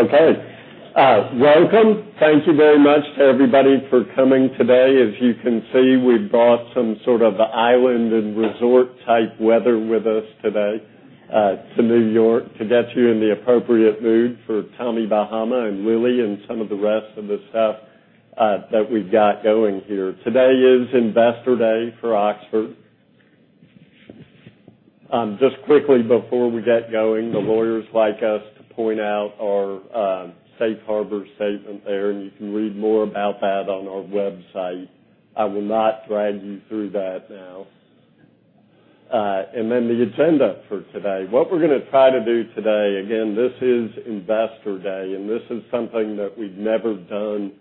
Okay. Welcome. Thank you very much to everybody for coming today. As you can see, we've brought some sort of island and resort type weather with us today to New York to get you in the appropriate mood for Tommy Bahama and Lilly, and some of the rest of the stuff that we've got going here. Today is Investor Day for Oxford. Just quickly before we get going, the lawyers like us to point out our Safe Harbor statement there, you can read more about that on our website. I will not drag you through that now. The agenda for today. What we're going to try to do today, again, this is Investor Day, this is something that we've never done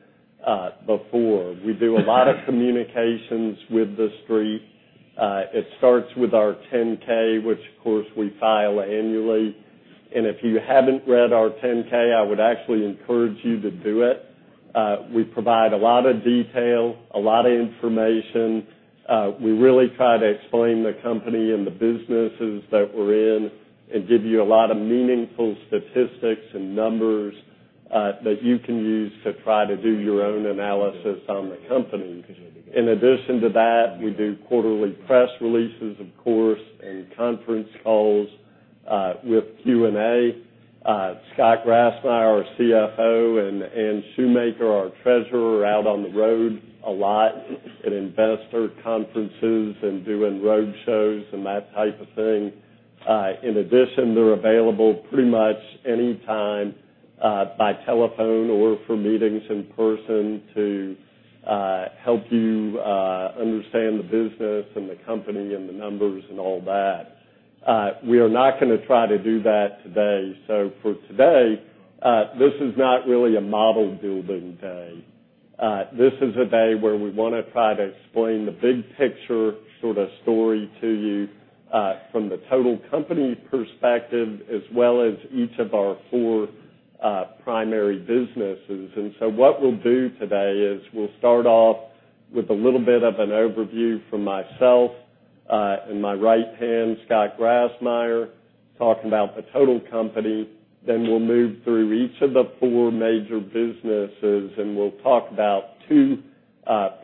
before. We do a lot of communications with the Street. It starts with our 10-K, which of course, we file annually. If you haven't read our 10-K, I would actually encourage you to do it. We provide a lot of detail, a lot of information. We really try to explain the company and the businesses that we're in and give you a lot of meaningful statistics and numbers that you can use to try to do your own analysis on the company. In addition to that, we do quarterly press releases, of course, and conference calls with Q&A. Scott Grassmyer, our CFO, and Anne Shoemaker, our treasurer, are out on the road a lot at investor conferences and doing roadshows and that type of thing. In addition, they're available pretty much anytime by telephone or for meetings in person to help you understand the business and the company and the numbers and all that. We are not going to try to do that today. For today, this is not really a model-building day. This is a day where we want to try to explain the big picture story to you from the total company perspective, as well as each of our four primary businesses. What we'll do today is we'll start off with a little bit of an overview from myself, and my right hand, Scott Grassmyer, talking about the total company. We'll move through each of the four major businesses, and we'll talk about two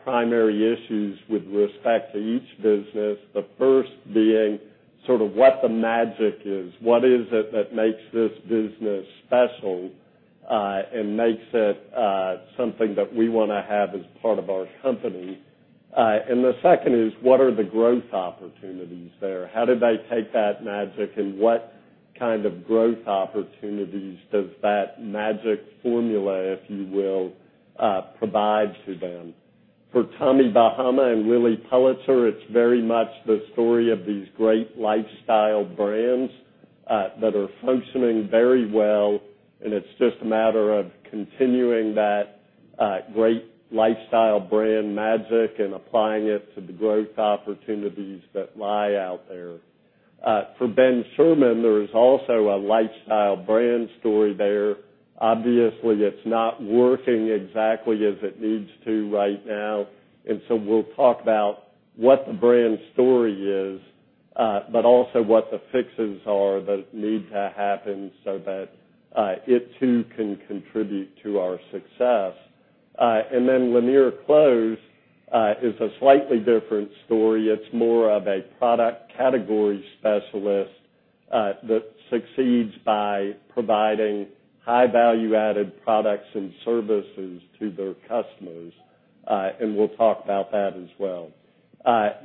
primary issues with respect to each business. The first being what the magic is. What is it that makes this business special, and makes it something that we want to have as part of our company? The second is, what are the growth opportunities there? How do they take that magic and what kind of growth opportunities does that magic formula, if you will, provide to them? For Tommy Bahama and Lilly Pulitzer, it's very much the story of these great lifestyle brands that are functioning very well. It's just a matter of continuing that great lifestyle brand magic and applying it to the growth opportunities that lie out there. For Ben Sherman, there is also a lifestyle brand story there. Obviously, it's not working exactly as it needs to right now. We'll talk about what the brand story is but also what the fixes are that need to happen so that it too can contribute to our success. Lanier Clothes is a slightly different story. It's more of a product category specialist that succeeds by providing high value-added products and services to their customers. We'll talk about that as well.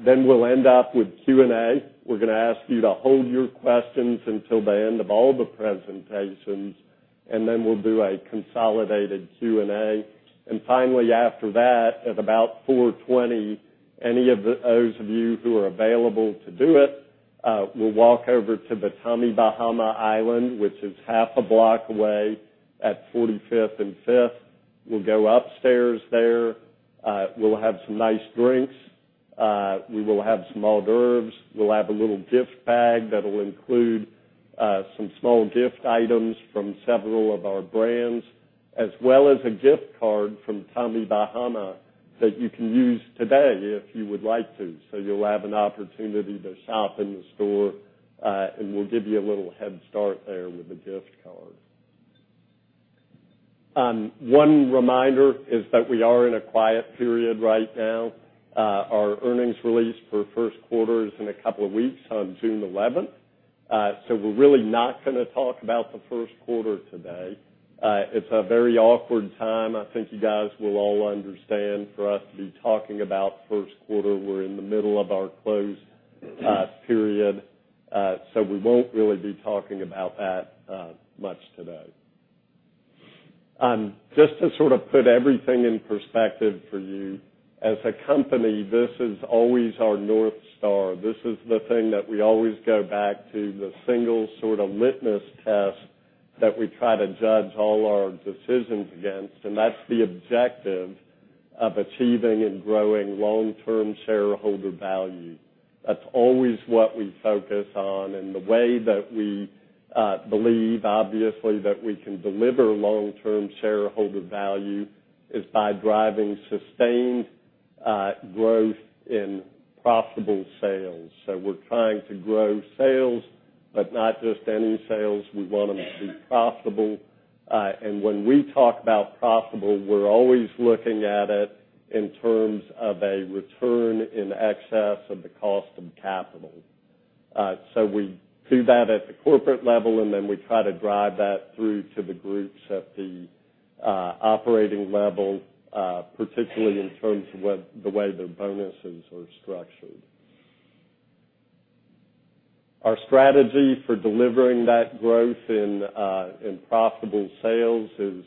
We'll end up with Q&A. We're going to ask you to hold your questions until the end of all the presentations, then we'll do a consolidated Q&A. Finally, after that, at about 4:20 P.M., any of those of you who are available to do it, we'll walk over to the Tommy Bahama island, which is half a block away at 45th and Fifth. We'll go upstairs there. We'll have some nice drinks. We will have some hors d'oeuvres. We'll have a little gift bag that'll include some small gift items from several of our brands, as well as a gift card from Tommy Bahama that you can use today if you would like to. You'll have an opportunity to shop in the store and we'll give you a little head start there with the gift card. One reminder is that we are in a quiet period right now. Our earnings release for first quarter is in a couple of weeks on June 11th. We're really not going to talk about the first quarter today. It's a very awkward time. I think you guys will all understand for us to be talking about first quarter. We're in the middle of our closed period. We won't really be talking about that much today. Just to put everything in perspective for you, as a company, this is always our North Star. This is the thing that we always go back to, the single litmus test that we try to judge all our decisions against, and that's the objective of achieving and growing long-term shareholder value. That's always what we focus on. The way that we believe, obviously, that we can deliver long-term shareholder value is by driving sustained growth in profitable sales. We're trying to grow sales, but not just any sales. We want them to be profitable. When we talk about profitable, we're always looking at it in terms of a return in excess of the cost of capital. We do that at the corporate level, then we try to drive that through to the groups at the operating level, particularly in terms of the way their bonuses are structured. Our strategy for delivering that growth in profitable sales is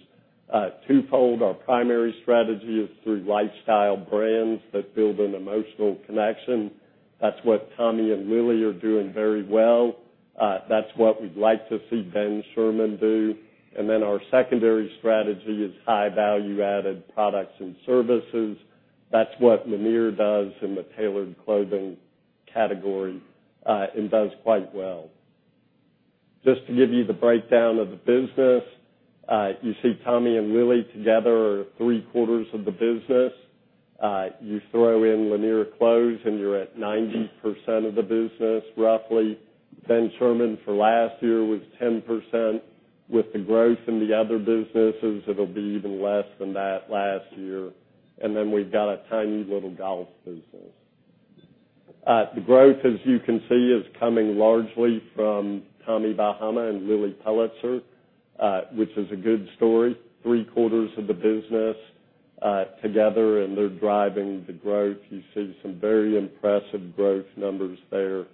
twofold. Our primary strategy is through lifestyle brands that build an emotional connection. That's what Tommy and Lilly are doing very well. That's what we'd like to see Ben Sherman do. Then our secondary strategy is high value-added products and services. That's what Lanier does in the tailored clothing category, and does quite well. Just to give you the breakdown of the business. You see Tommy and Lilly together are three-quarters of the business. You throw in Lanier Clothes, and you're at 90% of the business, roughly. Ben Sherman for last year was 10%. With the growth in the other businesses, it'll be even less than that last year. Then we've got a tiny little golf business. The growth, as you can see, is coming largely from Tommy Bahama and Lilly Pulitzer, which is a good story. Three-quarters of the business together, they're driving the growth. You see some very impressive growth numbers there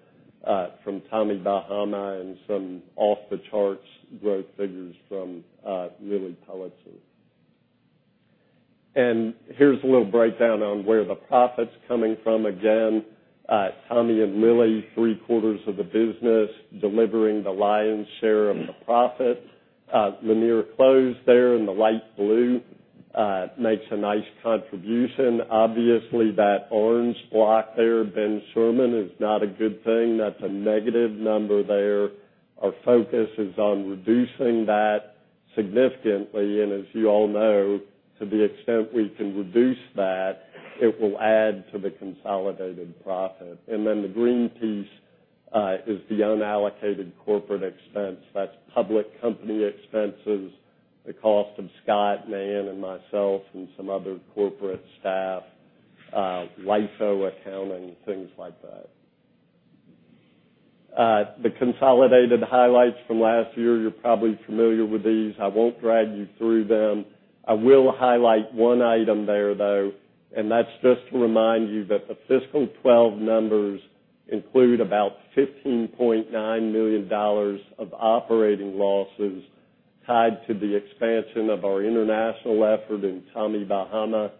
from Tommy Bahama and some off-the-charts growth figures from Lilly Pulitzer. Here's a little breakdown on where the profit's coming from. Tommy and Lilly, three-quarters of the business, delivering the lion's share of the profit. Lanier Clothes there in the light blue makes a nice contribution. Obviously, that orange block there, Ben Sherman, is not a good thing. That's a negative number there. Our focus is on reducing that significantly. As you all know, to the extent we can reduce that, it will add to the consolidated profit. The green piece is the unallocated corporate expense. That's public company expenses, the cost of Scott, Nan, and myself and some other corporate staff, LIFO accounting, things like that. The consolidated highlights from last year, you're probably familiar with these. I won't drag you through them. I will highlight one item there, though, and that's just to remind you that the fiscal 2012 numbers include about $15.9 million of operating losses tied to the expansion of our international effort in Tommy Bahama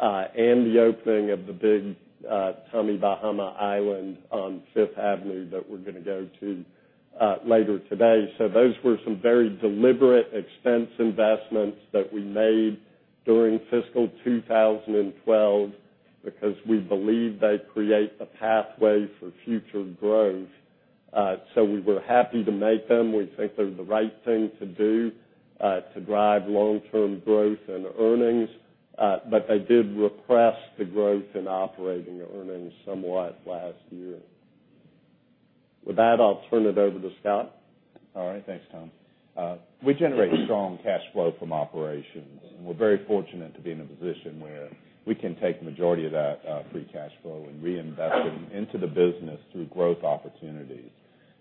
and the opening of the big Tommy Bahama island on Fifth Avenue that we're going to go to later today. Those were some very deliberate expense investments that we made during fiscal 2012 because we believe they create a pathway for future growth. We were happy to make them. We think they're the right thing to do to drive long-term growth and earnings. They did repress the growth in operating earnings somewhat last year. With that, I'll turn it over to Scott. All right. Thanks, Tom. We generate strong cash flow from operations, and we're very fortunate to be in a position where we can take the majority of that free cash flow and reinvest it into the business through growth opportunities.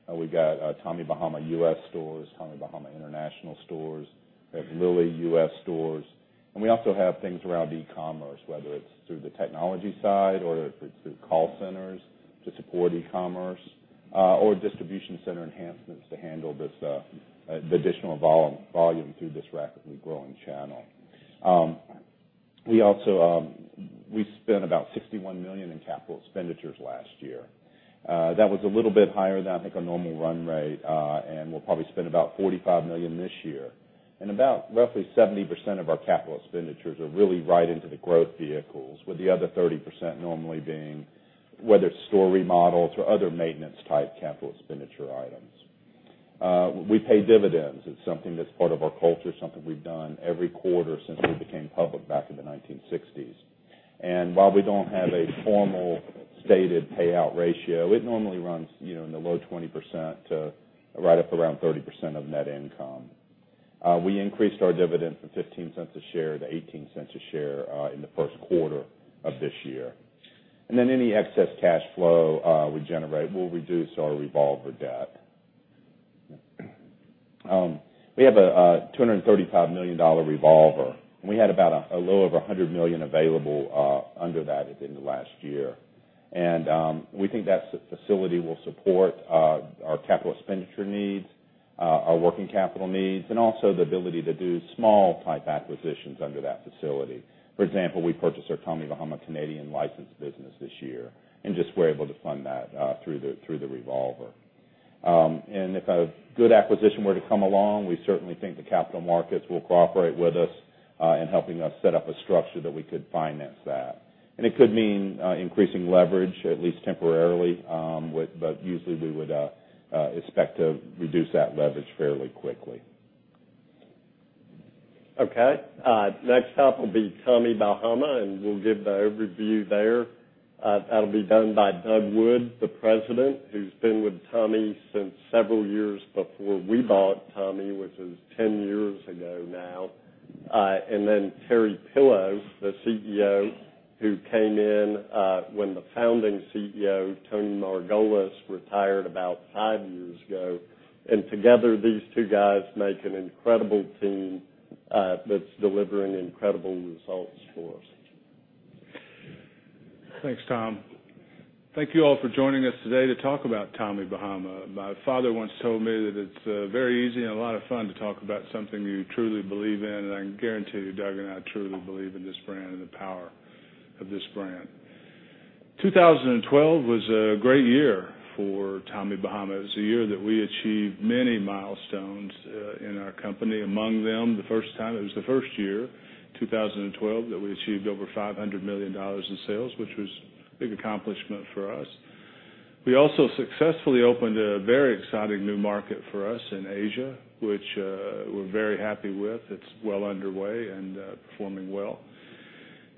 We've got Tommy Bahama U.S. stores, Tommy Bahama international stores. We have Lilly U.S. stores, and we also have things around e-commerce, whether it's through the technology side or if it's through call centers to support e-commerce or distribution center enhancements to handle the additional volume through this rapidly growing channel. We spent about $61 million in capital expenditures last year. That was a little bit higher than, I think, our normal run rate, and we'll probably spend about $45 million this year. About roughly 70% of our capital expenditures are really right into the growth vehicles, with the other 30% normally being whether it's store remodels or other maintenance-type capital expenditure items. We pay dividends. It's something that's part of our culture, something we've done every quarter since we became public back in the 1960s. While we don't have a formal stated payout ratio, it normally runs in the low 20%-30% of net income. We increased our dividend from $0.15 a share to $0.18 a share in the first quarter of this year. Any excess cash flow we generate will reduce our revolver debt. We have a $235 million revolver, and we had about a little over $100 million available under that at the end of last year. We think that facility will support our capital expenditure needs, our working capital needs, and also the ability to do small-type acquisitions under that facility. For example, we purchased our Tommy Bahama Canadian license business this year and just were able to fund that through the revolver. If a good acquisition were to come along, we certainly think the capital markets will cooperate with us in helping us set up a structure that we could finance that. It could mean increasing leverage, at least temporarily, but usually we would expect to reduce that leverage fairly quickly. Okay. Next up will be Tommy Bahama, we'll give the overview there. That'll be done by Doug Wood, the President, who's been with Tommy since several years before we bought Tommy, which is 10 years ago now. Then Terry Pillow, the CEO, who came in when the founding CEO, Tony Margolis, retired about five years ago. Together, these two guys make an incredible team that's delivering incredible results for us. Thanks, Tom. Thank you all for joining us today to talk about Tommy Bahama. My father once told me that it's very easy and a lot of fun to talk about something you truly believe in, I can guarantee you, Doug and I truly believe in this brand and the power of this brand. 2012 was a great year for Tommy Bahama. It was a year that we achieved many milestones in our company. Among them, it was the first year, 2012, that we achieved over $500 million in sales, which was a big accomplishment for us. We also successfully opened a very exciting new market for us in Asia, which we're very happy with. It's well underway and performing well.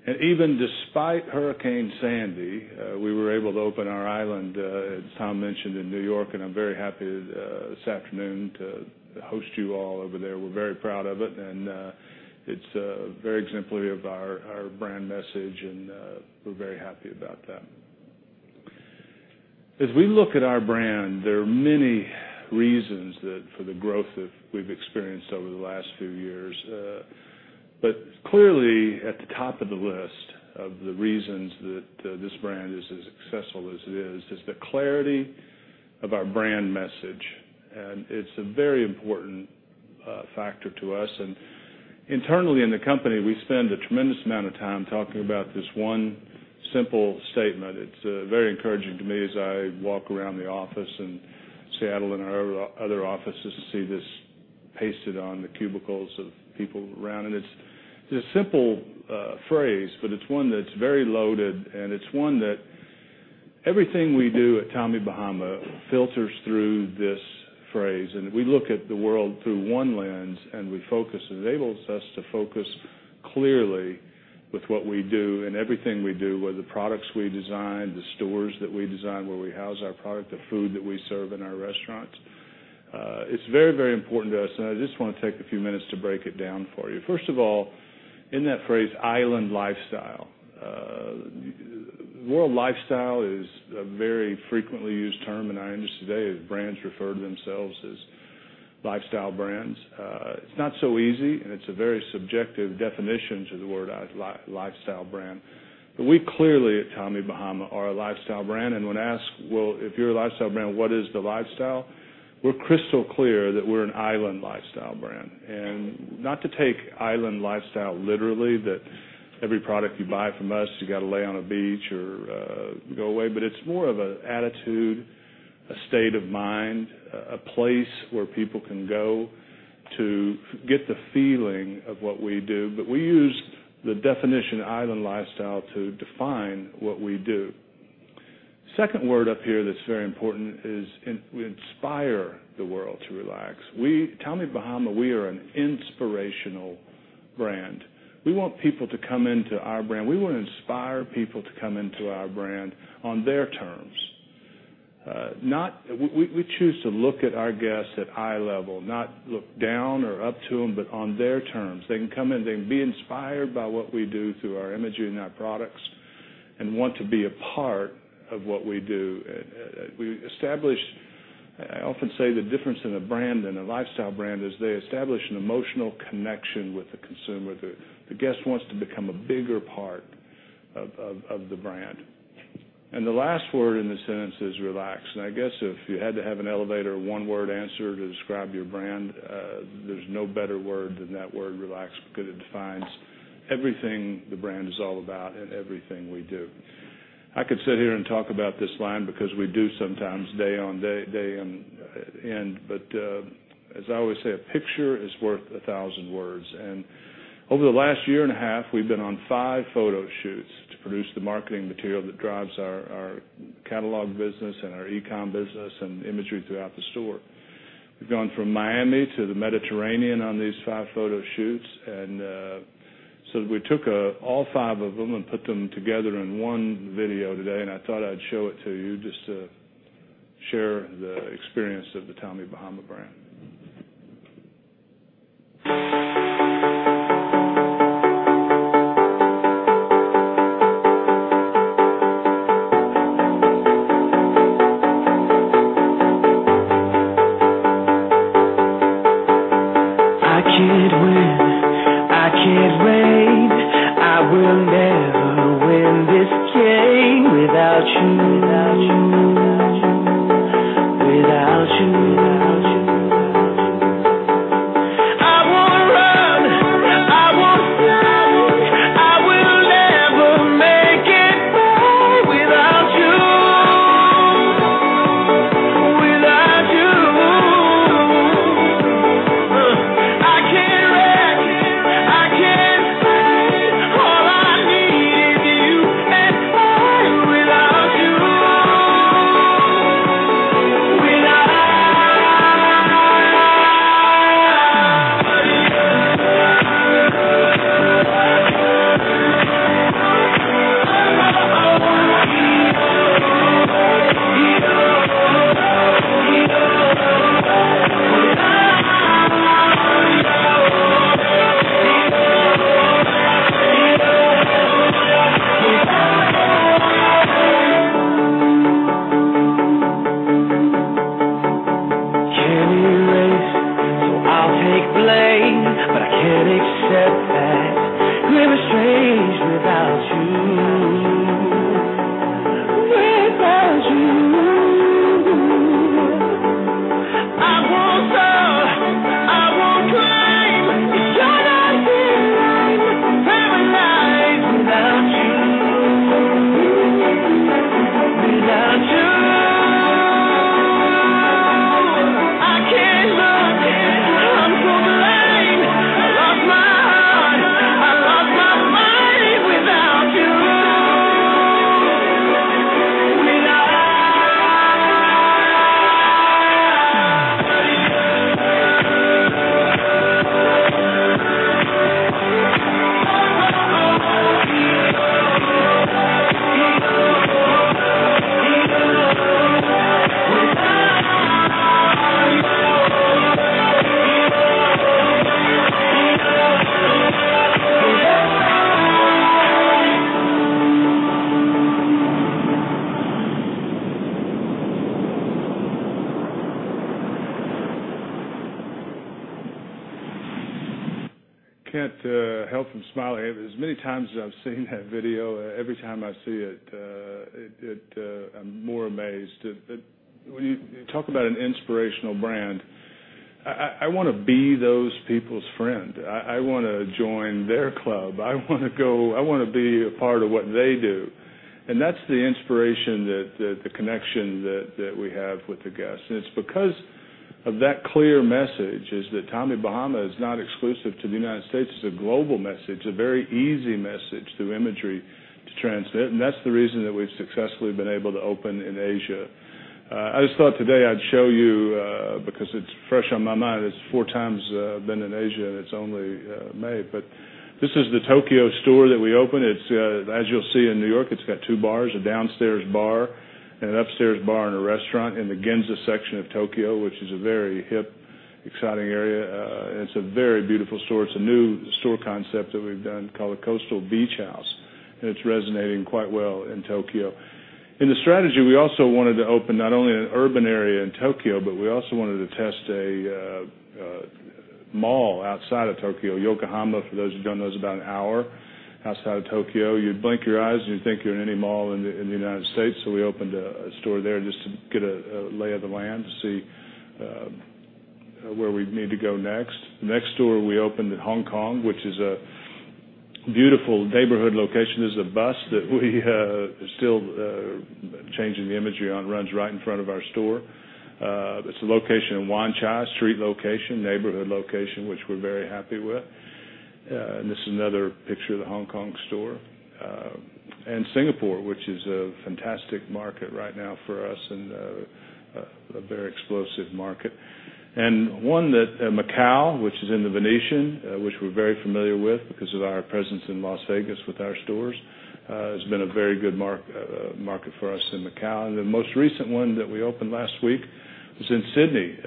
Even despite Hurricane Sandy, we were able to open our island, as Tom mentioned, in New York, I'm very happy this afternoon to host you all over there. We're very proud of it's very exemplary of our brand message and we're very happy about that. As we look at our brand, there are many reasons for the growth that we've experienced over the last few years. Clearly, at the top of the list of the reasons that this brand is as successful as it is the clarity of our brand message. It's a very important factor to us. Internally in the company, we spend a tremendous amount of time talking about this one simple statement. It's very encouraging to me as I walk around the office in Seattle and our other offices to see this pasted on the cubicles of people around. It's a simple phrase, but it's one that's very loaded. It's one that everything we do at Tommy Bahama filters through this phrase. We look at the world through one lens. It enables us to focus clearly with what we do and everything we do, whether the products we design, the stores that we design, where we house our product, the food that we serve in our restaurants. It's very important to us, and I just want to take a few minutes to break it down for you. First of all, in that phrase, island lifestyle. The word lifestyle is a very frequently used term in our industry today as brands refer to themselves as lifestyle brands. It's not so easy, and it's a very subjective definition to the word lifestyle brand. We clearly at Tommy Bahama are a lifestyle brand, and when asked, "Well, if you're a lifestyle brand, what is the lifestyle?" We're crystal clear that we're an island lifestyle brand. Not to take island lifestyle literally that every product you buy from us, you got to lay on a beach or go away, but it's more of an attitude, a state of mind, a place where people can go to get the feeling of what we do. We use the definition island lifestyle to define what we do. Second word up here that's very important is we inspire the world to relax. Tommy Bahama, we are an inspirational brand. We want people to come into our brand. We want to inspire people to come into our brand on their terms. We choose to look at our guests at eye level, not look down or up to them, but on their terms. They can come in, they can be inspired by what we do through our imagery and our products, and want to be a part of what we do. I often say the difference in a brand and a lifestyle brand is they establish an emotional connection with the consumer. The guest wants to become a bigger part of the brand. The last word in the sentence is relax. I guess if you had to have an elevator one-word answer to describe your brand, there's no better word than that word relax because it defines everything the brand is all about and everything we do. I could sit here and talk about this line because we do sometimes day in, but as I always say, a picture is worth a thousand words. Over the last year and a half, we've been on five photo shoots to produce the marketing material that drives our catalog business and our e-com business and imagery throughout the store. We've gone from Miami to the Mediterranean on these five photo shoots. We took all five of them and put them together in one video today, and I thought I'd show it to you just to share the experience of the Tommy Bahama brand. to transmit, and that's the reason that we've successfully been able to open in Asia. I just thought today I'd show you, because it's fresh on my mind. It's four times I've been in Asia, and it's only May. This is the Tokyo store that we opened. As you'll see in New York, it's got two bars, a downstairs bar and an upstairs bar, and a restaurant in the Ginza section of Tokyo, which is a very hip, exciting area. It's a very beautiful store. It's a new store concept that we've done called the Coastal Beach House, and it's resonating quite well in Tokyo. In the strategy, we also wanted to open not only an urban area in Tokyo, but we also wanted to test a mall outside of Tokyo. Yokohama, for those who don't know, is about an hour outside of Tokyo. You'd blink your eyes and you'd think you're in any mall in the United States. We opened a store there just to get a lay of the land to see where we need to go next. The next store we opened in Hong Kong, which is a beautiful neighborhood location. There's a bus that we are still changing the imagery on. It runs right in front of our store. It's a location in Wan Chai, street location, neighborhood location, which we're very happy with. This is another picture of the Hong Kong store. Singapore, which is a fantastic market right now for us and a very explosive market. One in Macau, which is in the Venetian, which we're very familiar with because of our presence in Las Vegas with our stores. It's been a very good market for us in Macau. The most recent one that we opened last week is in Sydney,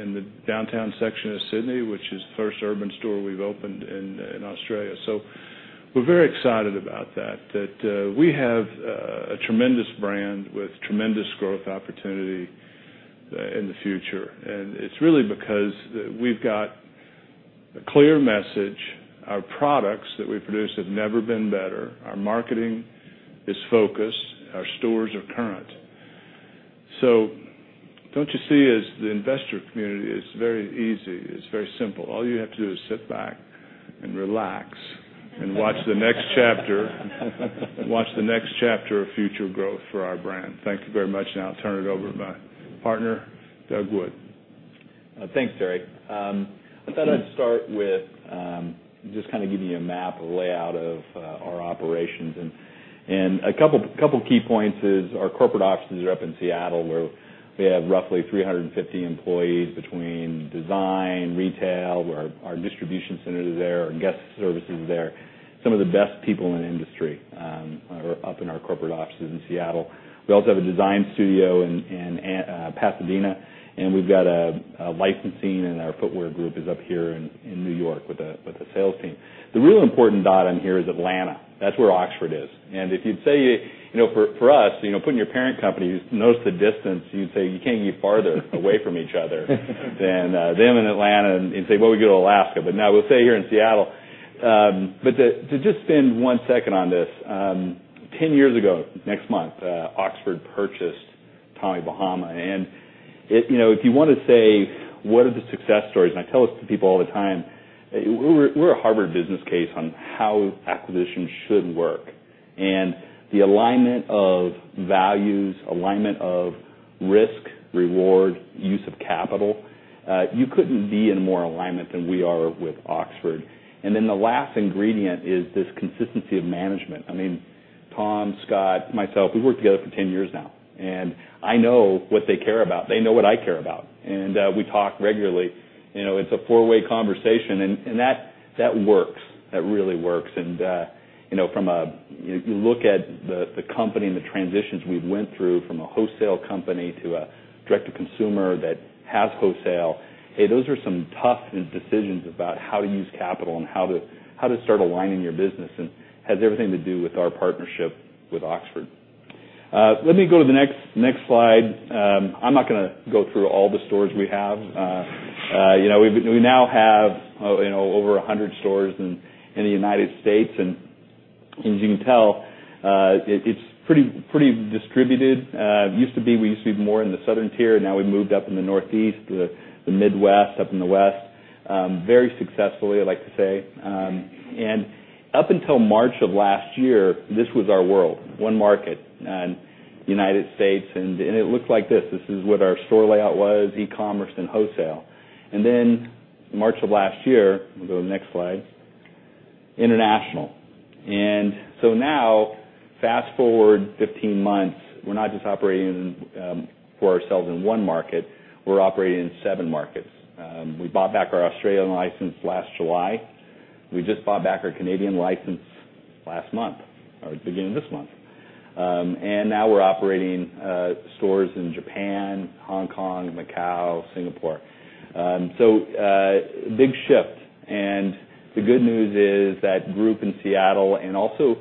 in the downtown section of Sydney, which is the first urban store we've opened in Australia. We're very excited about that. That we have a tremendous brand with tremendous growth opportunity in the future, it's really because we've got a clear message. Our products that we produce have never been better. Our marketing is focused. Our stores are current. Don't you see, as the investor community, it's very easy. It's very simple. All you have to do is sit back and relax and watch the next chapter of future growth for our brand. Thank you very much. Now I'll turn it over to my partner, Doug Wood. Thanks, Terry. I thought I'd start with just kind of giving you a map, a layout of our operations. A couple key points is our corporate offices are up in Seattle where we have roughly 350 employees between design, retail. Our distribution center is there, our guest service is there. Some of the best people in the industry are up in our corporate offices in Seattle. We also have a design studio in Pasadena, and we've got licensing and our footwear group is up here in New York with a sales team. The real important dot on here is Atlanta. That's where Oxford is. If you'd say for us, putting your parent company, notice the distance, you'd say you can't get farther away from each other than them in Atlanta, and you'd say, "Well, we go to Alaska." No, we stay here in Seattle. To just spend one second on this, 10 years ago next month, Oxford purchased Tommy Bahama. If you want to say what are the success stories, and I tell this to people all the time, we're a Harvard business case on how acquisitions should work. The alignment of values, alignment of risk, reward, use of capital, you couldn't be in more alignment than we are with Oxford. Then the last ingredient is this consistency of management. I mean, Tom, Scott, myself, we've worked together for 10 years now, I know what they care about. They know what I care about. We talk regularly. It's a four-way conversation, that works. That really works. You look at the company and the transitions we went through, from a wholesale company to a direct-to-consumer that has wholesale. Hey, those are some tough decisions about how to use capital and how to start aligning your business. It has everything to do with our partnership with Oxford. Let me go to the next slide. I'm not going to go through all the stores we have. We now have over 100 stores in the U.S. As you can tell, it's pretty distributed. We used to be more in the southern tier. Now we've moved up in the Northeast, the Midwest, up in the West. Very successfully, I'd like to say. Up until March of last year, this was our world. One market, U.S. It looked like this. This is what our store layout was, e-commerce and wholesale. March of last year, we'll go to the next slide, international. Now, fast-forward 15 months, we're not just operating for ourselves in one market; we're operating in seven markets. We bought back our Australian license last July. We just bought back our Canadian license last month, or at the beginning of this month. Now we're operating stores in Japan, Hong Kong, Macau, Singapore. A big shift. The good news is that group in Seattle, we also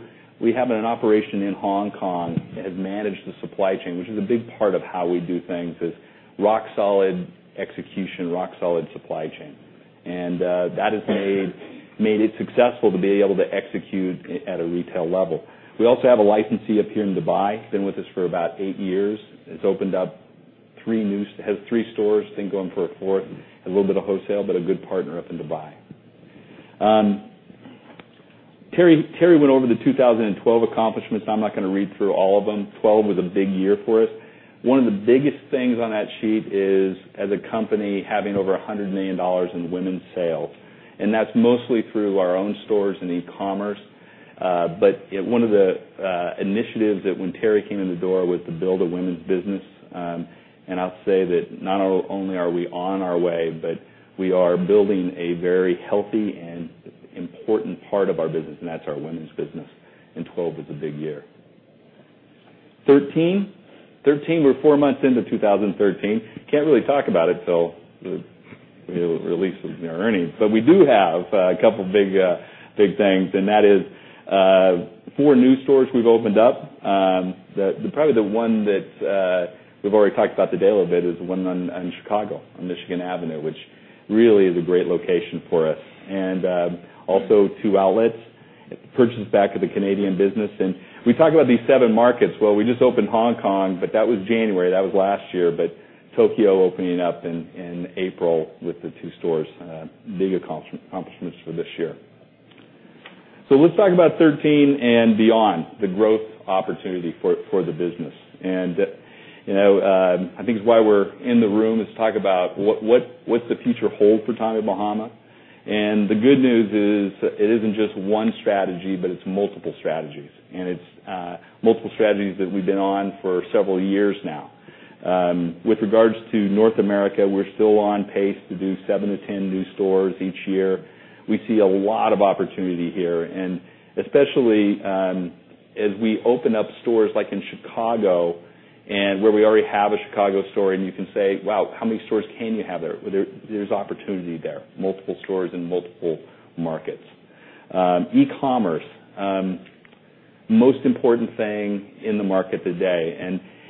have an operation in Hong Kong, that has managed the supply chain, which is a big part of how we do things, is rock-solid execution, rock-solid supply chain. That has made it successful to be able to execute at a retail level. We also have a licensee up here in Dubai, been with us for about eight years. Has three stores, think going for a fourth, a little bit of wholesale, a good partner up in Dubai. Terry went over the 2012 accomplishments. I'm not going to read through all of them. 2012 was a big year for us. One of the biggest things on that sheet is, as a company, having over $100 million in women's sales. That's mostly through our own stores and e-commerce. One of the initiatives that when Terry came in the door was to build a women's business. I'll say that not only are we on our way, we are building a very healthy and important part of our business, that's our women's business. 2012 was a big year. 2013. We're four months into 2013. Can't really talk about it till we release our earnings, we do have a couple big things, that is four new stores we've opened up. Probably the one that we've already talked about today a little bit is the one down in Chicago on Michigan Avenue, which really is a great location for us. Also two outlets. The purchase back of the Canadian business. We talk about these seven markets. Well, we just opened Hong Kong, that was January. That was last year, Tokyo opening up in April with the two stores. Big accomplishments for this year. Let's talk about 2013 and beyond, the growth opportunity for the business. I think it's why we're in the room is to talk about what's the future hold for Tommy Bahama. The good news is it isn't just one strategy, it's multiple strategies, it's multiple strategies that we've been on for several years now. With regards to North America, we're still on pace to do seven to 10 new stores each year. We see a lot of opportunity here, especially as we open up stores like in Chicago, where we already have a Chicago store and you can say, "Wow, how many stores can you have there?" There's opportunity there, multiple stores in multiple markets. e-commerce. Most important thing in the market today.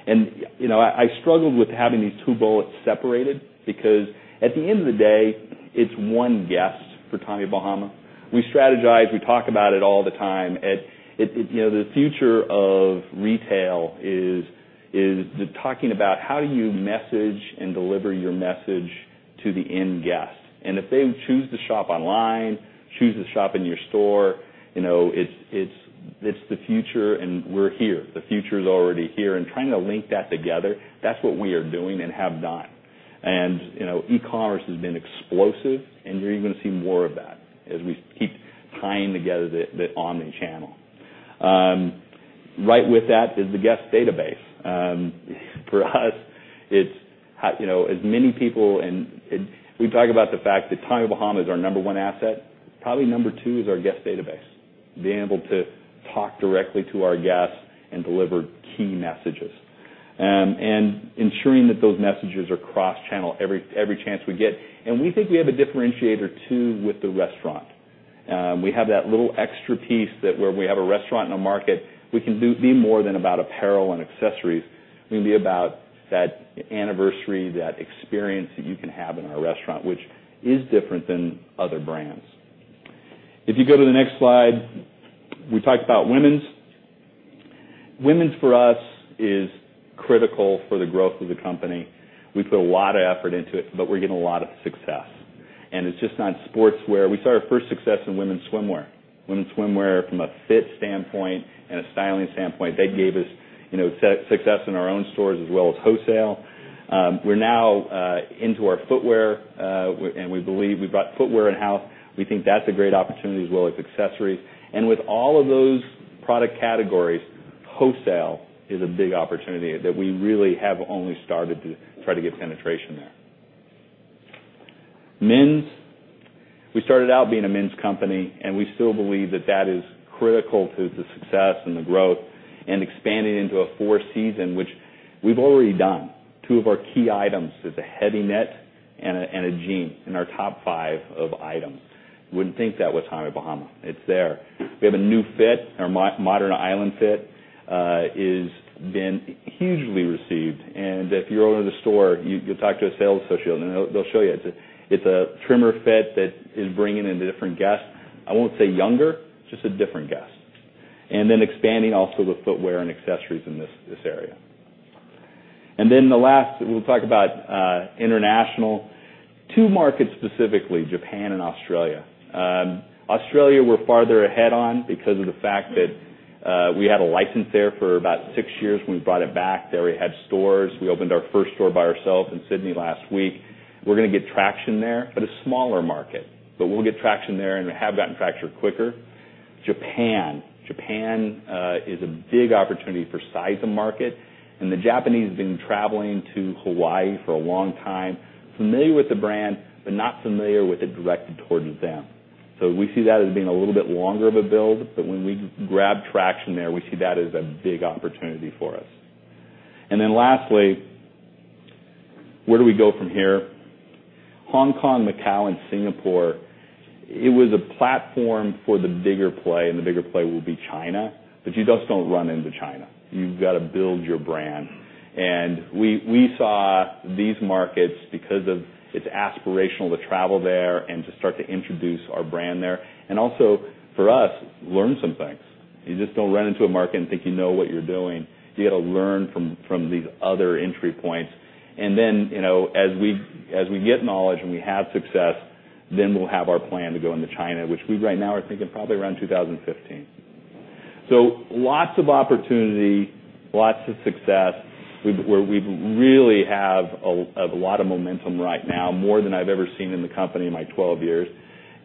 I struggled with having these two bullets separated because at the end of the day, it's one guest for Tommy Bahama. We strategize, we talk about it all the time. The future of retail is talking about how do you message and deliver your message to the end guest. If they choose to shop online, choose to shop in your store, it's the future and we're here. The future's already here and trying to link that together, that's what we are doing and have done. e-commerce has been explosive, and you're even going to see more of that as we keep tying together the omni-channel. Right with that is the guest database. For us, as many people, we talk about the fact that Tommy Bahama is our number one asset, probably number two is our guest database. Being able to talk directly to our guests and deliver key messages. Ensuring that those messages are cross-channel every chance we get. We think we have a differentiator, too, with the restaurant. We have that little extra piece that where we have a restaurant in a market, we can be more than about apparel and accessories. We can be about that anniversary, that experience that you can have in our restaurant, which is different than other brands. If you go to the next slide, we talked about women's. Women's, for us, is critical for the growth of the company. We put a lot of effort into it, but we're getting a lot of success. It's just not sportswear. We saw our first success in women's swimwear. Women's swimwear from a fit standpoint and a styling standpoint, that gave us success in our own stores as well as wholesale. We're now into our footwear, and we believe we bought footwear in-house. We think that's a great opportunity as well as accessories. With all of those product categories, wholesale is a big opportunity that we really have only started to try to get penetration there. Men's. We started out being a men's company, we still believe that that is critical to the success and the growth and expanding into a four season, which we've already done. Two of our key items is a heavy knit and a jean in our top five of items. Wouldn't think that with Tommy Bahama. It's there. We have a new fit. Our Modern Island Fit has been hugely received. If you're owning the store, you'll talk to a sales associate, and they'll show you. It's a trimmer fit that is bringing in a different guest. I won't say younger, just a different guest. Then expanding also with footwear and accessories in this area. Then the last, we'll talk about international. Two markets specifically, Japan and Australia. Australia, we're farther ahead on because of the fact that we had a license there for about six years when we brought it back. They already had stores. We opened our first store by ourselves in Sydney last week. We're going to get traction there, a smaller market. We'll get traction there and have gotten traction quicker. Japan. Japan is a big opportunity for size of market, and the Japanese have been traveling to Hawaii for a long time, familiar with the brand but not familiar with it directed towards them. We see that as being a little bit longer of a build, but when we grab traction there, we see that as a big opportunity for us. Lastly, where do we go from here? Hong Kong, Macau, and Singapore, it was a platform for the bigger play, and the bigger play will be China. You just don't run into China. You've got to build your brand. We saw these markets because it's aspirational to travel there and to start to introduce our brand there and also, for us, learn some things. You just don't run into a market and think you know what you're doing. You got to learn from these other entry points. As we get knowledge and we have success, then we'll have our plan to go into China, which we right now are thinking probably around 2015. Lots of opportunity, lots of success, where we really have a lot of momentum right now, more than I've ever seen in the company in my 12 years,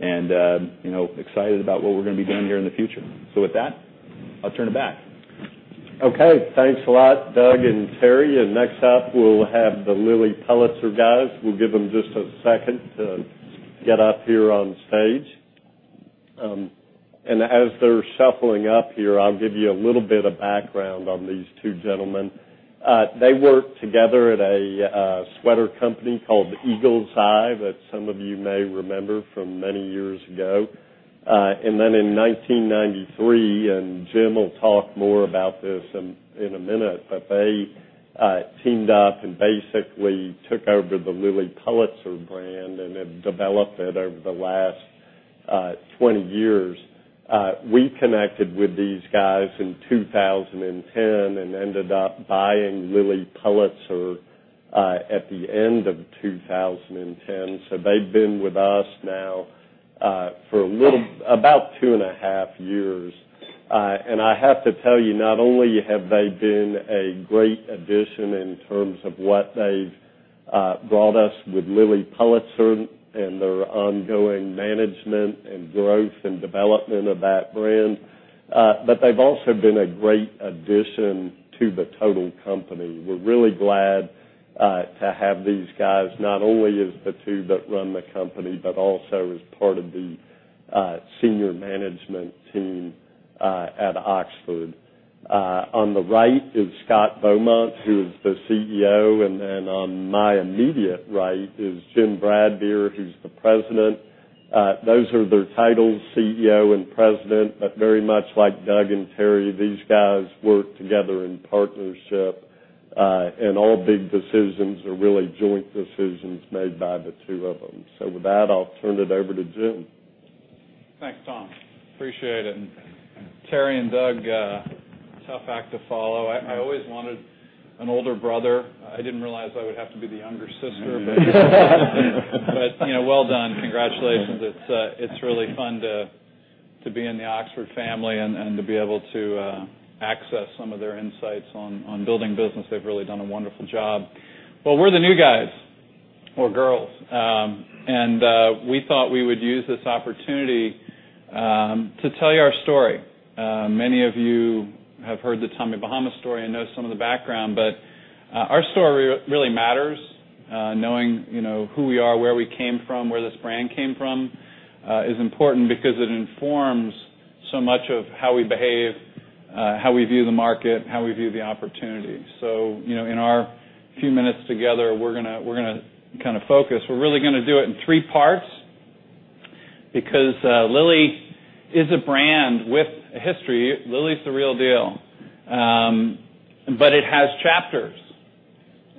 and excited about what we're going to be doing here in the future. With that, I'll turn it back. Okay. Thanks a lot, Doug and Terry. Next up, we'll have the Lilly Pulitzer guys. We'll give them just a second to get up here on stage. As they're shuffling up here, I'll give you a little bit of background on these two gentlemen. They worked together at a sweater company called Eagle's Eye that some of you may remember from many years ago. In 1993, Jim will talk more about this in a minute, but they teamed up and basically took over the Lilly Pulitzer brand and have developed it over the last 20 years. We connected with these guys in 2010 and ended up buying Lilly Pulitzer at the end of 2010. They've been with us now for about two and a half years. I have to tell you, not only have they been a great addition in terms of what they've brought us with Lilly Pulitzer and their ongoing management and growth and development of that brand, but they've also been a great addition to the total company. We're really glad to have these guys, not only as the two that run the company, but also as part of the senior management team at Oxford. On the right is Scott Beaumont, who is the CEO, and then on my immediate right is Jim Bradbeer, who's the President. Those are their titles, CEO and President, but very much like Doug and Terry, these guys work together in partnership. All big decisions are really joint decisions made by the two of them. With that, I'll turn it over to Jim. Thanks, Tom. Appreciate it. Terry and Doug, tough act to follow. I always wanted an older brother. I didn't realize I would have to be the younger sister, but well done. Congratulations. It's really fun to be in the Oxford family and to be able to access some of their insights on building business. They've really done a wonderful job. Well, we're the new guys or girls. We thought we would use this opportunity to tell you our story. Many of you have heard the Tommy Bahama story and know some of the background, but our story really matters. Knowing who we are, where we came from, where this brand came from is important because it informs so much of how we behave, how we view the market, how we view the opportunity. In our few minutes together, we're going to kind of focus. We're really going to do it in three parts because Lilly is a brand with a history. Lilly's the real deal. It has chapters,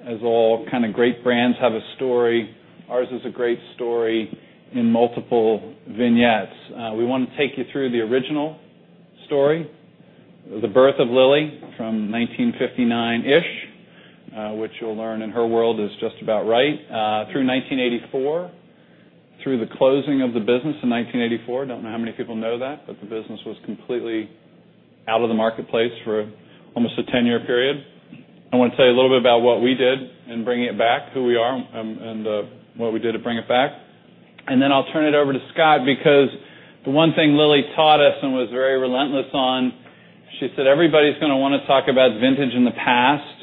as all kind of great brands have a story. Ours is a great story in multiple vignettes. We want to take you through the original story, the birth of Lilly from 1959-ish, which you'll learn in her world is just about right, through 1984. Through the closing of the business in 1984. Don't know how many people know that, but the business was completely out of the marketplace for almost a 10-year period. I want to tell you a little bit about what we did in bringing it back, who we are, and what we did to bring it back. I'll turn it over to Scott, because the one thing Lilly taught us and was very relentless on, she said, "Everybody's going to want to talk about vintage and the past,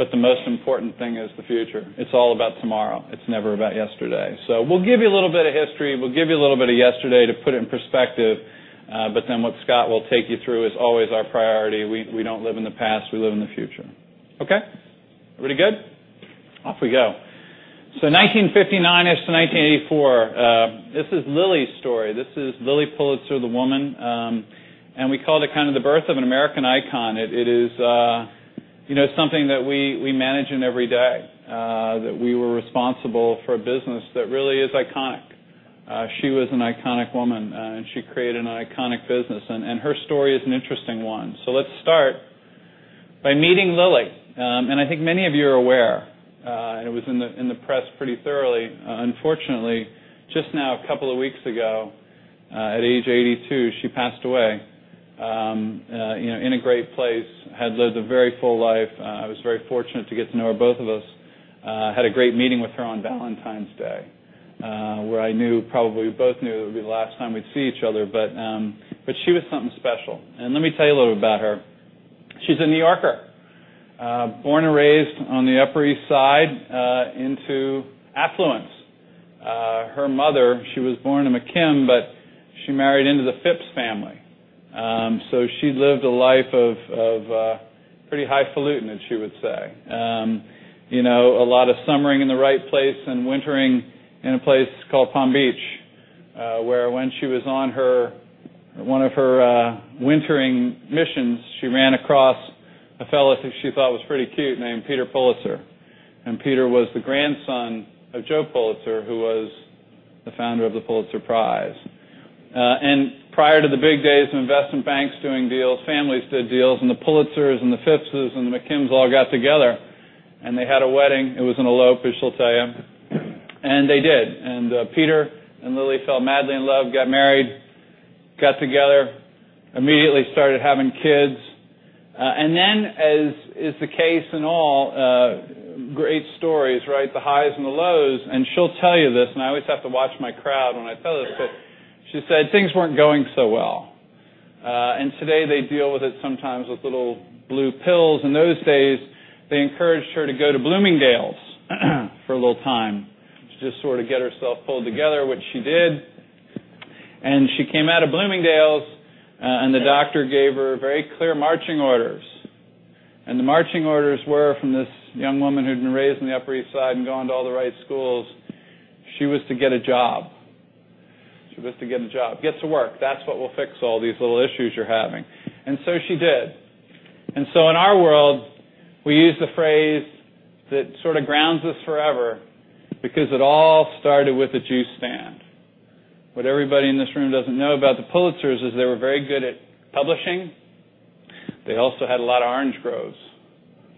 but the most important thing is the future. It's all about tomorrow. It's never about yesterday." We'll give you a little bit of history. We'll give you a little bit of yesterday to put it in perspective. What Scott will take you through is always our priority. We don't live in the past, we live in the future. Okay? Everybody good? Off we go. 1959-ish to 1984. This is Lilly's story. This is Lilly Pulitzer, the woman, and we called it kind of the birth of an American icon. It is something that we manage in every day, that we were responsible for a business that really is iconic. She was an iconic woman, and she created an iconic business. Her story is an interesting one. Let's start by meeting Lilly. I think many of you are aware, and it was in the press pretty thoroughly, unfortunately, just now, a couple of weeks ago, at age 82, she passed away in a great place, had lived a very full life. I was very fortunate to get to know her, both of us. Had a great meeting with her on Valentine's Day, where I knew, probably we both knew, it would be the last time we'd see each other. She was something special. Let me tell you a little about her. She's a New Yorker, born and raised on the Upper East Side into affluence. Her mother, she was born a McKim, but she married into the Phipps family. She lived a life of pretty highfalutin, as she would say. A lot of summering in the right place and wintering in a place called Palm Beach, where when she was on one of her wintering missions, she ran across a fella who she thought was pretty cute named Peter Pulitzer. Peter was the grandson of Joe Pulitzer, who was the founder of the Pulitzer Prize. Prior to the big days of investment banks doing deals, families did deals, and the Pulitzers and the Phippses and the McKims all got together, and they had a wedding. It was an elope, as she'll tell you. They did. Peter and Lilly fell madly in love, got married, got together, immediately started having kids. Then, as is the case in all great stories, right, the highs and the lows, and she'll tell you this, and I always have to watch my crowd when I tell this, but she said things weren't going so well. Today they deal with it sometimes with little blue pills. In those days, they encouraged her to go to Bloomingdale's for a little time to just sort of get herself pulled together, which she did. She came out of Bloomingdale's, and the doctor gave her very clear marching orders. The marching orders were, from this young woman who'd been raised in the Upper East Side and gone to all the right schools, she was to get a job. She was to get a job. "Get to work. That's what will fix all these little issues you're having." She did. In our world, we use the phrase that sort of grounds us forever because it all started with a juice stand. What everybody in this room doesn't know about the Pulitzers is they were very good at publishing. They also had a lot of orange groves,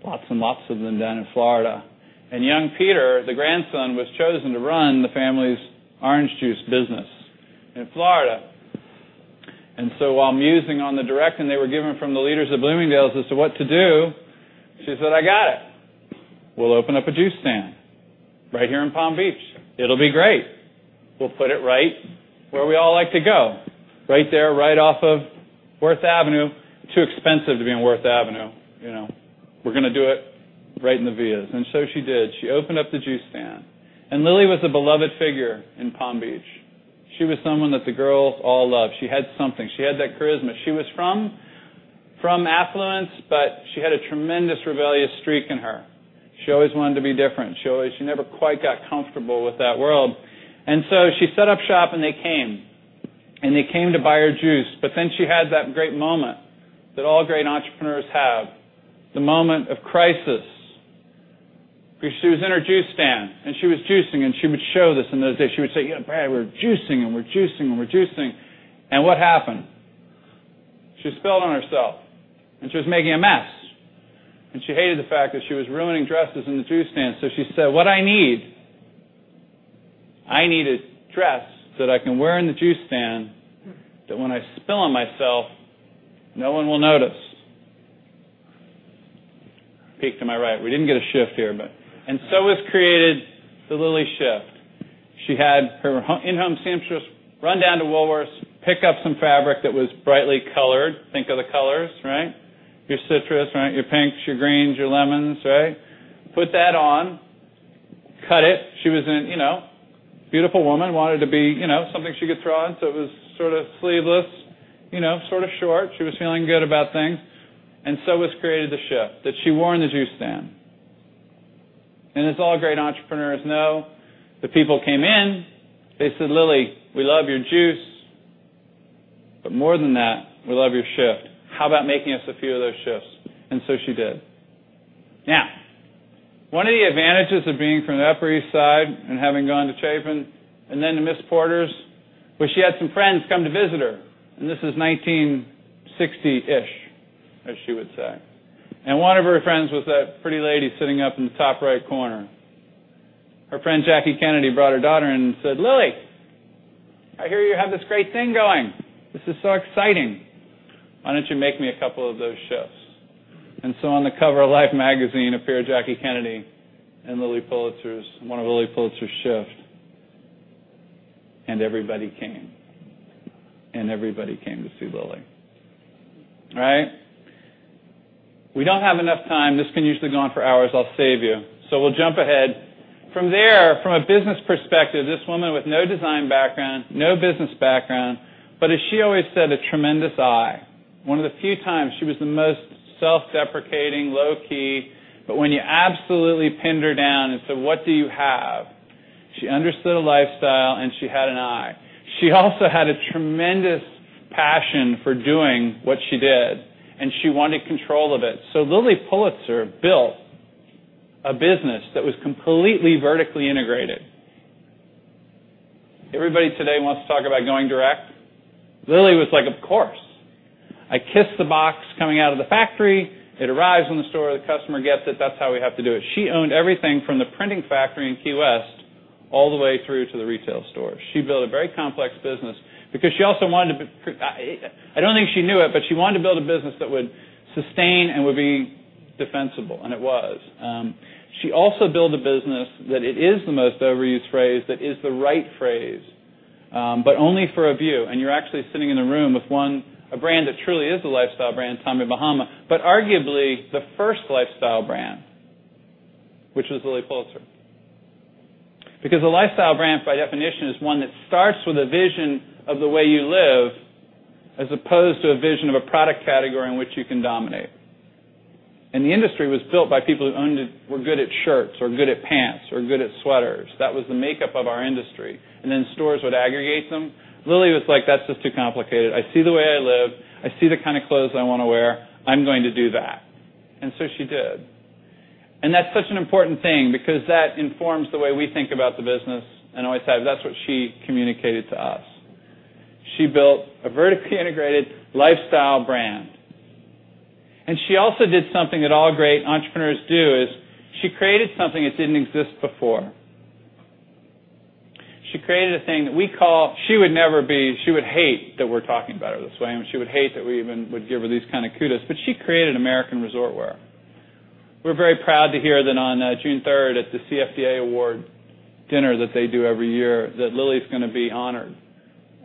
lots and lots of them down in Florida. Young Peter, the grandson, was chosen to run the family's orange juice business in Florida. While musing on the direction they were given from the leaders of Bloomingdale's as to what to do, she said, "I got it. We'll open up a juice stand right here in Palm Beach. It'll be great. We'll put it right where we all like to go, right there, right off of Worth Avenue. Too expensive to be on Worth Avenue. We're going to do it right in the Villas." She did. She opened up the juice stand. Lilly was a beloved figure in Palm Beach. She was someone that the girls all loved. She had something. She had that charisma. She was from affluence, but she had a tremendous rebellious streak in her. She always wanted to be different. She never quite got comfortable with that world. She set up shop, and they came. They came to buy her juice. She had that great moment that all great entrepreneurs have, the moment of crisis. Because she was in her juice stand, and she was juicing, and she would show this in those days. She would say, "We're juicing and we're juicing and we're juicing." What happened? She spilled on herself, and she was making a mess. She hated the fact that she was ruining dresses in the juice stand. She said, "What I need, I need a dress that I can wear in the juice stand that when I spill on myself, no one will notice." Peek to my right. We didn't get a shift here. Was created the Lilly shift. She had her in-home seamstress run down to Woolworth's, pick up some fabric that was brightly colored. Think of the colors, right? Your citrus, your pinks, your greens, your lemons, right? Put that on. Cut it. She was a beautiful woman, wanted to be something she could throw on. It was sort of sleeveless, sort of short. She was feeling good about things. Was created the shift that she wore in the juice stand. As all great entrepreneurs know, the people came in, they said, "Lilly, we love your juice. More than that, we love your shift. How about making us a few of those shifts?" She did. One of the advantages of being from the Upper East Side and having gone to Chapin and then to Miss Porter's, was she had some friends come to visit her. This is 1960-ish. As she would say. One of her friends was that pretty lady sitting up in the top right corner. Her friend Jackie Kennedy brought her daughter in and said, "Lilly, I hear you have this great thing going. This is so exciting. Why don't you make me a couple of those shifts?" On the cover of Life Magazine appeared Jackie Kennedy in one of Lilly Pulitzer's shifts. Everybody came. Everybody came to see Lilly. All right? We don't have enough time. This can usually go on for hours. I'll save you. We'll jump ahead. From there, from a business perspective, this woman with no design background, no business background, but as she always said, a tremendous eye. One of the few times she was the most self-deprecating, low-key, but when you absolutely pinned her down and said, "What do you have?" She understood a lifestyle, and she had an eye. She also had a tremendous passion for doing what she did, and she wanted control of it. Lilly Pulitzer built a business that was completely vertically integrated. Everybody today wants to talk about going direct. Lilly was like, "Of course. I kiss the box coming out of the factory. It arrives in the store, the customer gets it. That's how we have to do it." She owned everything from the printing factory in Key West all the way through to the retail store. She built a very complex business because she also wanted to I don't think she knew it, but she wanted to build a business that would sustain and would be defensible, and it was. She also built a business that, it is the most overused phrase, that is the right phrase, but only for a view. You're actually sitting in a room with a brand that truly is a lifestyle brand, Tommy Bahama, but arguably the first lifestyle brand, which was Lilly Pulitzer. A lifestyle brand, by definition, is one that starts with a vision of the way you live, as opposed to a vision of a product category in which you can dominate. The industry was built by people who were good at shirts or good at pants or good at sweaters. That was the makeup of our industry, and then stores would aggregate them. Lilly was like, "That's just too complicated. I see the way I live. I see the kind of clothes I want to wear. I'm going to do that." She did. That's such an important thing because that informs the way we think about the business and always has. That's what she communicated to us. She built a vertically integrated lifestyle brand. She also did something that all great entrepreneurs do, is she created something that didn't exist before. She created a thing that we call She would never be, she would hate that we're talking about her this way, and she would hate that we even would give her these kind of kudos, but she created American Resort Wear. We're very proud to hear that on June 3rd, at the CFDA award dinner that they do every year, that Lilly's going to be honored,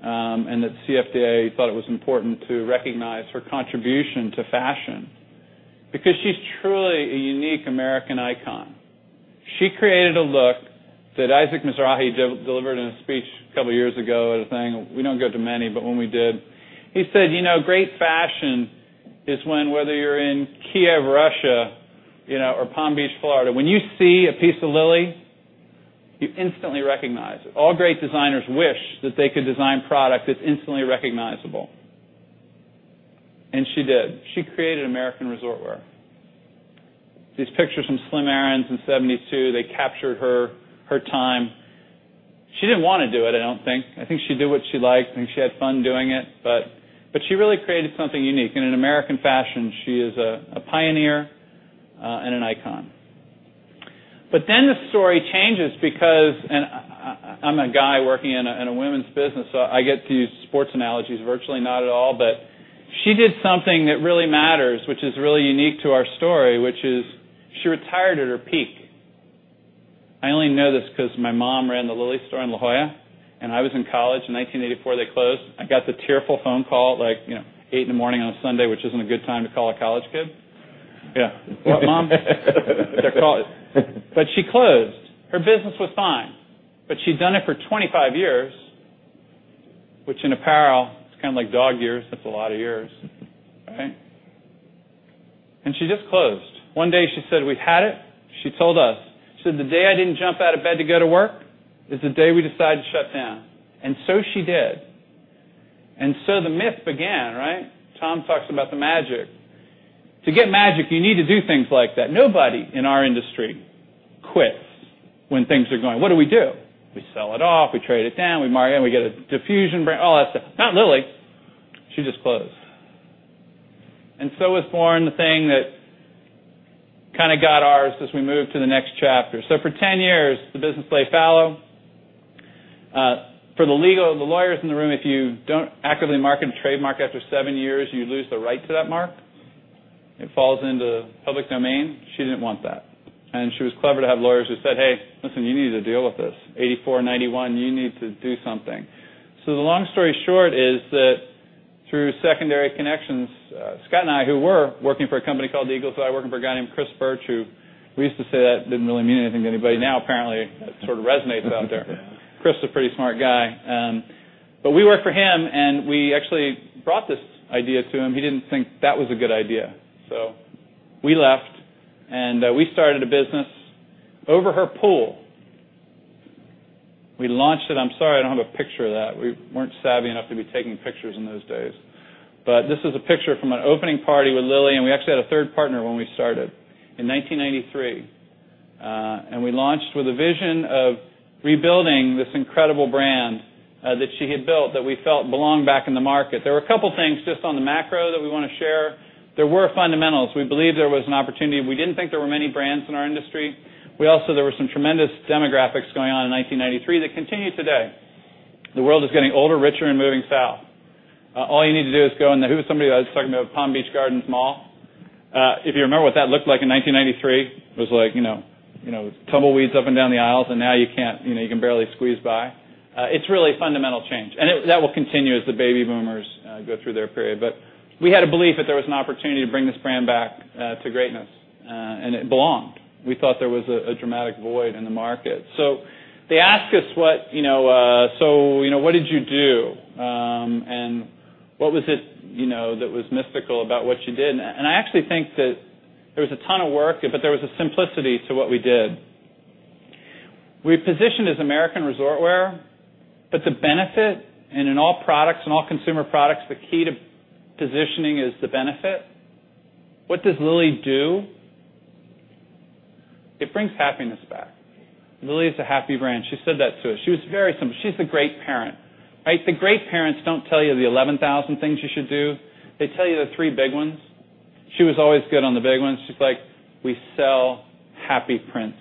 and that CFDA thought it was important to recognize her contribution to fashion because she's truly a unique American icon. She created a look that Isaac Mizrahi delivered in a speech a couple of years ago at a thing. We don't go to many, but when we did, he said, "Great fashion is when, whether you're in Kiev, Russia, or Palm Beach, Florida, when you see a piece of Lilly, you instantly recognize it." All great designers wish that they could design product that's instantly recognizable. She did. She created American Resort Wear. These pictures from Slim Aarons in 1972, they captured her time. She didn't want to do it, I don't think. I think she did what she liked, she had fun doing it. She really created something unique. In American fashion, she is a pioneer and an icon. The story changes because, and I'm a guy working in a women's business, so I get to use sports analogies virtually not at all, but she did something that really matters, which is really unique to our story, which is she retired at her peak. I only know this because my mom ran the Lilly store in La Jolla, and I was in college in 1984. They closed. I got the tearful phone call at like 8:00 A.M. on a Sunday, which isn't a good time to call a college kid. Yeah. "What, Mom?" They're closed. She closed. Her business was fine, but she'd done it for 25 years, which in apparel, it's kind of like dog years. That's a lot of years, okay? She just closed. One day she said, "We've had it." She told us. She said, "The day I didn't jump out of bed to go to work is the day we decide to shut down." She did. The myth began, right? Tom talks about the magic. To get magic, you need to do things like that. Nobody in our industry quits when things are going. What do we do? We sell it off. We trade it down. We mark it in. We get a diffusion brand, all that stuff. Not Lilly. She just closed. Was born the thing that kind of got ours as we move to the next chapter. For 10 years, the business lay fallow. For the lawyers in the room, if you don't actively market a trademark after 7 years, you lose the right to that mark. It falls into public domain. She didn't want that. She was clever to have lawyers who said, "Hey, listen, you need to deal with this. 1984, 1991, you need to do something." The long story short is that through secondary connections, Scott and I, who were working for a company called Eagle's Eye, working for a guy named Chris Burch, who we used to say that didn't really mean anything to anybody. Now, apparently, it sort of resonates out there. Chris is a pretty smart guy. We worked for him, and we actually brought this idea to him. He didn't think that was a good idea. We left, and we started a business over her pool. We launched it. I'm sorry, I don't have a picture of that. We weren't savvy enough to be taking pictures in those days. This is a picture from an opening party with Lilly, and we actually had a third partner when we started in 1993. We launched with a vision of rebuilding this incredible brand that she had built that we felt belonged back in the market. There were a couple of things just on the macro that we want to share. There were fundamentals. We believed there was an opportunity. We didn't think there were many brands in our industry. There were some tremendous demographics going on in 1993 that continue today. The world is getting older, richer, and moving south. All you need to do is go in the Who was somebody that was talking about Palm Beach Gardens Mall? If you remember what that looked like in 1993, it was like tumbleweeds up and down the aisles, and now you can barely squeeze by. It's really a fundamental change, and that will continue as the baby boomers go through their period. We had a belief that there was an opportunity to bring this brand back to greatness. It belonged. We thought there was a dramatic void in the market. They asked us, "So what did you do? And what was it that was mystical about what you did?" I actually think that there was a ton of work, but there was a simplicity to what we did. We positioned as American resort wear, the benefit, and in all products, in all consumer products, the key to positioning is the benefit. What does Lilly do? It brings happiness back. Lilly is a happy brand. She said that to us. She was very simple. She's a great parent. The great parents don't tell you the 11,000 things you should do. They tell you the three big ones. She was always good on the big ones. She's like, "We sell happy prints.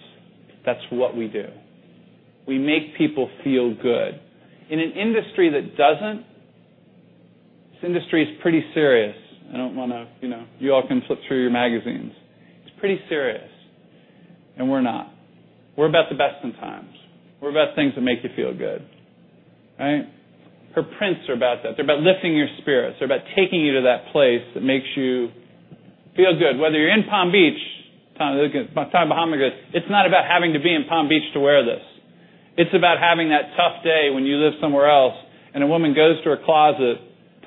That's what we do. We make people feel good." In an industry that doesn't. This industry is pretty serious. You all can flip through your magazines. It's pretty serious. We're not. We're about the best sometimes. We're about things that make you feel good. Her prints are about that. They're about lifting your spirits. They're about taking you to that place that makes you feel good, whether you're in Palm Beach. Tommy Bahama goes, "It's not about having to be in Palm Beach to wear this. It's about having that tough day when you live somewhere else, and a woman goes to her closet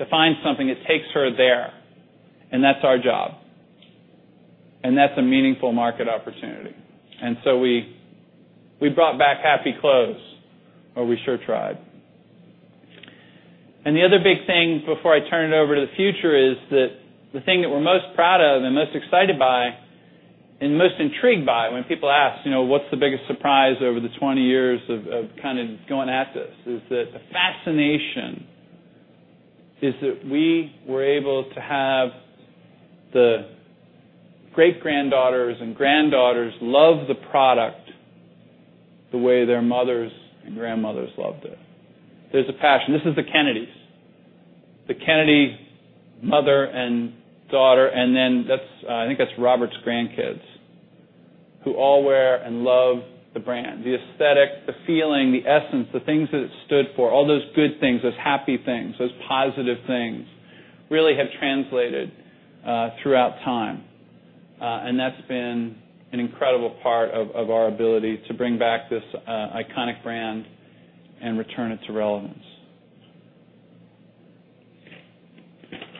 to find something that takes her there," and that's our job. That's a meaningful market opportunity. We brought back happy clothes, or we sure tried. The other big thing, before I turn it over to the future, is that the thing that we're most proud of and most excited by and most intrigued by when people ask, "What's the biggest surprise over the 20 years of kind of going at this?" Is that the fascination is that we were able to have the great-granddaughters and granddaughters love the product the way their mothers and grandmothers loved it. There's a passion. This is the Kennedys. The Kennedy mother and daughter, and then I think that's Robert's grandkids, who all wear and love the brand. The aesthetic, the feeling, the essence, the things that it stood for, all those good things, those happy things, those positive things really have translated throughout time. That's been an incredible part of our ability to bring back this iconic brand and return it to relevance.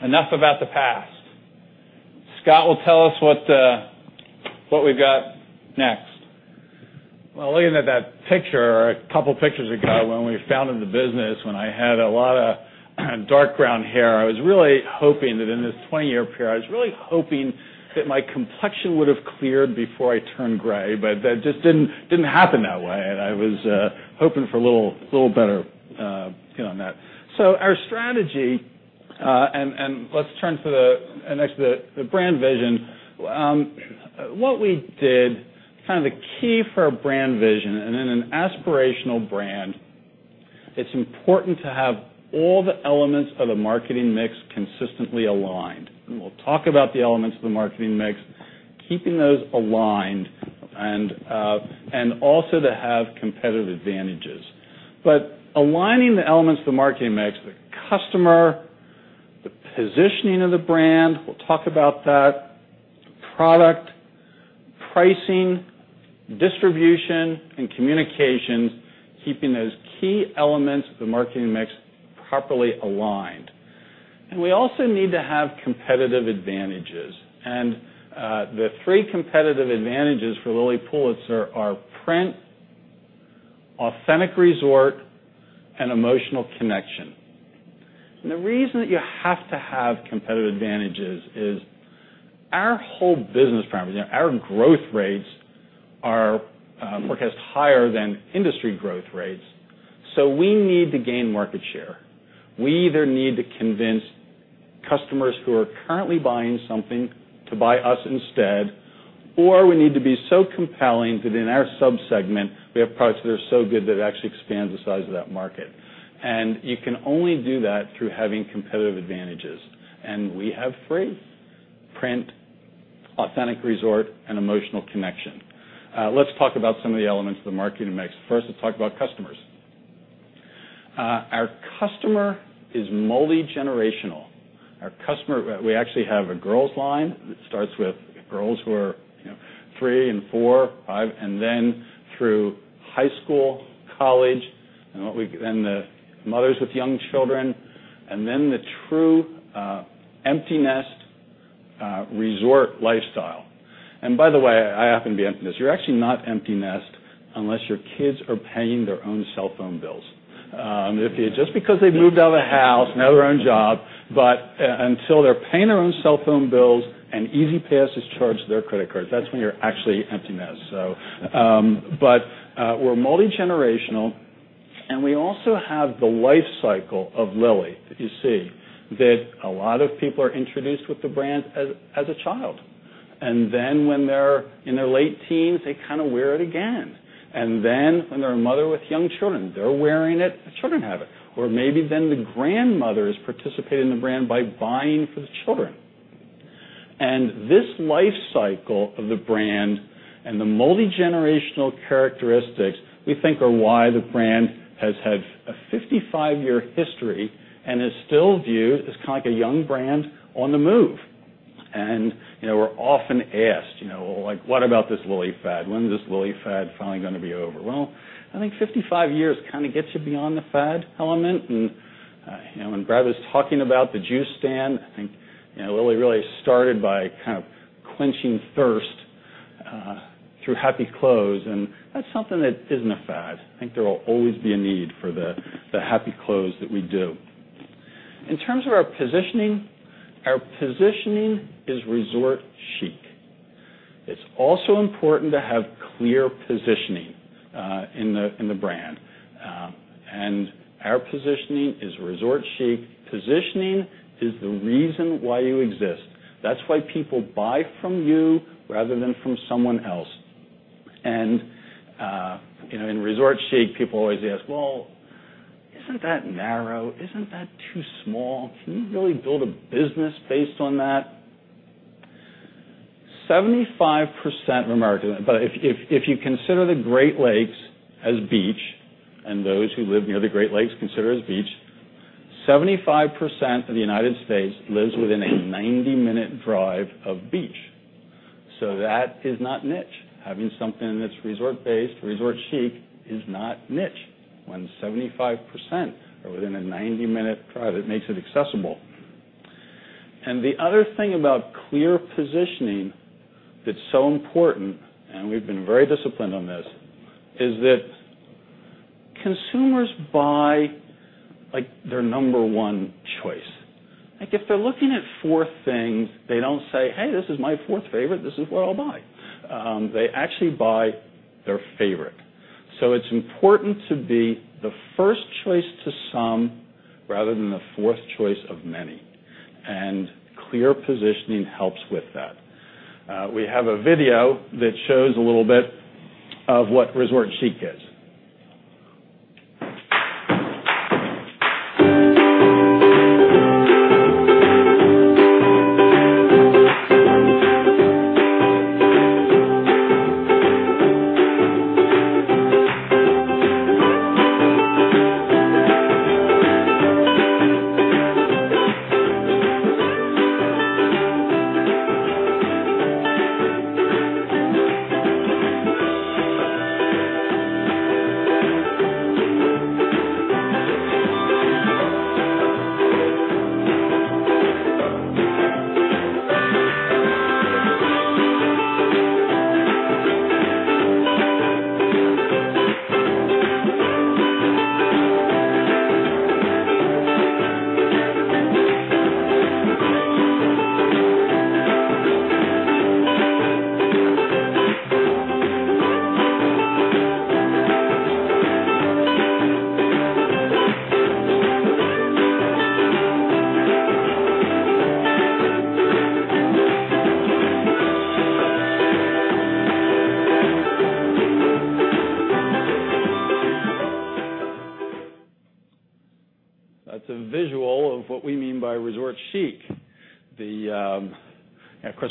Enough about the past. Scott will tell us what we've got next. Well, looking at that picture a couple of pictures ago when we founded the business, when I had a lot of dark brown hair, I was really hoping that in this 20-year period, I was really hoping that my complexion would have cleared before I turned gray, but that just didn't happen that way, and I was hoping for a little better on that. Our strategy, and let's turn to the next, the brand vision. What we did, kind of the key for a brand vision and in an aspirational brand, it's important to have all the elements of the marketing mix consistently aligned. We'll talk about the elements of the marketing mix, keeping those aligned and also to have competitive advantages. Aligning the elements of the marketing mix, the customer, the positioning of the brand, we'll talk about that, product, pricing, distribution, and communications, keeping those key elements of the marketing mix properly aligned. We also need to have competitive advantages. The three competitive advantages for Lilly Pulitzer are print, authentic resort, and emotional connection. The reason that you have to have competitive advantages is our whole business parameters, our growth rates are forecast higher than industry growth rates. We need to gain market share. We either need to convince customers who are currently buying something to buy us instead, or we need to be so compelling that in our sub-segment, we have products that are so good that it actually expands the size of that market. You can only do that through having competitive advantages. We have three: print, authentic resort, and emotional connection. Let's talk about some of the elements of the marketing mix. First, let's talk about customers. Our customer is multigenerational. We actually have a girls line that starts with girls who are three and four, five, and then through high school, college, and the mothers with young children, and then the true empty nest resort lifestyle. By the way, I happen to be empty nest. You're actually not empty nest. Unless your kids are paying their own cell phone bills. Just because they've moved out of the house and have their own job, but until they're paying their own cell phone bills and Easy Pay has charged their credit cards, that's when you're actually empty nest. We're multi-generational, and we also have the life cycle of Lilly that you see, that a lot of people are introduced with the brand as a child. Then when they're in their late teens, they kind of wear it again. Then when they're a mother with young children, they're wearing it, the children have it. Maybe then the grandmother is participating in the brand by buying for the children. This life cycle of the brand and the multi-generational characteristics, we think are why the brand has had a 55-year history and is still viewed as a young brand on the move. We're often asked, "What about this Lilly fad? When is this Lilly fad finally going to be over?" Well, I think 55 years kind of gets you beyond the fad element. When Brad was talking about the juice stand, I think Lilly really started by kind of quenching thirst through happy clothes, and that's something that isn't a fad. I think there will always be a need for the happy clothes that we do. In terms of our positioning, our positioning is resort chic. It's also important to have clear positioning in the brand. Our positioning is resort chic. Positioning is the reason why you exist. That's why people buy from you rather than from someone else. In resort chic, people always ask, "Well, isn't that narrow? Isn't that too small? Can you really build a business based on that?" 75% of Americans, but if you consider the Great Lakes as beach, and those who live near the Great Lakes consider it as beach, 75% of the U.S. lives within a 90-minute drive of beach. That is not niche. Having something that's resort-based, resort chic, is not niche. When 75% are within a 90-minute drive, it makes it accessible. The other thing about clear positioning that's so important, and we've been very disciplined on this, is that consumers buy their number one choice. If they're looking at four things, they don't say, "Hey, this is my fourth favorite. This is what I'll buy." They actually buy their favorite. It's important to be the first choice to some rather than the fourth choice of many. Clear positioning helps with that. We have a video that shows a little bit of what resort chic is.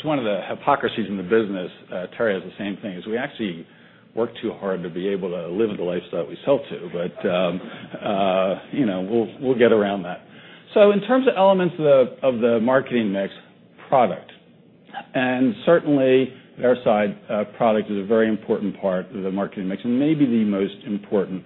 That's a visual of what we mean by resort chic. Of course, one of the hypocrisies in the business, Terry has the same thing, is we actually work too hard to be able to live the lifestyle we sell to. We'll get around that. In terms of elements of the marketing mix: product. Certainly their side product is a very important part of the marketing mix, and maybe the most important.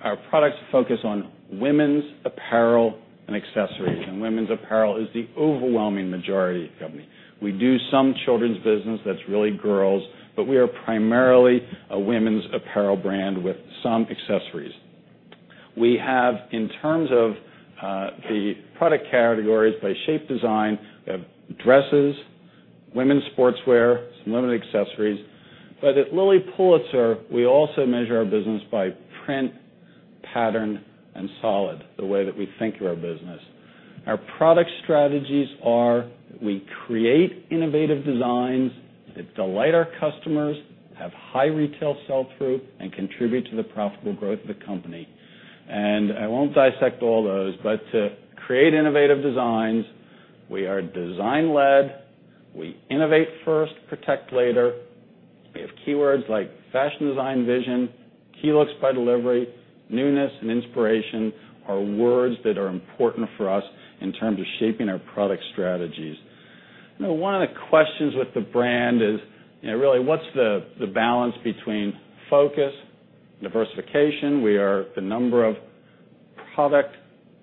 Our products focus on women's apparel and accessories, and women's apparel is the overwhelming majority of the company. We do some children's business that's really girls, but we are primarily a women's apparel brand with some accessories. We have, in terms of the product categories by shape design, we have dresses, women's sportswear, some limited accessories. But at Lilly Pulitzer, we also measure our business by print, pattern, and solid, the way that we think of our business. Our product strategies are we create innovative designs that delight our customers, have high retail sell-through, and contribute to the profitable growth of the company. I won't dissect all those, but to create innovative designs, we are design-led. We innovate first, protect later. We have keywords like fashion design vision, key looks by delivery. Newness and inspiration are words that are important for us in terms of shaping our product strategies. One of the questions with the brand is really what's the balance between focus and diversification? We are the number of product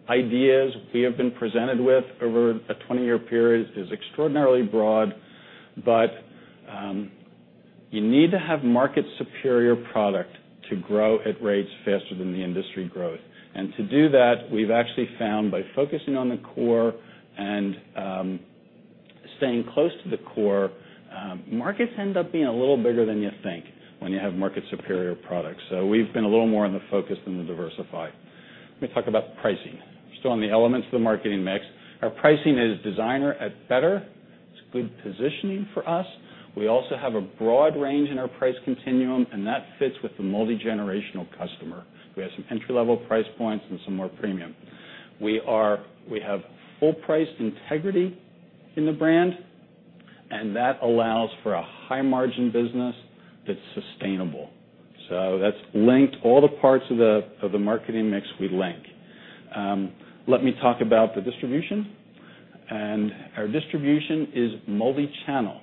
ideas we have been presented with over a 20-year period is extraordinarily broad. You need to have market-superior product to grow at rates faster than the industry growth. To do that, we've actually found by focusing on the core and staying close to the core, markets end up being a little bigger than you think when you have market-superior products. We've been a little more on the focus than the diversify. Let me talk about pricing. We're still on the elements of the marketing mix. Our pricing is designer at better. It's good positioning for us. We also have a broad range in our price continuum, and that fits with the multigenerational customer. We have some entry-level price points and some more premium. We have full price integrity in the brand, and that allows for a high-margin business that's sustainable. That's linked all the parts of the marketing mix we link. Let me talk about the distribution, our distribution is multichannel.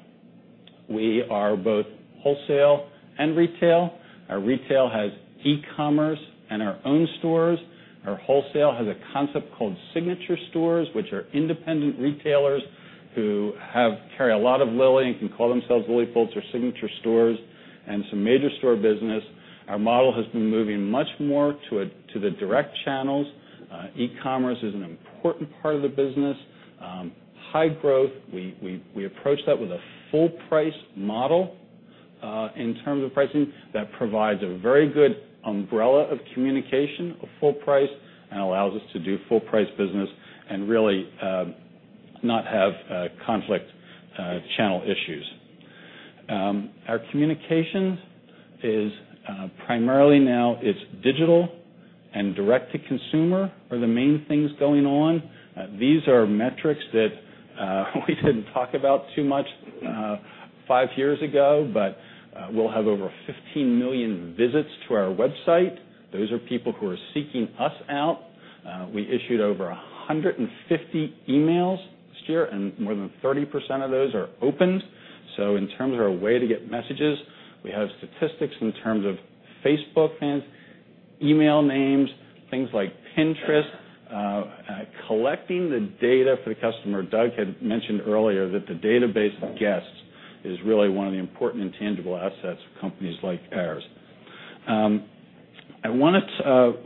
We are both wholesale and retail. Our retail has e-commerce and our own stores. Our wholesale has a concept called Signature Stores, which are independent retailers who carry a lot of Lilly and can call themselves Lilly Pulitzer Signature Stores, and some major store business. Our model has been moving much more to the direct channels. E-commerce is an important part of the business. High growth, we approach that with a full price model in terms of pricing that provides a very good umbrella of communication of full price and allows us to do full-price business and really not have conflict channel issues. Our communications is primarily now, it's digital and direct to consumer are the main things going on. These are metrics that we didn't talk about too much five years ago, but we'll have over 15 million visits to our website. Those are people who are seeking us out. We issued over 150 emails this year, and more than 30% of those are opened. In terms of our way to get messages, we have statistics in terms of Facebook fans, email names, things like Pinterest. Collecting the data for the customer. Doug had mentioned earlier that the database of guests is really one of the important intangible assets of companies like ours.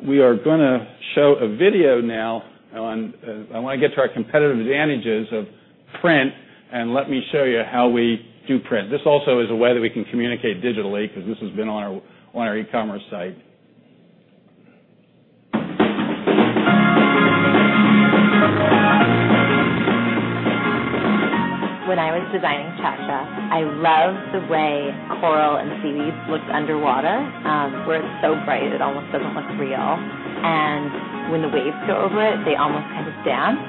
We are going to show a video now. I want to get to our competitive advantages of print and let me show you how we do print. This also is a way that we can communicate digitally because this has been on our e-commerce site. When I was designing Cha Cha, I loved the way coral and seaweeds looked underwater, where it's so bright it almost doesn't look real. When the waves go over it, they almost kind of dance.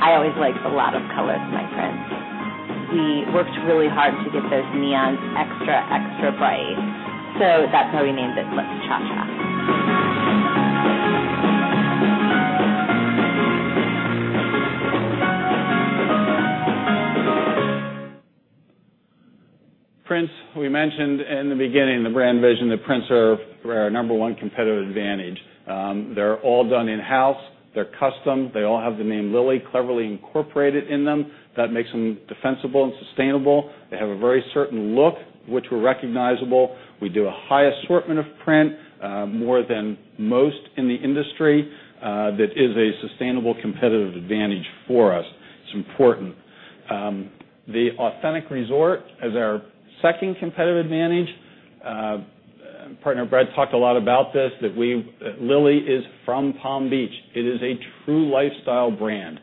I always like a lot of color with my prints. We worked really hard to get those neons extra bright. That's how we named this look Cha Cha. Prints, we mentioned in the beginning, the brand vision that prints are our number one competitive advantage. They're all done in-house. They're custom. They all have the name Lilly cleverly incorporated in them. That makes them defensible and sustainable. They have a very certain look, which we're recognizable. We do a high assortment of print, more than most in the industry. That is a sustainable competitive advantage for us. It's important. The authentic resort is our second competitive advantage. Partner Brad talked a lot about this, that Lilly is from Palm Beach. It is a true lifestyle brand.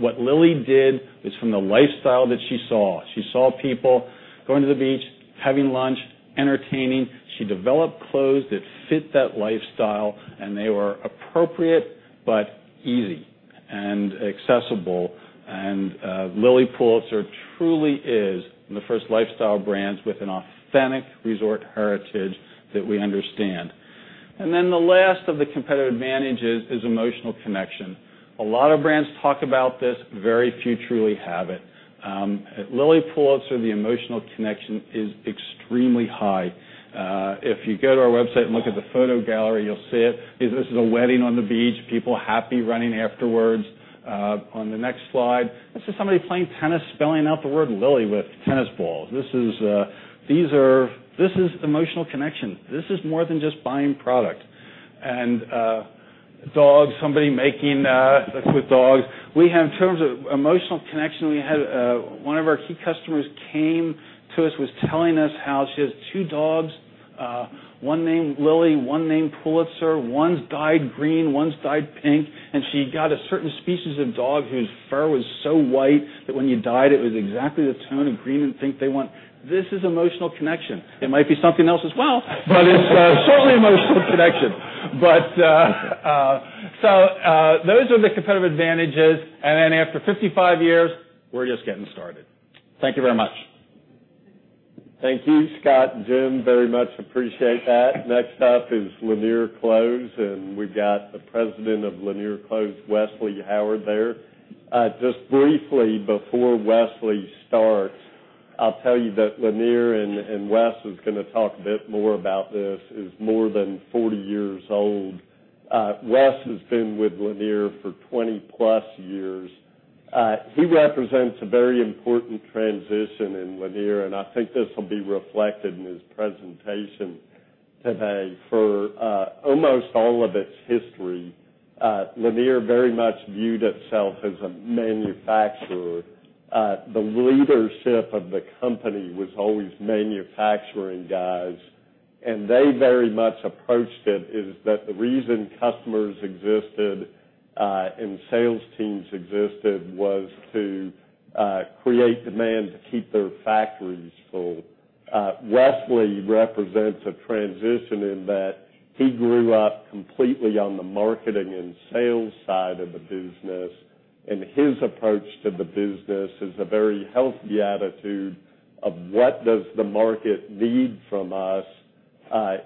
What Lilly did was from the lifestyle that she saw. She saw people going to the beach, having lunch, entertaining. She developed clothes that fit that lifestyle, and they were appropriate but easy and accessible. Lilly Pulitzer truly is the first lifestyle brand with an authentic resort heritage that we understand. The last of the competitive advantages is emotional connection. A lot of brands talk about this, very few truly have it. At Lilly Pulitzer, the emotional connection is extremely high. If you go to our website and look at the photo gallery, you'll see it. This is a wedding on the beach. People happy running afterwards. On the next slide, this is somebody playing tennis, spelling out the word Lilly with tennis balls. This is emotional connection. This is more than just buying product. A dog, somebody making with dogs. In terms of emotional connection, one of our key customers came to us, was telling us how she has two dogs, one named Lilly, one named Pulitzer. One's dyed green, one's dyed pink, she got a certain species of dog whose fur was so white that when you dyed it was exactly the tone of green and pink they want. This is emotional connection. It might be something else as well, but it's certainly emotional connection. Those are the competitive advantages. After 55 years, we're just getting started. Thank you very much. Thank you, Scott and Jim, very much appreciate that. Next up is Lanier Clothes, we've got the president of Lanier Clothes, Wesley Howard there. Just briefly before Wesley starts I'll tell you that Lanier, Wes is going to talk a bit more about this, is more than 40 years old. Wes has been with Lanier for 20-plus years. He represents a very important transition in Lanier, I think this will be reflected in his presentation today. For almost all of its history, Lanier very much viewed itself as a manufacturer. The leadership of the company was always manufacturing guys, they very much approached it is that the reason customers existed and sales teams existed was to create demand to keep their factories full. Wesley represents a transition in that he grew up completely on the marketing and sales side of the business, his approach to the business is a very healthy attitude of what does the market need from us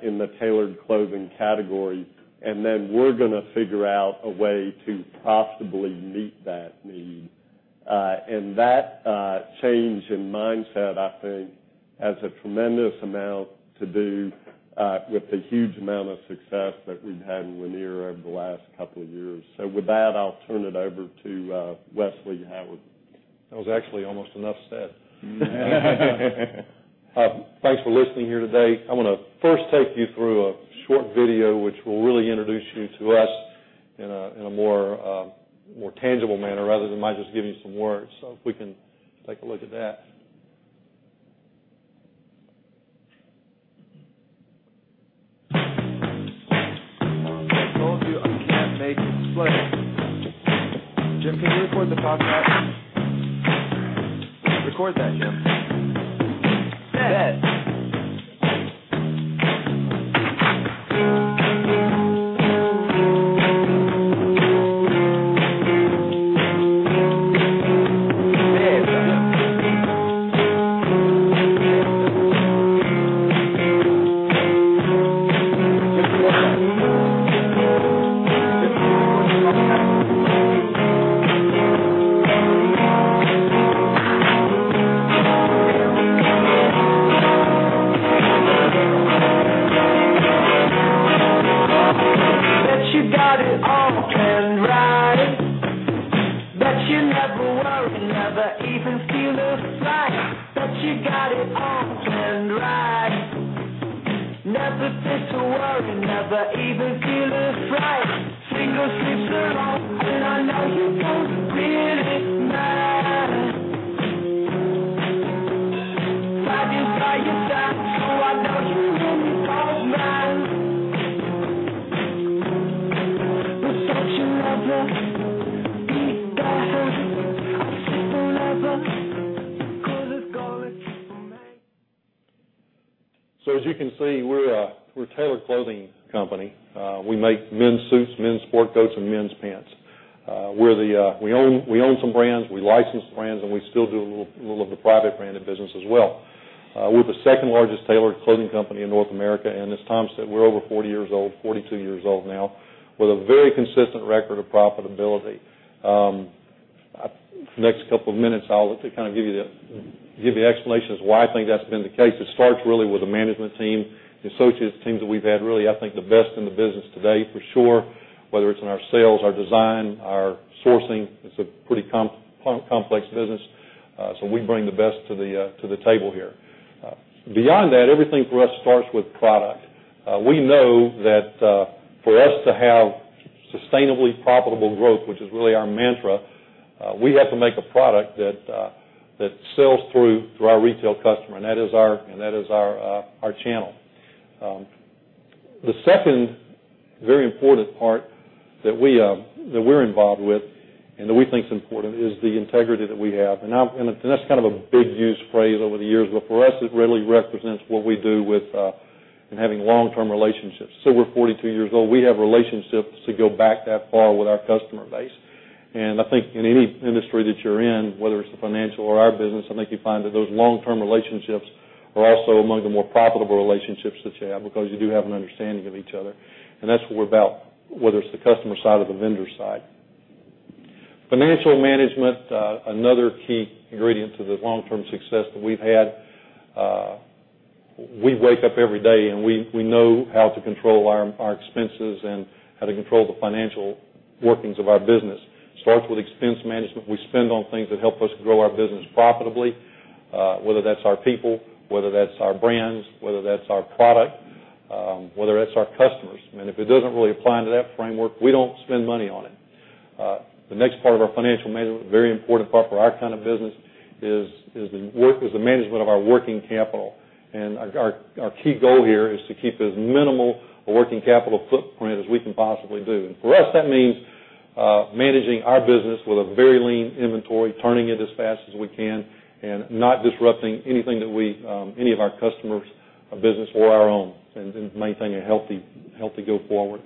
in the tailored clothing category, then we're going to figure out a way to profitably meet that need. That change in mindset, I think, has a tremendous amount to do with the huge amount of success that we've had in Lanier over the last couple of years. With that, I'll turn it over to Wesley Howard. That was actually almost enough said. Thanks for listening here today. I want to first take you through a short video, which will really introduce you to us in a more tangible manner rather than my just giving you some words. If we can take a look at that. For those of you who can't make it, slay. Jim, can you record the podcast? Record that, Jim. Bet. Hey. Jim, can you record that? Jim, can you record the podcast? Bet you got it all planned right. Bet you never worry, never even feel a fright. Bet you got it all planned right. Never fear to worry, never even feel a fright. Single sleeps alone, and I know you going to feel it, man. Tied inside your time, I know you hear me call, man. Protection of love. Be gone. A simple lover. As good as gold. As you can see, we're a tailored clothing company. We make men's suits, men's sport coats, and men's pants. We own some brands, we license brands, and we still do a little of the private branded business as well. We're the second largest tailored clothing company in North America, and as Tom said, we're over 40 years old, 42 years old now, with a very consistent record of profitability. For the next couple of minutes, I'll look to kind of give you the explanation as to why I think that's been the case. It starts really with the management team, the associates teams that we've had, really, I think, the best in the business today for sure, whether it's in our sales, our design, our sourcing. It's a pretty complex business. We bring the best to the table here. Beyond that, everything for us starts with product. We know that for us to have sustainably profitable growth, which is really our mantra, we have to make a product that sells through our retail customer, that is our channel. The second very important part that we're involved with and that we think is important is the integrity that we have. That's kind of a big used phrase over the years, but for us, it really represents what we do with in having long-term relationships. We're 42 years old. We have relationships to go back that far with our customer base. I think in any industry that you're in, whether it's the financial or our business, I think you find that those long-term relationships are also among the more profitable relationships that you have because you do have an understanding of each other. That's what we're about, whether it's the customer side or the vendor side. Financial management is another key ingredient to the long-term success that we've had. We wake up every day, and we know how to control our expenses and how to control the financial workings of our business. It starts with expense management. We spend on things that help us grow our business profitably, whether that's our people, whether that's our brands, whether that's our product, whether that's our customers. If it doesn't really apply into that framework, we don't spend money on it. The next part of our financial management, very important part for our kind of business, is the management of our working capital. Our key goal here is to keep as minimal a working capital footprint as we can possibly do. For us, that means managing our business with a very lean inventory, turning it as fast as we can, not disrupting any of our customers' business or our own, and maintain a healthy go forward.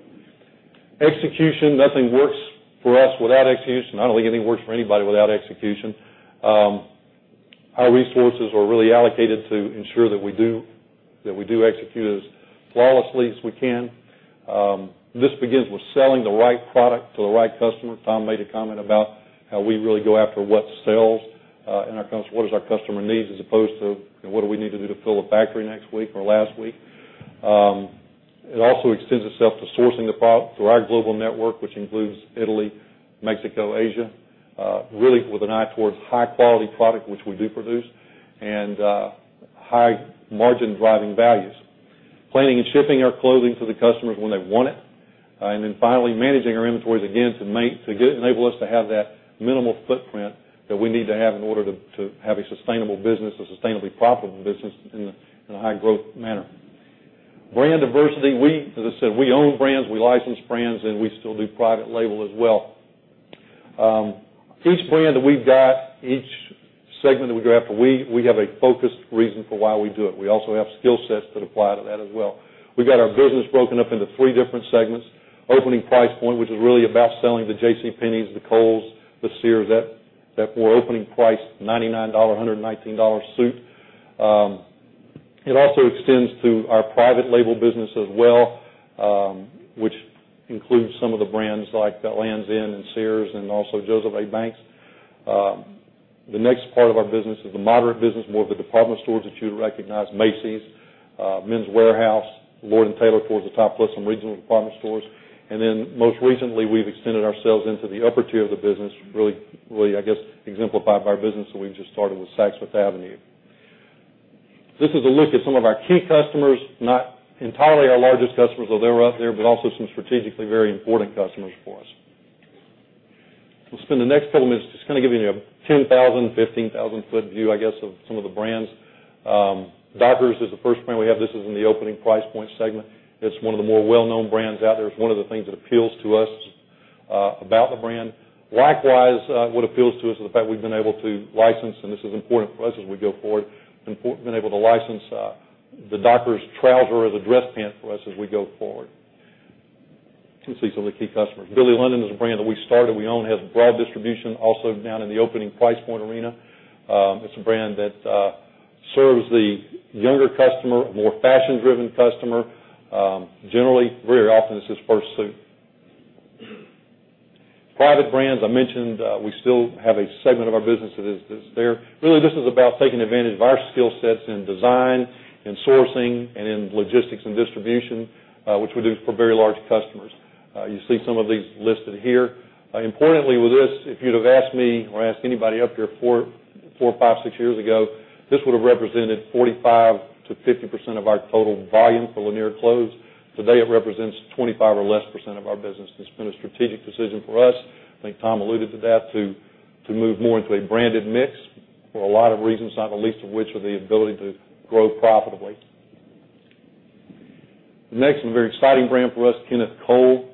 Execution. Nothing works for us without execution. I don't think anything works for anybody without execution. Our resources are really allocated to ensure that we do execute as flawlessly as we can. This begins with selling the right product to the right customer. Tom made a comment about how we really go after what sells and what is our customer needs, as opposed to what do we need to do to fill a factory next week or last week. It also extends itself to sourcing the product through our global network, which includes Italy, Mexico, Asia, really with an eye towards high-quality product, which we do produce, and high margin-driving values. Planning and shipping our clothing to the customers when they want it. Then finally, managing our inventories, again, to enable us to have that minimal footprint that we need to have in order to have a sustainable business, a sustainably profitable business in a high-growth manner. Brand diversity. As I said, we own brands, we license brands, and we still do private label as well. Each brand that we've got, each segment that we go after, we have a focused reason for why we do it. We also have skill sets that apply to that as well. We've got our business broken up into three different segments. Opening price point, which is really about selling to JCPenney, the Kohl's, the Sears. That we're opening price $99, $119 suit. It also extends to our private label business as well, which includes some of the brands like Lands' End and Sears, and also Jos. A. Bank. The next part of our business is the moderate business, more of the department stores that you'd recognize, Macy's, Men's Wearhouse, Lord & Taylor towards the top list, some regional department stores. Then most recently, we've extended ourselves into the upper tier of the business, really, I guess exemplified by our business that we've just started with Saks Fifth Avenue. This is a look at some of our key customers, not entirely our largest customers, although they're up there, but also some strategically very important customers for us. We'll spend the next couple of minutes just giving you a 10,000, 15,000-foot view, I guess, of some of the brands. Dockers is the first brand we have. This is in the opening price point segment. It's one of the more well-known brands out there. It's one of the things that appeals to us about the brand. Likewise, what appeals to us is the fact we've been able to license, and this is important for us as we go forward, the Dockers trouser as a dress pant for us as we go forward. Two seats on the key customer. Billy London is a brand that we started, we own, has broad distribution also down in the opening price point arena. It's a brand that serves the younger customer, a more fashion-driven customer. Generally, very often it's his first suit. Private brands, I mentioned we still have a segment of our business that is there. This is about taking advantage of our skill sets in design, in sourcing, and in logistics and distribution, which we do for very large customers. You see some of these listed here. Importantly with this, if you'd have asked me or asked anybody up here four, five, six years ago, this would have represented 45%-50% of our total volume for Lanier Clothes. Today, it represents 25% or less of our business. It's been a strategic decision for us, I think Tom alluded to that, to move more into a branded mix for a lot of reasons, not the least of which are the ability to grow profitably. The next and very exciting brand for us, Kenneth Cole.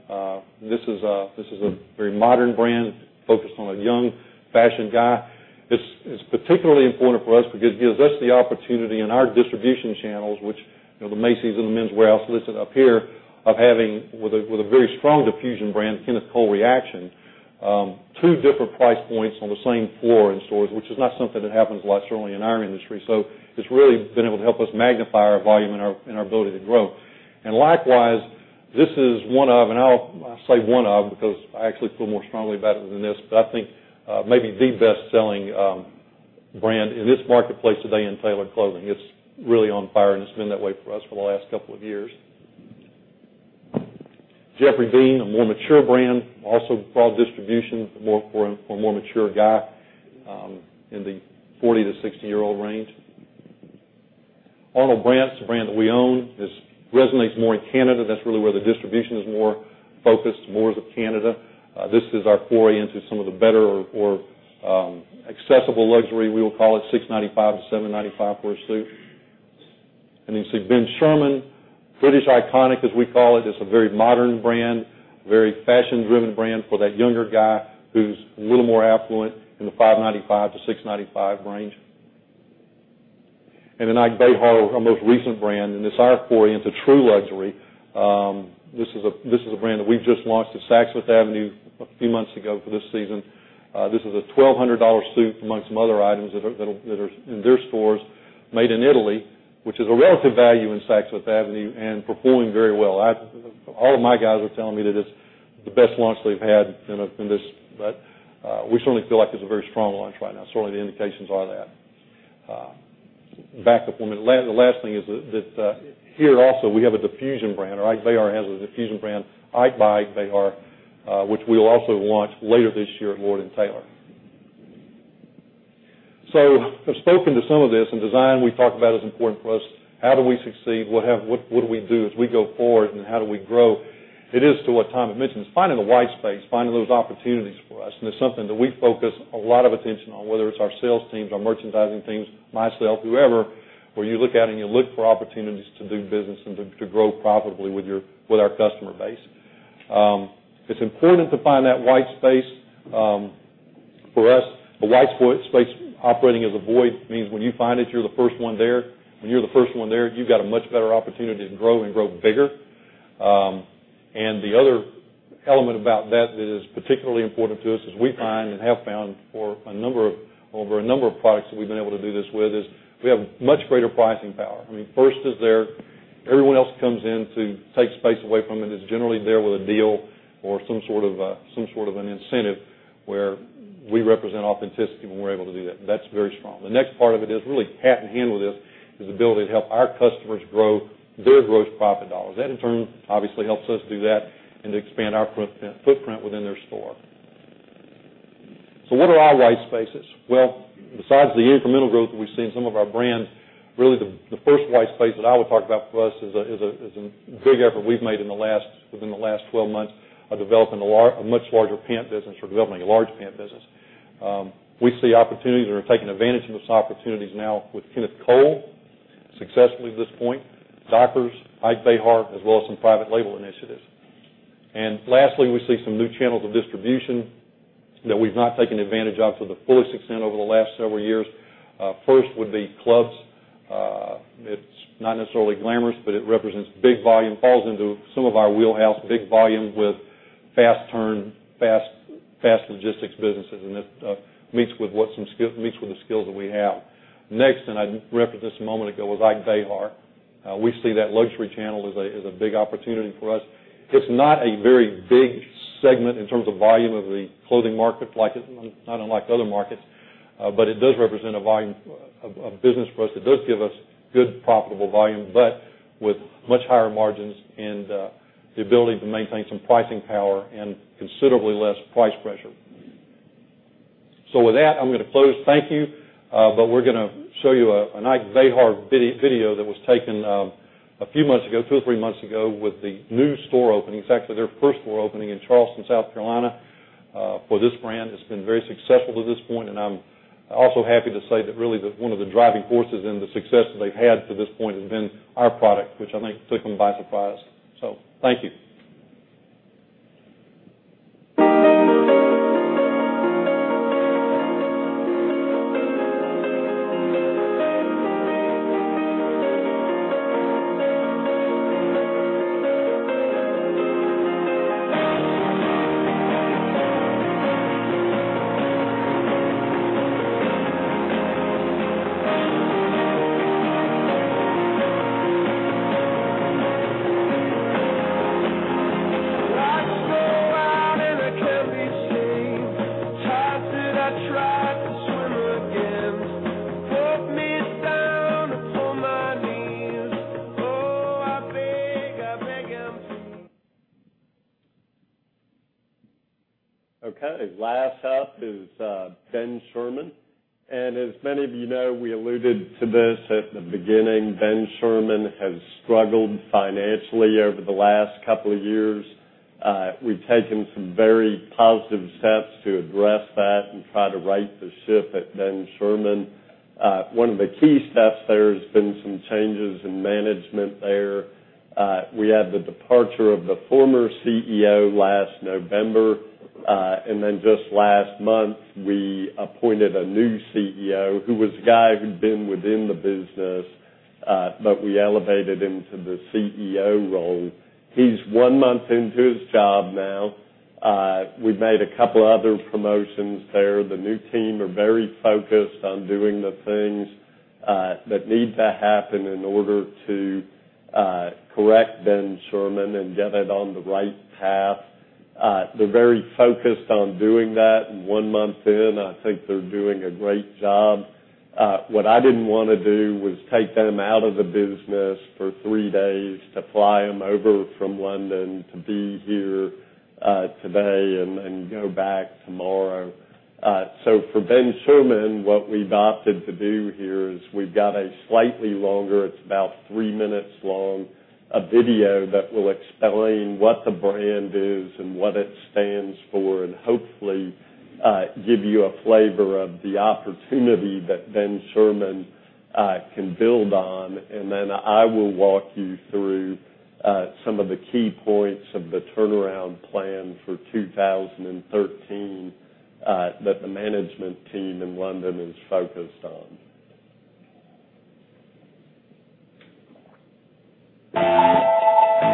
This is a very modern brand focused on a young fashion guy. It's particularly important for us because it gives us the opportunity in our distribution channels, which the Macy's and the Men's Wearhouse listed up here, of having with a very strong diffusion brand, Kenneth Cole Reaction, 2 different price points on the same floor and stores, which is not something that happens a lot, certainly in our industry. It's really been able to help us magnify our volume and our ability to grow. Likewise, this is one of because I actually feel more strongly about it than this, but I think maybe the best-selling brand in this marketplace today in tailored clothing. It's really on fire, and it's been that way for us for the last couple of years. Geoffrey Beene, a more mature brand, also broad distribution for a more mature guy in the 40- to 60-year-old range. Arnold Brant's a brand that we own, resonates more in Canada. That's really where the distribution is more focused, more as of Canada. This is our foray into some of the better or accessible luxury, we will call it, $695-$795 for a suit. You see Ben Sherman, British Iconic as we call it. It's a very modern brand, very fashion-driven brand for that younger guy who's a little more affluent in the $595-$695 range. Ike Behar, our most recent brand, and this is our foray into true luxury. This is a brand that we've just launched at Saks Fifth Avenue a few months ago for this season. This is a $1,200 suit amongst some other items that are in their stores made in Italy, which is a relative value in Saks Fifth Avenue and performing very well. All of my guys are telling me that it's the best launch they've had in this, but we certainly feel like it's a very strong launch right now. Certainly, the indications are that. Back up one minute. The last thing is that here also we have a diffusion brand, or Ike Behar has a diffusion brand, Ike by Ike Behar, which we'll also launch later this year at Lord & Taylor. I've spoken to some of this, and design we've talked about is important for us. How do we succeed? What do we do as we go forward, and how do we grow? It is to what Tom had mentioned. It's finding the white space, finding those opportunities for us. It's something that we focus a lot of attention on, whether it's our sales teams, our merchandising teams, myself, whoever, where you look out and you look for opportunities to do business and to grow profitably with our customer base. It's important to find that white space. For us, a white space operating as a void means when you find it, you're the first one there. When you're the first one there, you've got a much better opportunity to grow and grow bigger. The other element about that that is particularly important to us is we find and have found for over a number of products that we've been able to do this with is we have much greater pricing power. First is there. Everyone else comes in to take space away from it is generally there with a deal or some sort of an incentive where we represent authenticity when we're able to do that. That's very strong. The next part of it is really hat in hand with this is the ability to help our customers grow their gross profit dollars. That in turn obviously helps us do that and to expand our footprint within their store. What are our white spaces? Well, besides the incremental growth that we've seen in some of our brands, really the first white space that I would talk about for us is a big effort we've made within the last 12 months of developing a much larger pant business or developing a large pant business. We see opportunities or are taking advantage of those opportunities now with Kenneth Cole successfully at this point, Dockers, Ike Behar, as well as some private label initiatives. Lastly, we see some new channels of distribution that we've not taken advantage of to the fullest extent over the last several years. First would be clubs. It's not necessarily glamorous, but it represents big volume, falls into some of our wheelhouse, big volume with fast turn, fast logistics businesses, and it meets with the skills that we have. Next, I referenced this a moment ago, was Ike Behar. We see that luxury channel as a big opportunity for us. It's not a very big segment in terms of volume of the clothing market, unlike the other markets. It does represent a volume of business for us that does give us good profitable volume, with much higher margins and the ability to maintain some pricing power and considerably less price pressure. With that, I'm going to close. Thank you. We're going to show you an Ike Behar video that was taken a few months ago, two or three months ago, with the new store openings, actually their first store opening in Charleston, South Carolina, for this brand. It's been very successful to this point, and I'm also happy to say that really one of the driving forces in the success that they've had to this point has been our product, which I think took them by surprise. Thank you. Lights go out and I can't be seen. Tired that I tried to swim against. Put me down upon my knees. Oh, I beg, I beg and please. Okay. Last up is Ben Sherman. As many of you know, we alluded to this at the beginning. Ben Sherman has struggled financially over the last couple of years. We've taken some very positive steps to address that and try to right the ship at Ben Sherman. One of the key steps there has been some changes in management there. We had the departure of the former CEO last November, and then just last month, we appointed a new CEO, who was a guy who'd been within the business, but we elevated him to the CEO role. He's one month into his job now. We've made a couple other promotions there. The new team are very focused on doing the things that need to happen in order to correct Ben Sherman and get it on the right path. They're very focused on doing that, one month in, I think they're doing a great job. What I didn't want to do was take them out of the business for three days to fly them over from London to be here today and then go back tomorrow. For Ben Sherman, what we've opted to do here is we've got a slightly longer, it's about three minutes long, a video that will explain what the brand is and what it stands for and hopefully give you a flavor of the opportunity that Ben Sherman can build on. Then I will walk you through some of the key points of the turnaround plan for 2013 that the management team in London is focused on. Counting all different ideas you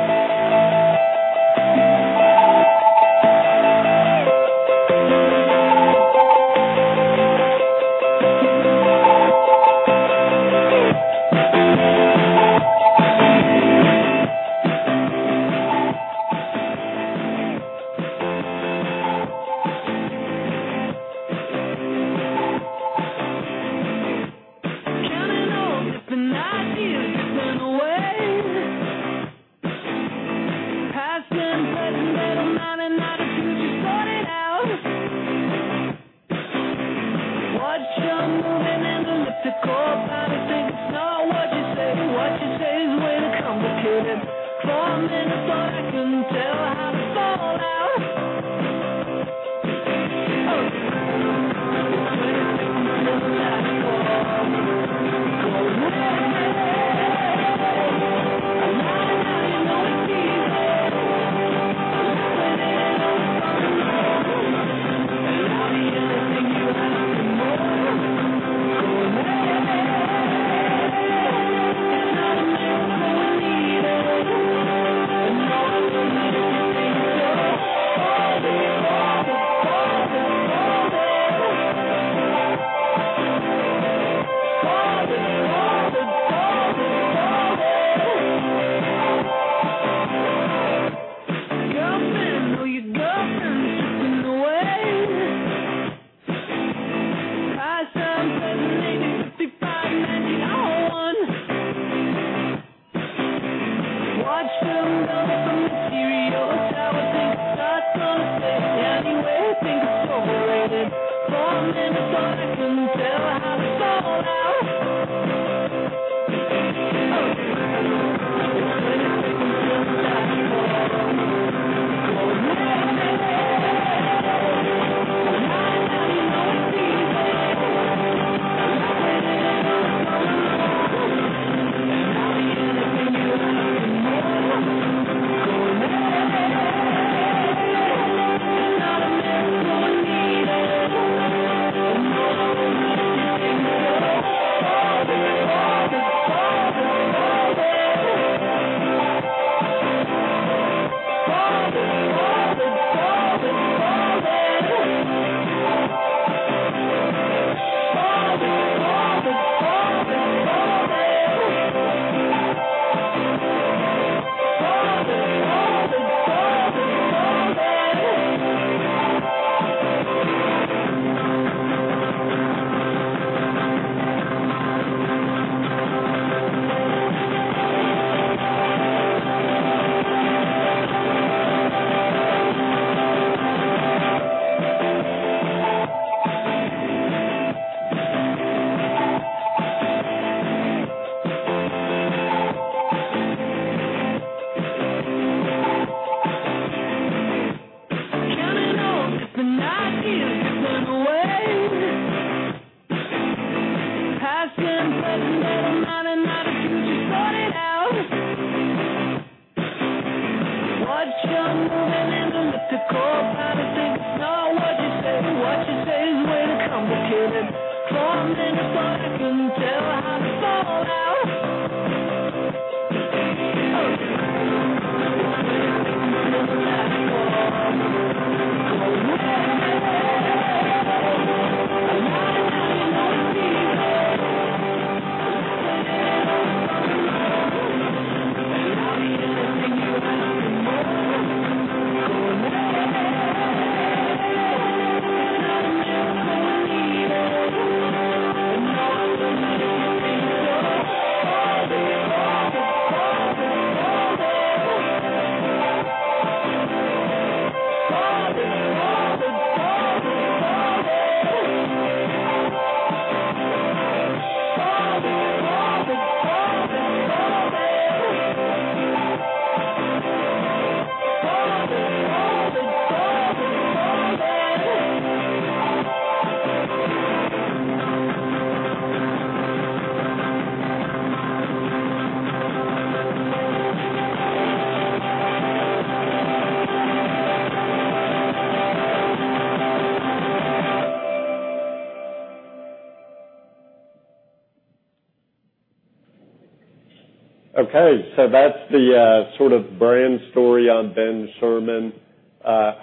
turn away. Past and present build a mind and not a future sorted out. Watch your moving and elliptical body. Think it's not what you say. What you say is way too complicated. Tell how to fall out. Oh. It's waiting under the last call. Calling mayday. I'm lying down you know it's evil. I'm spinning in the- That's the brand story on Ben Sherman.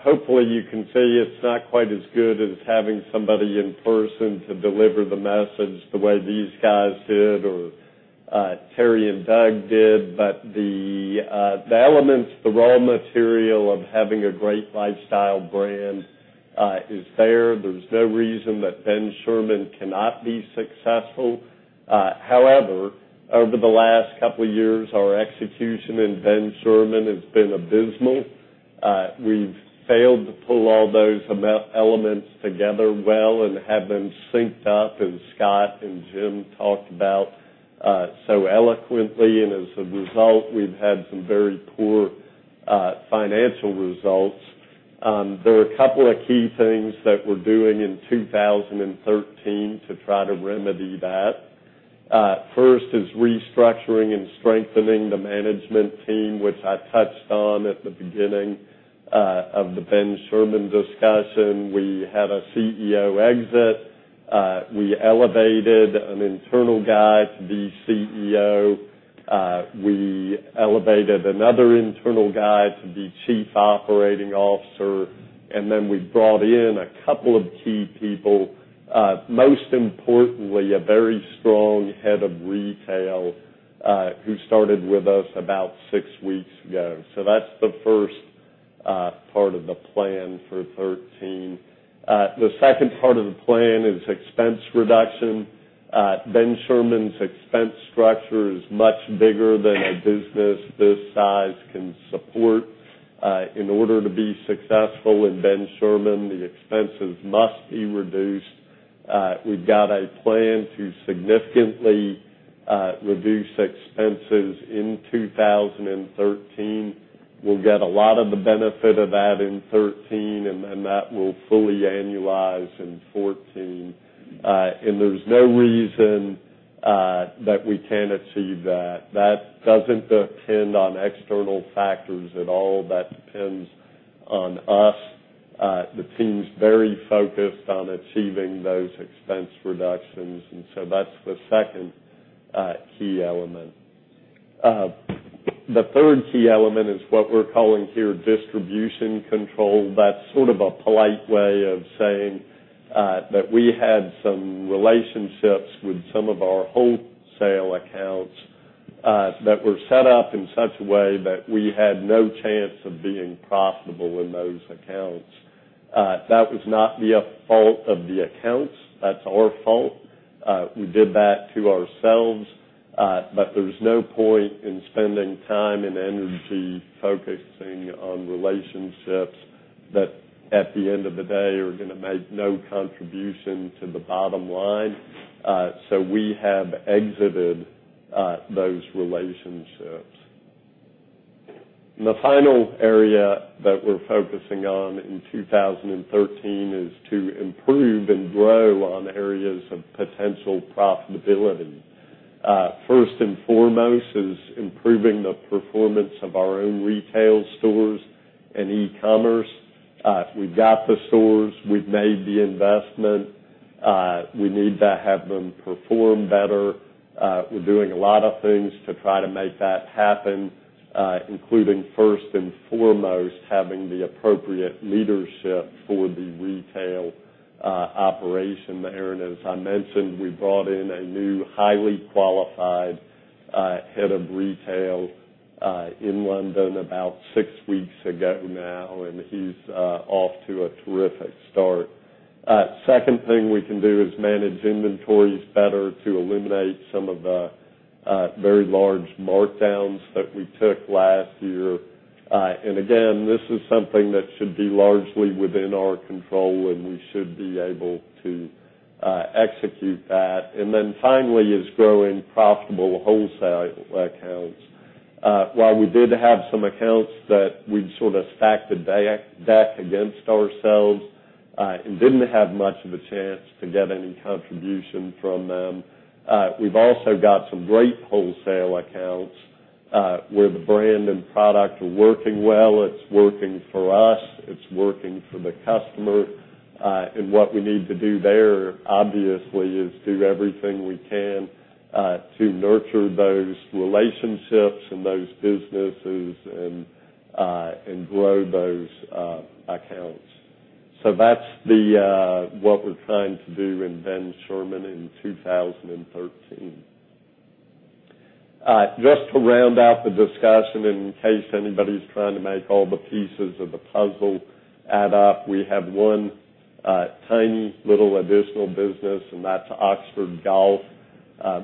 Hopefully, you can see it's not quite as good as having somebody in person to deliver the message the way these guys did or Terry and Doug did. The elements, the raw material of having a great lifestyle brand is there. There's no reason that Ben Sherman cannot be successful. However, over the last couple of years, our execution in Ben Sherman has been abysmal. We've failed to pull all those elements together well and have them synced up, as Scott and Jim talked about so eloquently. As a result, we've had some very poor financial results. There are a couple of key things that we're doing in 2013 to try to remedy that. First is restructuring and strengthening the management team, which I touched on at the beginning of the Ben Sherman discussion. We had a CEO exit. We elevated an internal guy to be CEO. We elevated another internal guy to be Chief Operating Officer. We brought in a couple of key people. Most importantly, a very strong head of retail who started with us about six weeks ago. That's the first part of the plan for 2013. The second part of the plan is expense reduction. Ben Sherman's expense structure is much bigger than a business this size can support. In order to be successful with Ben Sherman, the expenses must be reduced. We've got a plan to significantly reduce expenses in 2013. We'll get a lot of the benefit of that in 2013, that will fully annualize in 2014. There's no reason that we can't achieve that. That doesn't depend on external factors at all. That depends on us. The team's very focused on achieving those expense reductions, that's the second key element. The third key element is what we're calling here distribution control. That's sort of a polite way of saying that we had some relationships with some of our wholesale accounts that were set up in such a way that we had no chance of being profitable in those accounts. That was not the fault of the accounts. That's our fault. We did that to ourselves. There's no point in spending time and energy focusing on relationships that, at the end of the day, are going to make no contribution to the bottom line. We have exited those relationships. The final area that we're focusing on in 2013 is to improve and grow on areas of potential profitability. First and foremost is improving the performance of our own retail stores and e-commerce. We've got the stores. We've made the investment. We need to have them perform better. We're doing a lot of things to try to make that happen, including, first and foremost, having the appropriate leadership for the retail operation there. As I mentioned, we brought in a new, highly qualified head of retail in London about six weeks ago now, and he's off to a terrific start. Second thing we can do is manage inventories better to eliminate some of the very large markdowns that we took last year. Again, this is something that should be largely within our control, and we should be able to execute that. Then finally is growing profitable wholesale accounts. While we did have some accounts that we'd sort of stacked the deck against ourselves and didn't have much of a chance to get any contribution from them, we've also got some great wholesale accounts where the brand and product are working well. It's working for us. It's working for the customer. What we need to do there, obviously, is do everything we can to nurture those relationships and those businesses and grow those accounts. That's what we're trying to do in Ben Sherman in 2013. Just to round out the discussion, in case anybody's trying to make all the pieces of the puzzle add up, we have one tiny little additional business, and that's Oxford Golf.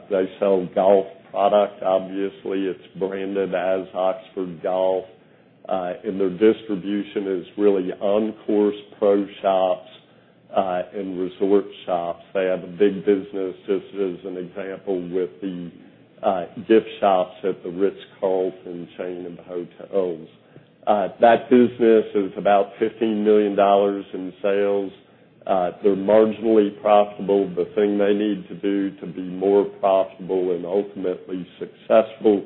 They sell golf product. Obviously, it's branded as Oxford Golf. Their distribution is really on-course pro shops and resort shops. They have a big business, just as an example, with the gift shops at The Ritz-Carlton chain of hotels. That business is about $15 million in sales. They're marginally profitable. The thing they need to do to be more profitable and ultimately successful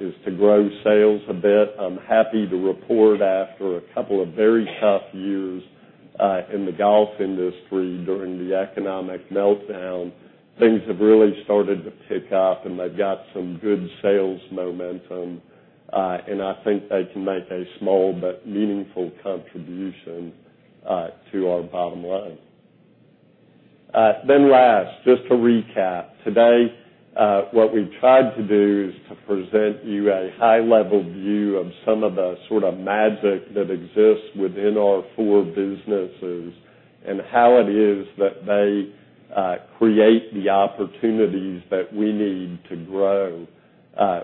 is to grow sales a bit. I'm happy to report after a couple of very tough years in the golf industry during the economic meltdown, things have really started to pick up, and they've got some good sales momentum. I think they can make a small but meaningful contribution to our bottom line. Last, just to recap. Today, what we tried to do is to present you a high-level view of some of the sort of magic that exists within our four businesses and how it is that they create the opportunities that we need to grow.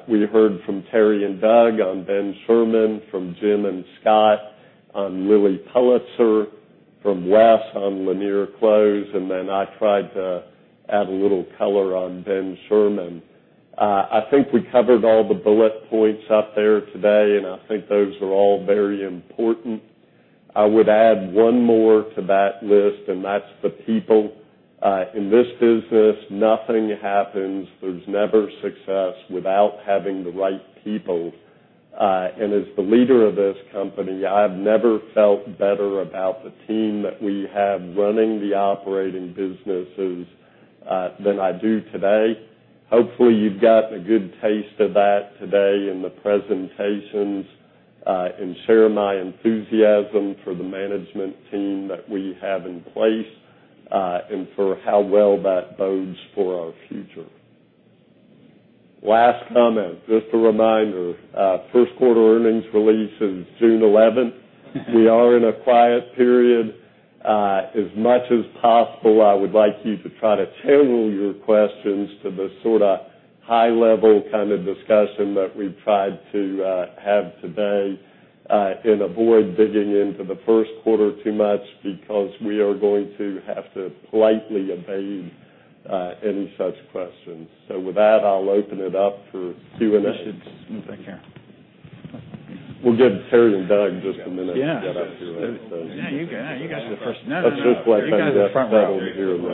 We heard from Terry and Doug on Ben Sherman, from Jim and Scott on Lilly Pulitzer, from Wes on Lanier Clothes, and then I tried to add a little color on Ben Sherman. I think we covered all the bullet points up there today, and I think those are all very important. I would add one more to that list, and that's the people. In this business, nothing happens. There's never success without having the right people. As the leader of this company, I've never felt better about the team that we have running the operating businesses than I do today. Hopefully, you've got a good taste of that today in the presentations and share my enthusiasm for the management team that we have in place and for how well that bodes for our future. Last comment, just a reminder. First quarter earnings release is June 11th. We are in a quiet period. As much as possible, I would like you to try to tailor your questions to the sort of high level kind of discussion that we've tried to have today and avoid digging into the first quarter too much because we are going to have to politely evade any such questions. With that, I'll open it up for Q&A. You should move back here. We'll get Terry and Doug just a minute to get up here. Yeah. No, you guys are the first. No, no. I just want to get that all here. You guys are the front row.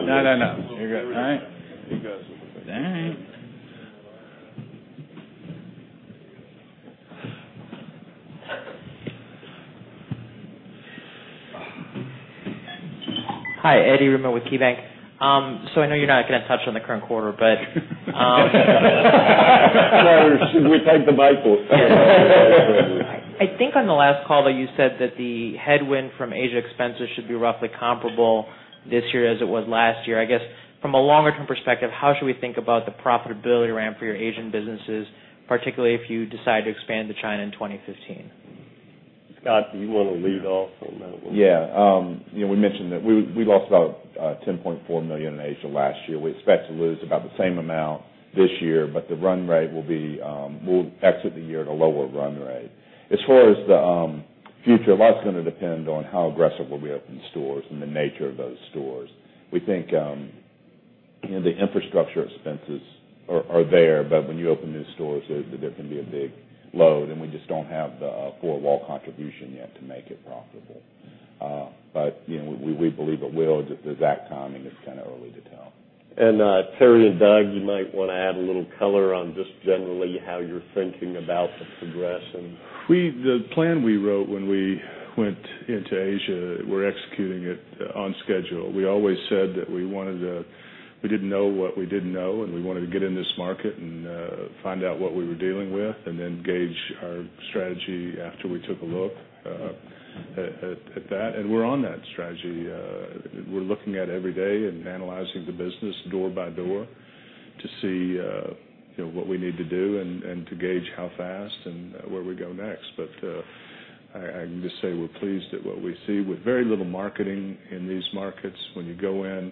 No, no. You're good. All right? You guys are the front row. All right. Hi, Eric Rimerman with KeyBanc. I know you're not going to touch on the current quarter, but- Should we take the bike? I think on the last call, though, you said that the headwind from Asia expenses should be roughly comparable this year as it was last year. I guess from a longer-term perspective, how should we think about the profitability ramp for your Asian businesses, particularly if you decide to expand to China in 2015? Scott, do you want to lead off on that one? Yeah. We mentioned that we lost about $10.4 million in Asia last year. We expect to lose about the same amount this year, but we'll exit the year at a lower run rate. As far as the future, a lot's going to depend on how aggressive will we open stores and the nature of those stores. We think the infrastructure expenses are there, but when you open new stores, there can be a big load, and we just don't have the four-wall contribution yet to make it profitable. We believe it will, just the exact timing is kind of early to tell. Terry and Doug, you might want to add a little color on just generally how you're thinking about the progression. The plan we wrote when we went into Asia, we're executing it on schedule. We always said that we didn't know what we didn't know, and we wanted to get in this market and find out what we were dealing with, and then gauge our strategy after we took a look at that. We're on that strategy. We're looking at it every day and analyzing the business door by door to see what we need to do and to gauge how fast and where we go next. I can just say we're pleased at what we see. With very little marketing in these markets, when you go in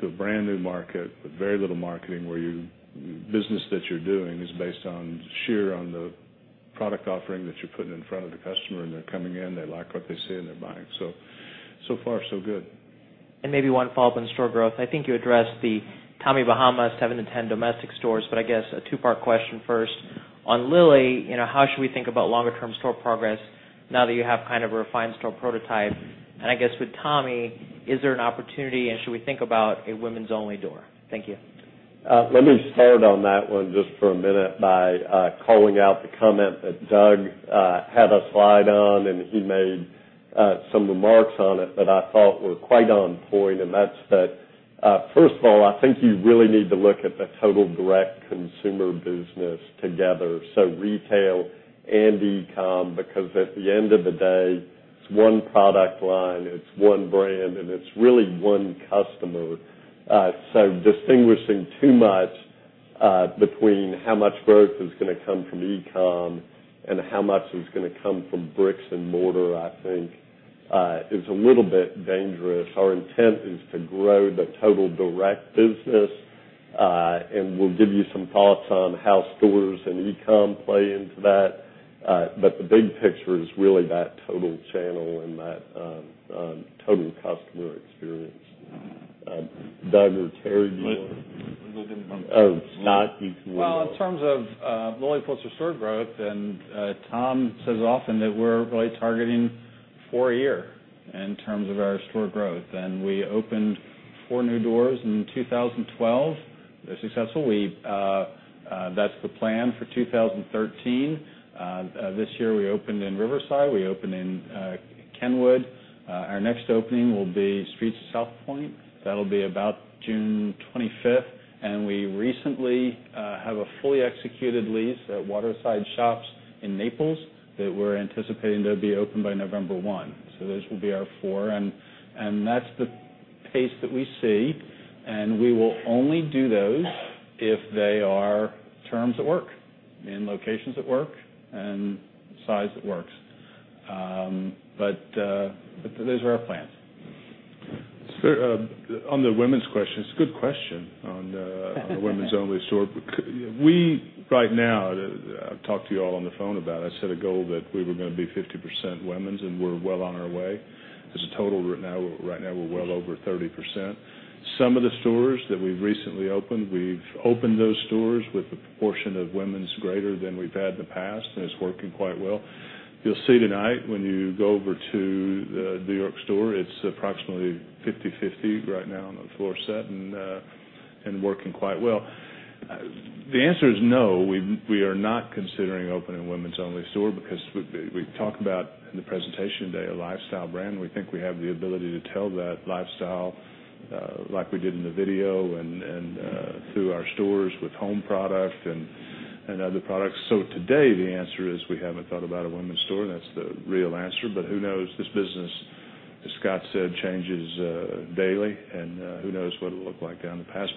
to a brand-new market with very little marketing, where your business that you're doing is based on the product offering that you're putting in front of the customer, and they're coming in, they like what they see, and they're buying. So far, so good. Maybe one follow-up on store growth. I think you addressed the Tommy Bahama 7-10 domestic stores, but I guess a two-part question first. On Lilly, how should we think about longer-term store progress now that you have kind of a refined store prototype? I guess with Tommy, is there an opportunity, and should we think about a women's only door? Thank you. Let me start on that one just for a minute by calling out the comment that Doug had a slide on, and he made some remarks on it that I thought were quite on point. That's that, first of all, I think you really need to look at the total direct consumer business together, so retail and e-com, because at the end of the day, it's one product line, it's one brand, and it's really one customer. Distinguishing too much between how much growth is going to come from e-com and how much is going to come from bricks and mortar, I think, is a little bit dangerous. Our intent is to grow the total direct business, and we'll give you some thoughts on how stores and e-com play into that. The big picture is really that total channel and that total customer experience. Doug or Terry? Well, I can- Oh, Scott, you can lead off. Well, in terms of Lilly Pulitzer store growth, Tom says often that we're really targeting four a year in terms of our store growth. We opened four new doors in 2012. They're successful. That's the plan for 2013. This year, we opened in Riverside. We opened in Kenwood. Our next opening will be The Streets at Southpoint. That'll be about June 25th. We recently have a fully executed lease at Waterside Shops in Naples that we're anticipating to be open by November 1. Those will be our four, and that's the pace that we see. We will only do those if they are terms that work and locations that work and size that works. Those are our plans. On the women's question, it's a good question on the women's-only store. We right now, I've talked to you all on the phone about it. I set a goal that we were going to be 50% women's. We're well on our way. As a total right now, we're well over 30%. Some of the stores that we've recently opened, we've opened those stores with a proportion of women's greater than we've had in the past. It's working quite well. You'll see tonight when you go over to the New York store, it's approximately 50/50 right now on the floor set and working quite well. The answer is no. We are not considering opening a women's only store because we've talked about in the presentation today a lifestyle brand. We think we have the ability to tell that lifestyle like we did in the video and through our stores with home product and other products. Today, the answer is we haven't thought about a women's store. That's the real answer. Who knows? This business, as Scott said, changes daily, and who knows what it'll look like down the path.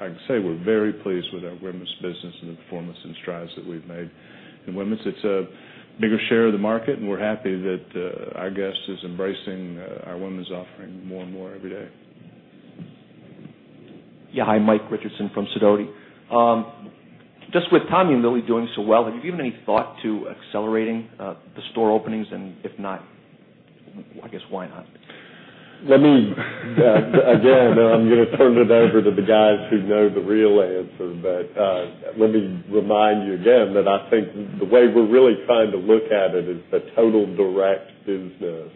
I can say we're very pleased with our women's business and the performance and strides that we've made in women's. It's a bigger share of the market, and we're happy that our guest is embracing our women's offering more and more every day. Yeah, hi, Mike Richardson from Sidoti. Just with Tommy and Lilly doing so well, have you given any thought to accelerating the store openings? If not, I guess, why not? Let me again, I'm going to turn it over to the guys who know the real answer. Let me remind you again that I think the way we're really Look at it as the total direct business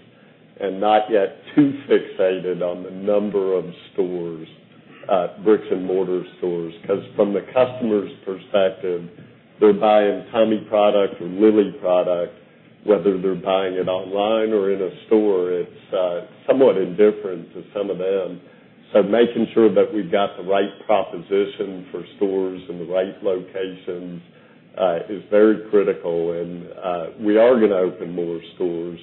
and not yet too fixated on the number of stores, bricks-and-mortar stores. From the customer's perspective, they're buying Tommy product or Lilly product, whether they're buying it online or in a store, it's somewhat indifferent to some of them. Making sure that we've got the right proposition for stores and the right locations is very critical. We are going to open more stores.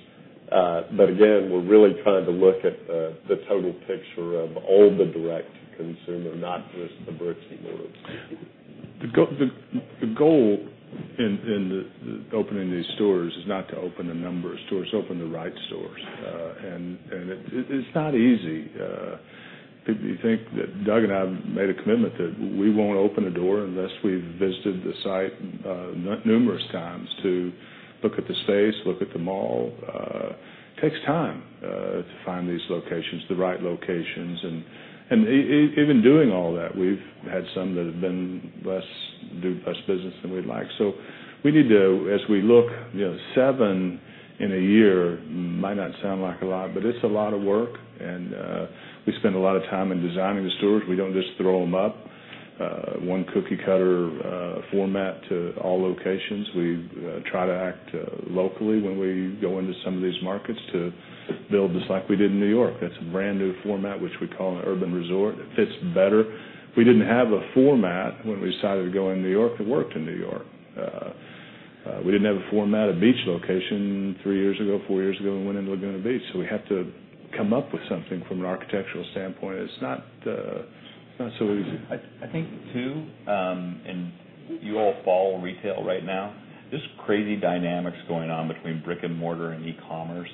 Again, we're really trying to look at the total picture of all the direct-to-consumer, not just the bricks and mortars. The goal in opening these stores is not to open a number of stores, open the right stores. It's not easy. You think that Doug and I made a commitment that we won't open a door unless we've visited the site numerous times to look at the space, look at the mall. It takes time to find these locations, the right locations. Even doing all that, we've had some that have been less, do less business than we'd like. We need to, as we look, seven in a year might not sound like a lot, but it's a lot of work. We spend a lot of time in designing the stores. We don't just throw them up, one cookie-cutter format to all locations. We try to act locally when we go into some of these markets to build this like we did in New York. That's a brand-new format, which we call an urban resort. It fits better. We didn't have a format when we decided to go into New York. It worked in New York. We didn't have a format, a beach location three years ago, four years ago, when we went into Laguna Beach. We have to come up with something from an architectural standpoint. It's not so easy. I think too, you all follow retail right now, there's crazy dynamics going on between brick-and-mortar and e-commerce,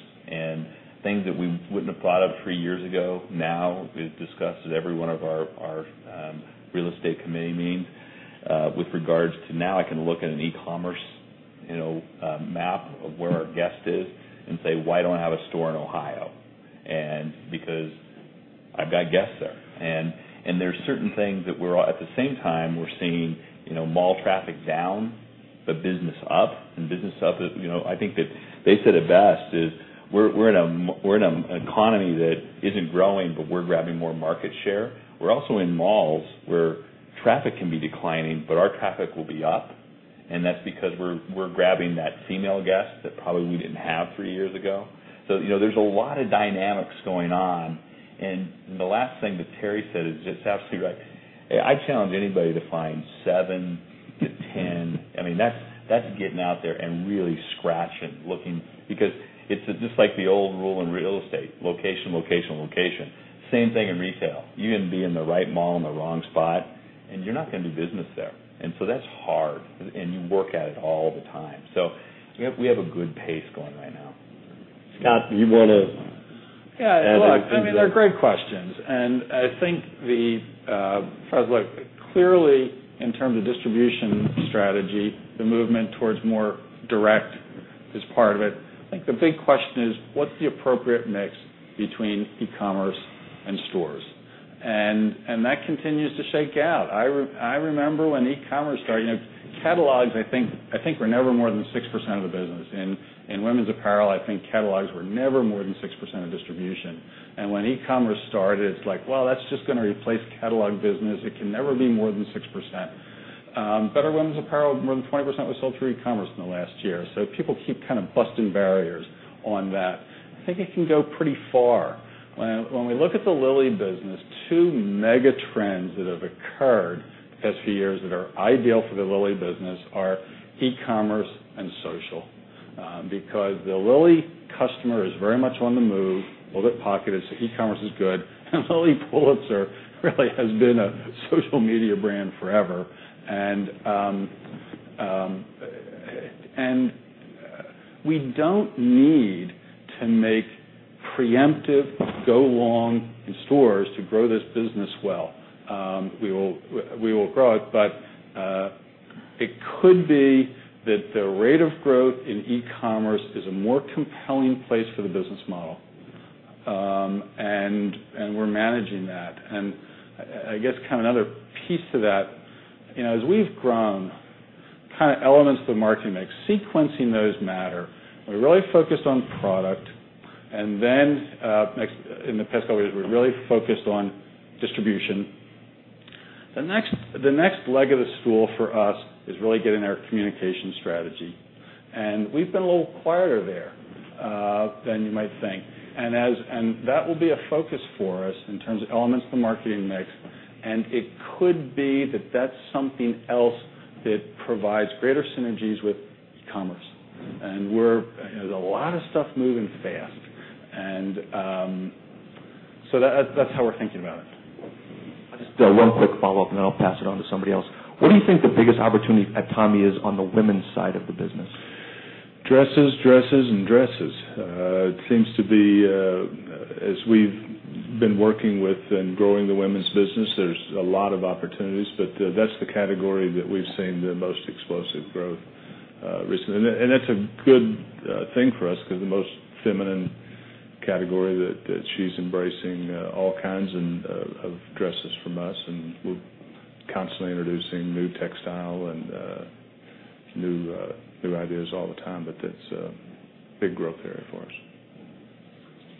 things that we wouldn't have thought of three years ago now is discussed at every one of our real estate committee meetings. With regards to now I can look at an e-commerce map of where our guest is and say, "Why don't I have a store in Ohio?" Because I've got guests there. There's certain things that at the same time, we're seeing mall traffic down but business up, business up is I think that they said it best is we're in an economy that isn't growing, but we're grabbing more market share. We're also in malls where traffic can be declining, but our traffic will be up, and that's because we're grabbing that female guest that probably we didn't have three years ago. There's a lot of dynamics going on, the last thing that Terry said is just absolutely right. I challenge anybody to find seven to 10. That's getting out there and really scratching, looking, because it's just like the old rule in real estate, location, location. Same thing in retail. You can be in the right mall in the wrong spot and you're not going to do business there. That's hard, and you work at it all the time. We have a good pace going right now. Scott, do you want to add anything to that? Yeah. Look, these are great questions. I think clearly, in terms of distribution strategy, the movement towards more direct is part of it. I think the big question is what's the appropriate mix between e-commerce and stores? That continues to shake out. I remember when e-commerce started. Catalogs, I think, were never more than 6% of the business. In women's apparel, I think catalogs were never more than 6% of distribution. When e-commerce started, it's like, well, that's just going to replace catalog business. It can never be more than 6%. Better Women's Apparel, more than 20% was sold through e-commerce in the last year. People keep kind of busting barriers on that. I think it can go pretty far. When we look at the Lilly business, two mega trends that have occurred the past few years that are ideal for the Lilly business are e-commerce and social. Because the Lilly customer is very much on the move, a little bit pocketous. E-commerce is good. Lilly Pulitzer really has been a social media brand forever. We don't need to make preemptive go long in stores to grow this business well. We will grow it, but it could be that the rate of growth in e-commerce is a more compelling place for the business model, and we're managing that. I guess another piece to that, as we've grown elements of the marketing mix, sequencing those matter. We really focused on product, and then in the past couple years, we really focused on distribution. The next leg of the stool for us is really getting our communication strategy. We've been a little quieter there than you might think. That will be a focus for us in terms of elements of the marketing mix, and it could be that that's something else that provides greater synergies with e-commerce. There's a lot of stuff moving fast. That's how we're thinking about it. Just one quick follow-up, and then I'll pass it on to somebody else. What do you think the biggest opportunity at Tommy is on the women's side of the business? Dresses, dresses, and dresses. It seems to be, as we've been working with and growing the women's business, there's a lot of opportunities, but that's the category that we've seen the most explosive growth recently. That's a good thing for us because the most feminine Category that she's embracing all kinds of dresses from us, and we're constantly introducing new textile and new ideas all the time. That's a big growth area for us.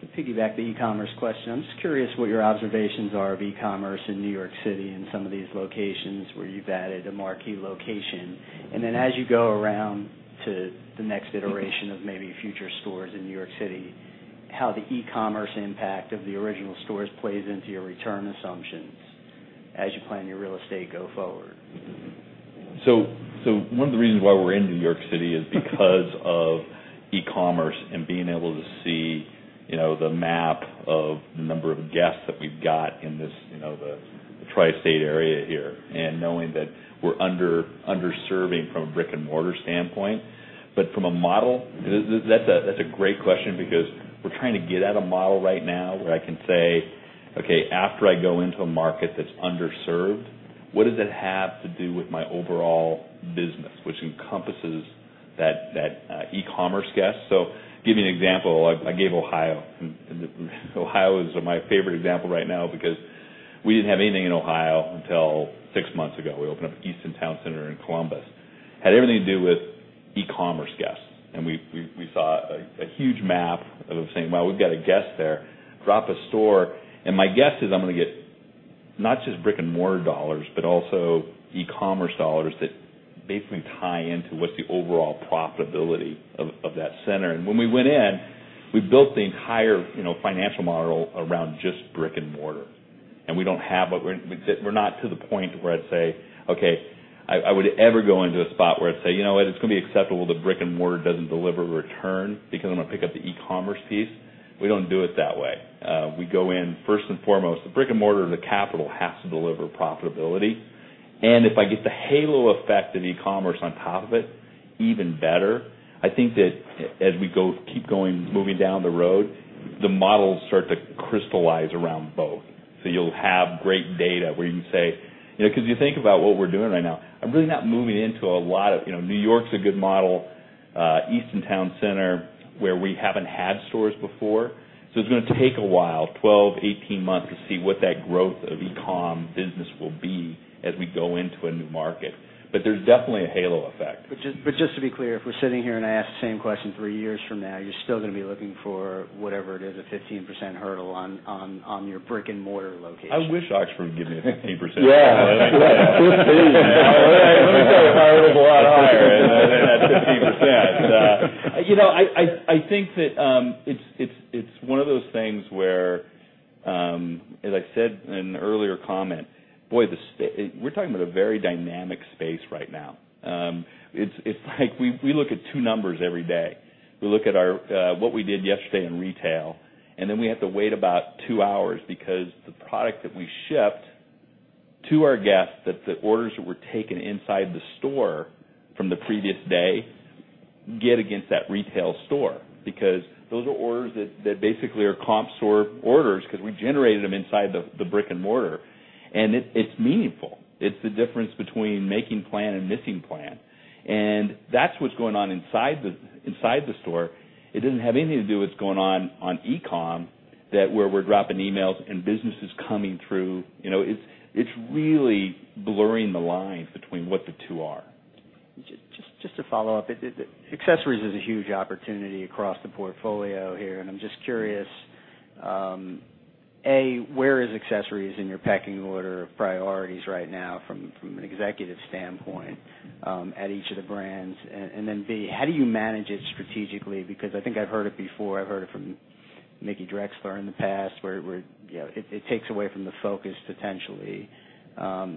To piggyback the e-commerce question, I'm just curious what your observations are of e-commerce in New York City and some of these locations where you've added a marquee location. Then as you go around to the next iteration of maybe future stores in New York City, how the e-commerce impact of the original stores plays into your return assumptions as you plan your real estate go forward. One of the reasons why we're in New York City is because of e-commerce and being able to see the map of the number of guests that we've got in the Tri-State area here, and knowing that we're under-serving from a brick-and-mortar standpoint. From a model, that's a great question because we're trying to get at a model right now where I can say, "Okay, after I go into a market that's underserved, what does it have to do with my overall business?" Which encompasses that e-commerce guest. Give you an example, I gave Ohio, and Ohio is my favorite example right now because we didn't have anything in Ohio until six months ago. We opened up Easton Town Center in Columbus. Had everything to do with e-commerce guests. We saw a huge map of saying, "Well, we've got a guest there, drop a store." My guess is I'm going to get not just brick-and-mortar dollars, but also e-commerce dollars that basically tie into what the overall profitability of that center. When we went in, we built the entire financial model around just brick and mortar. We're not to the point where I'd say, okay, I would ever go into a spot where I'd say, "You know what? It's going to be acceptable that brick and mortar doesn't deliver return because I'm going to pick up the e-commerce piece." We don't do it that way. We go in first and foremost, the brick and mortar, the capital has to deliver profitability. If I get the halo effect of e-commerce on top of it, even better. I think that as we keep going, moving down the road, the models start to crystallize around both. You'll have great data where you can say, because if you think about what we're doing right now, I'm really not moving into New York's a good model, Easton Town Center, where we haven't had stores before. It's going to take a while, 12, 18 months to see what that growth of e-com business will be as we go into a new market. There's definitely a halo effect. Just to be clear, if we're sitting here and I ask the same question three years from now, you're still going to be looking for whatever it is, a 15% hurdle on your brick-and-mortar location. I wish Oxford would give me a 15%. Yeah. Let me tell you, it's a lot higher than that 15%. I think that it's one of those things where as I said in an earlier comment, boy, we're talking about a very dynamic space right now. It's like we look at two numbers every day. We look at what we did yesterday in retail, then we have to wait about two hours because the product that we shipped to our guests, that the orders that were taken inside the store from the previous day, get against that retail store because those are orders that basically are comp store orders because we generated them inside the brick-and-mortar, and it's meaningful. It's the difference between making plan and missing plan. That's what's going on inside the store. It doesn't have anything to do with what's going on e-com that where we're dropping emails and business is coming through. It's really blurring the lines between what the two are. Just to follow up, accessories is a huge opportunity across the portfolio here. I'm just curious, A, where is accessories in your pecking order of priorities right now from an executive standpoint at each of the brands? Then B, how do you manage it strategically? I think I've heard it before. I've heard it from Mickey Drexler in the past, where it takes away from the focus, potentially,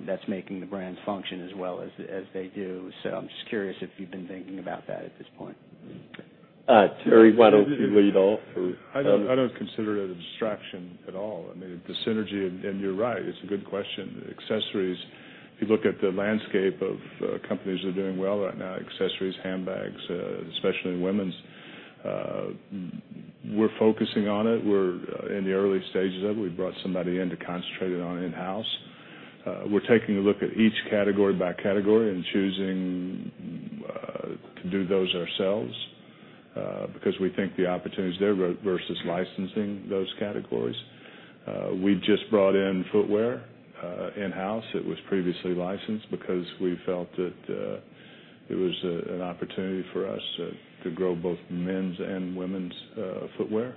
that's making the brands function as well as they do. I'm just curious if you've been thinking about that at this point. Terry, why don't you lead off? I don't consider it a distraction at all. I mean, the synergy, and you're right, it's a good question. Accessories, if you look at the landscape of companies that are doing well right now, accessories, handbags, especially in women's. We're focusing on it. We're in the early stages of it. We brought somebody in to concentrate it on in-house. We're taking a look at each category by category and choosing to do those ourselves because we think the opportunities there versus licensing those categories. We just brought in footwear in-house, it was previously licensed because we felt that it was an opportunity for us to grow both men's and women's footwear.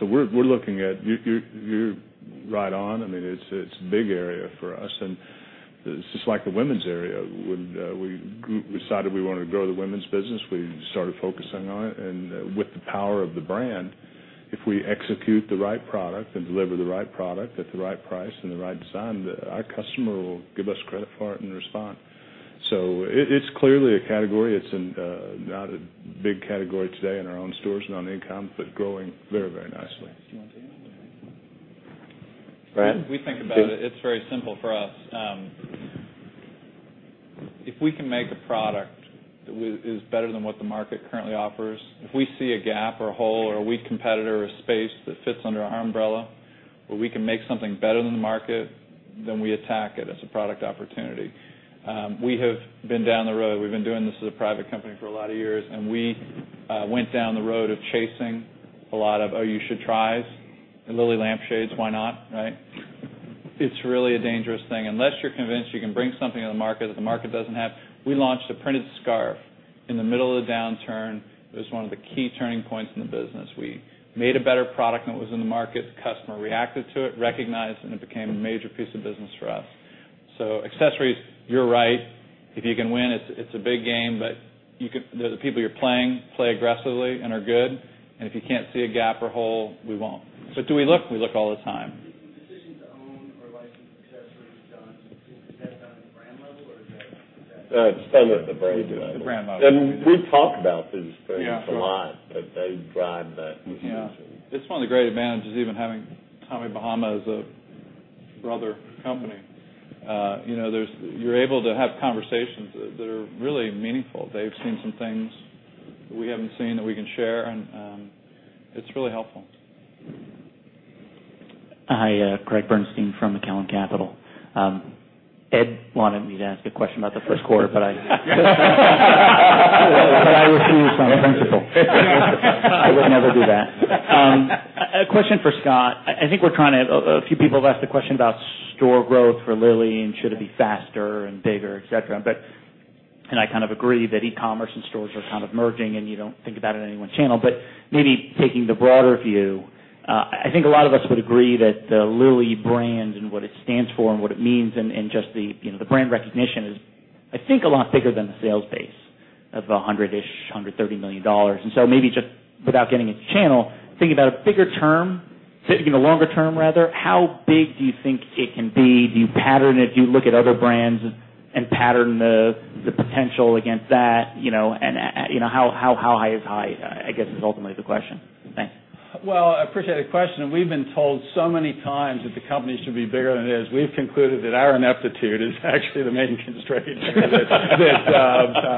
We're looking at. You're right on. It's a big area for us, and it's just like the women's area. When we decided we wanted to grow the women's business, we started focusing on it. With the power of the brand, if we execute the right product and deliver the right product at the right price and the right design, our customer will give us credit for it and respond. It's clearly a category. It's not a big category today in our own stores and on e-com, but growing very, very nicely. Do you want to take that one, Brad? Bryan. We think about it's very simple for us. If we can make a product that is better than what the market currently offers, if we see a gap or a hole or a weak competitor or space that fits under our umbrella. Where we can make something better than the market, we attack it as a product opportunity. We have been down the road. We've been doing this as a private company for a lot of years, and we went down the road of chasing a lot of, "Oh, you should tries." Lilly lampshades, why not, right? It's really a dangerous thing. Unless you're convinced you can bring something to the market that the market doesn't have. We launched a printed scarf in the middle of the downturn. It was one of the key turning points in the business. We made a better product than what was in the market. The customer reacted to it, recognized, and it became a major piece of business for us. Accessories, you're right. If you can win, it's a big game, but the people you're playing play aggressively and are good, and if you can't see a gap or hole, we won't. Do we look? We look all the time. The decision to own or license accessories is done on a brand level. It's done at the brand level. The brand level. We talk about these things a lot, but they drive that decision. Yeah. It is one of the great advantages even having Tommy Bahama as a brother company. You are able to have conversations that are really meaningful. They have seen some things we haven't seen that we can share, and it is really helpful. Hi, Craig Bernstein from Sass-Macellin. Ed wanted me to ask a question about the first quarter, I refuse on principle. I would never do that. A question for Scott. A few people have asked a question about store growth for Lilly and should it be faster and bigger, et cetera. I kind of agree that e-commerce and stores are kind of merging, and you do not think about it in any one channel, but maybe taking the broader view, I think a lot of us would agree that the Lilly brand and what it stands for and what it means and just the brand recognition is, I think, a lot bigger than the sales base of $100-ish, $130 million. Maybe just without getting into channel, thinking about a bigger term, thinking a longer term rather, how big do you think it can be? Do you pattern it? Do you look at other brands and pattern the potential against that? How high is high, I guess, is ultimately the question. Thanks. Well, I appreciate the question, we have been told so many times that the company should be bigger than it is. We have concluded that our ineptitude is actually the main constraint here.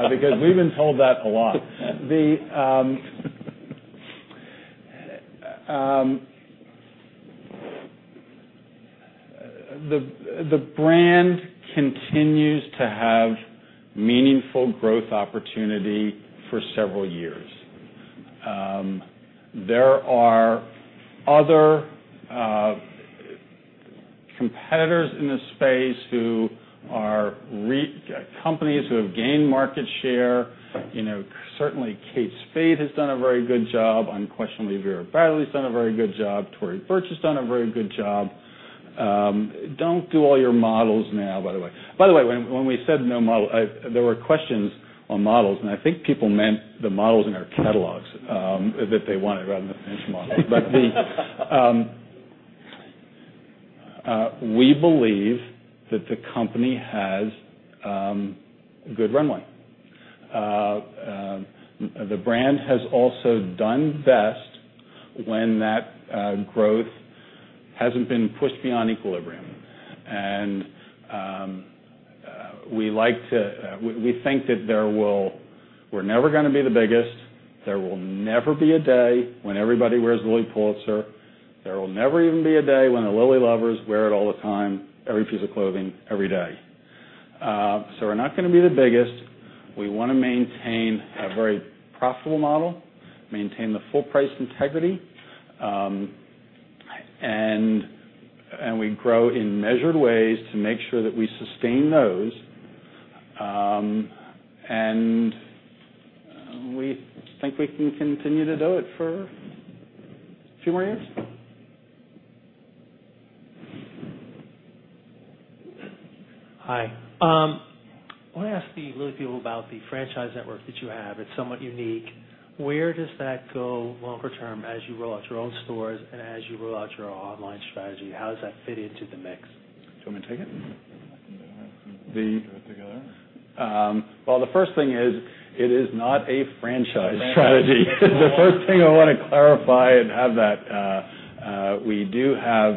We have been told that a lot. The brand continues to have meaningful growth opportunity for several years. There are other competitors in this space who are companies who have gained market share. Certainly Kate Spade has done a very good job. Unquestionably, Vera Bradley's done a very good job. Tory Burch has done a very good job. Do not do all your models now, by the way. By the way, when we said no model, there were questions on models, and I think people meant the models in our catalogs that they wanted rather than the financial model. We believe that the company has good runway. The brand has also done best when that growth hasn't been pushed beyond equilibrium. We think that we're never gonna be the biggest. There will never be a day when everybody wears Lilly Pulitzer. There will never even be a day when the Lilly lovers wear it all the time, every piece of clothing, every day. We're not gonna be the biggest. We wanna maintain a very profitable model, maintain the full price integrity. We grow in measured ways to make sure that we sustain those. We think we can continue to do it for a few more years. Hi. I want to ask the Lilly people about the franchise network that you have. It's somewhat unique. Where does that go longer term as you roll out your own stores and as you roll out your online strategy, how does that fit into the mix? Do you want me to take it? We can do it together. Well, the first thing is, it is not a franchise strategy. The first thing I want to clarify and have that. We do have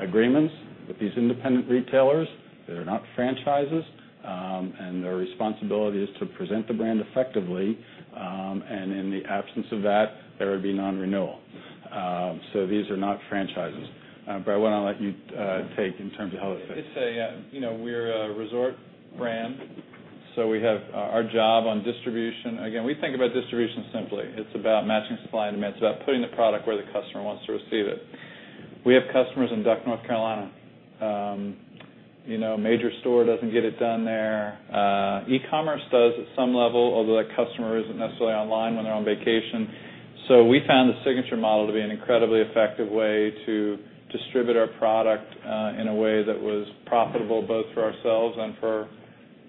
agreements with these independent retailers. They're not franchises, and their responsibility is to present the brand effectively. In the absence of that, there would be non-renewal. These are not franchises. Brad, why don't I let you take in terms of how it fits. We're a resort brand, our job on distribution. Again, we think about distribution simply. It's about matching supply and demand. It's about putting the product where the customer wants to receive it. We have customers in Duck, North Carolina. A major store doesn't get it done there. e-commerce does at some level, although that customer isn't necessarily online when they're on vacation. We found the signature model to be an incredibly effective way to distribute our product, in a way that was profitable both for ourselves and for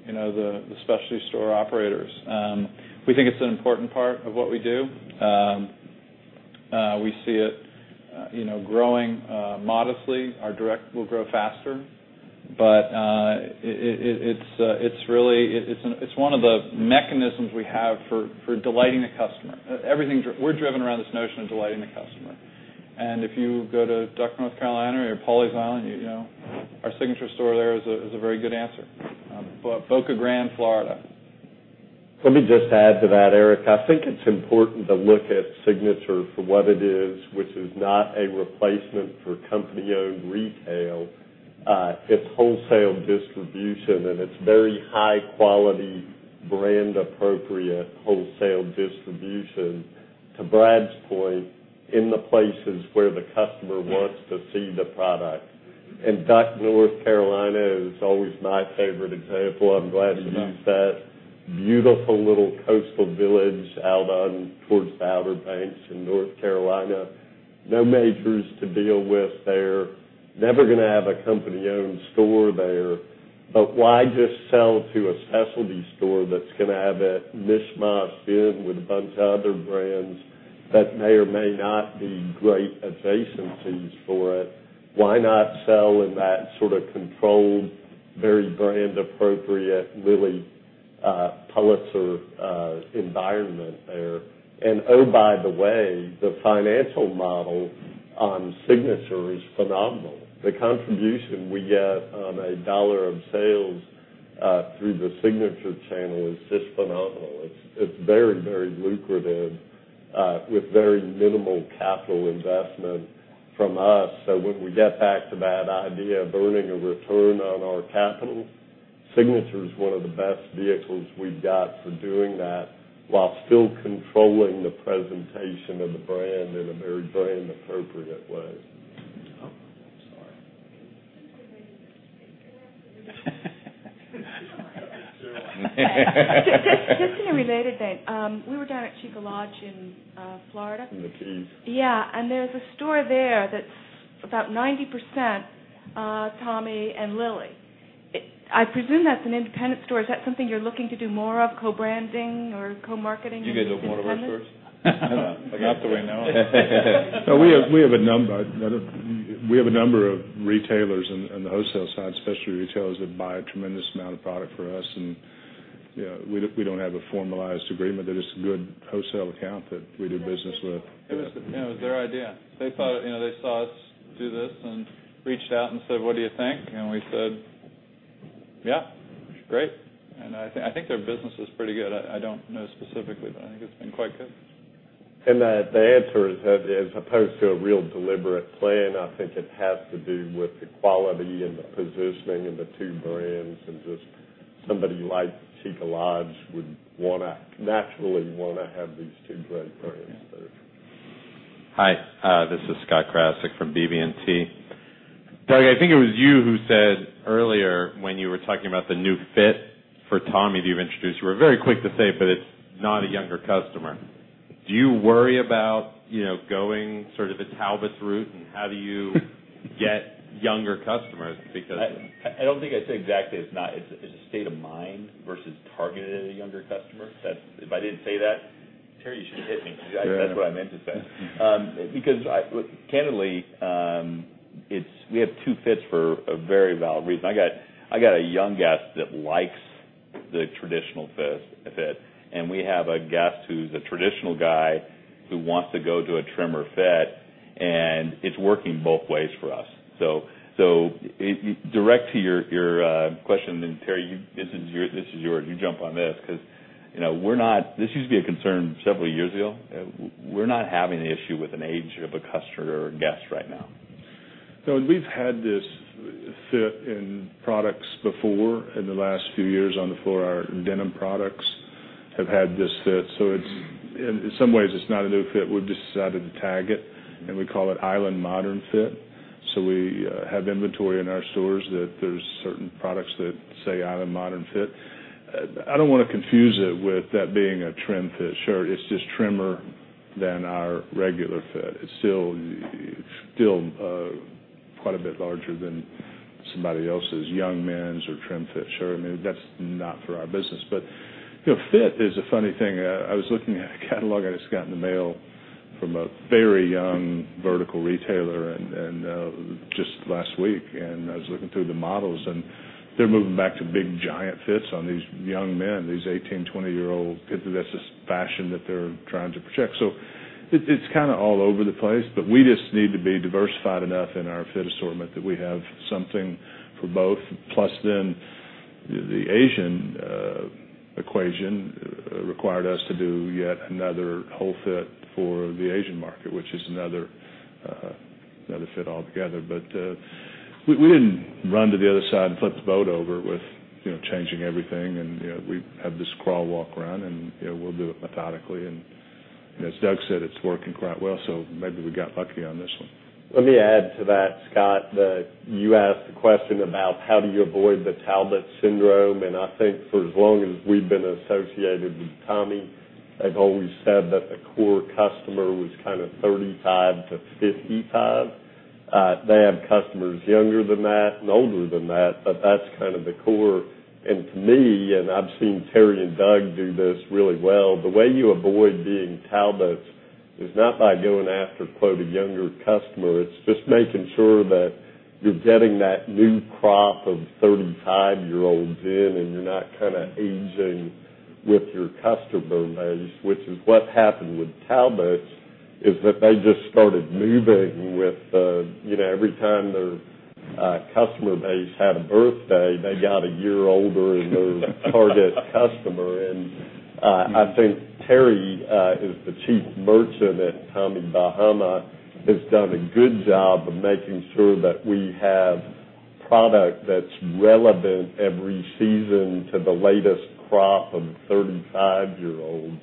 the specialty store operators. We think it's an important part of what we do. We see it growing modestly. Our direct will grow faster. It's one of the mechanisms we have for delighting the customer. We're driven around this notion of delighting the customer. If you go to Duck, North Carolina or Pawleys Island, our signature store there is a very good answer. Boca Grande, Florida Let me just add to that, Eric. I think it's important to look at Signature for what it is, which is not a replacement for company-owned retail. It's wholesale distribution, it's very high quality, brand appropriate, wholesale distribution, to Brad's point, in the places where the customer wants to see the product. Duck, North Carolina is always my favorite example. I'm glad you used that. Beautiful little coastal village out towards the Outer Banks in North Carolina. No majors to deal with there. Never going to have a company-owned store there. Why just sell to a specialty store that's going to have it mishmashed in with a bunch of other brands that may or may not be great adjacencies for it? Why not sell in that sort of controlled, very brand appropriate, Lilly Pulitzer environment there? Oh, by the way, the financial model on Signature is phenomenal. The contribution we get on a $1 of sales through the Signature channel is just phenomenal. It's very lucrative, with very minimal capital investment from us. When we get back to that idea of earning a return on our capital, Signature is one of the best vehicles we've got for doing that while still controlling the presentation of the brand in a very brand appropriate way. Oh, I'm sorry. Just in a related thing, we were down at Cheeca Lodge in Florida. In the Keys. Yeah, there's a store there that's about 90% Tommy and Lilly. I presume that's an independent store. Is that something you're looking to do more of, co-branding or co-marketing with independents? You guys opened one of our stores? Not that we know of. We have a number of retailers on the wholesale side, specialty retailers that buy a tremendous amount of product from us. We don't have a formalized agreement. They're just a good wholesale account that we do business with. It was their idea. They thought they saw us do this and reached out and said, "What do you think?" We said, "Yeah, great." I think their business is pretty good. I don't know specifically, but I think it's been quite good. The answer is that as opposed to a real deliberate plan, I think it has to do with the quality and the positioning of the two brands and just somebody like Cheeca Lodge would naturally want to have these two great brands there. Hi, this is Scott Krasik from BB&T. Doug, I think it was you who said earlier when you were talking about the new fit for Tommy that you've introduced, you were very quick to say, but it's not a younger customer. Do you worry about going sort of the Talbots route, how do you get younger customers? I don't think I said exactly it's not. It's a state of mind versus targeted at a younger customer. If I didn't say that, Terry, you should hit me, because that's what I meant to say. Candidly, we have two fits for a very valid reason. I got a young guest that likes the traditional fit. We have a guest who's a traditional guy who wants to go to a trimmer fit, and it's working both ways for us. Direct to your question then, Terry, this is yours. You jump on this because this used to be a concern several years ago. We're not having the issue with an age of a customer or a guest right now. We've had this fit in products before in the last few years on the floor. Our denim products have had this fit, so in some ways it's not a new fit. We've just decided to tag it, and we call it Island Modern Fit. We have inventory in our stores that there's certain products that say Island Modern Fit. I don't want to confuse it with that being a trim fit shirt. It's just trimmer than our regular fit. It's still quite a bit larger than somebody else's young men's or trim fit shirt. I mean, that's not for our business, but fit is a funny thing. I was looking at a catalog I just got in the mail from a very young vertical retailer just last week, and I was looking through the models, and they're moving back to big giant fits on these young men, these 18, 20-year-old kids. That's just fashion that they're trying to project. It's kind of all over the place, but we just need to be diversified enough in our fit assortment that we have something for both. The Asian equation required us to do yet another whole fit for the Asian market, which is another fit altogether. We didn't run to the other side and flip the boat over with changing everything, and we have this crawl, walk, run, and we'll do it methodically. As Doug said, it's working quite well, so maybe we got lucky on this one. Let me add to that, Scott, that you asked the question about how do you avoid the Talbots syndrome, and I think for as long as we've been associated with Tommy, they've always said that the core customer was kind of 35 to 55. They have customers younger than that and older than that, but that's kind of the core. To me, and I've seen Terry and Doug do this really well, the way you avoid being Talbots is not by going after quote, "A younger customer." It's just making sure that you're getting that new crop of 35-year-olds in and you're not kind of aging with your customer base, which is what happened with Talbots, is that they just started moving with every time their customer base had a birthday. They got a year older and their target customer. I think Terry is the chief merchant at Tommy Bahama, has done a good job of making sure that we have product that's relevant every season to the latest crop of 35-year-olds.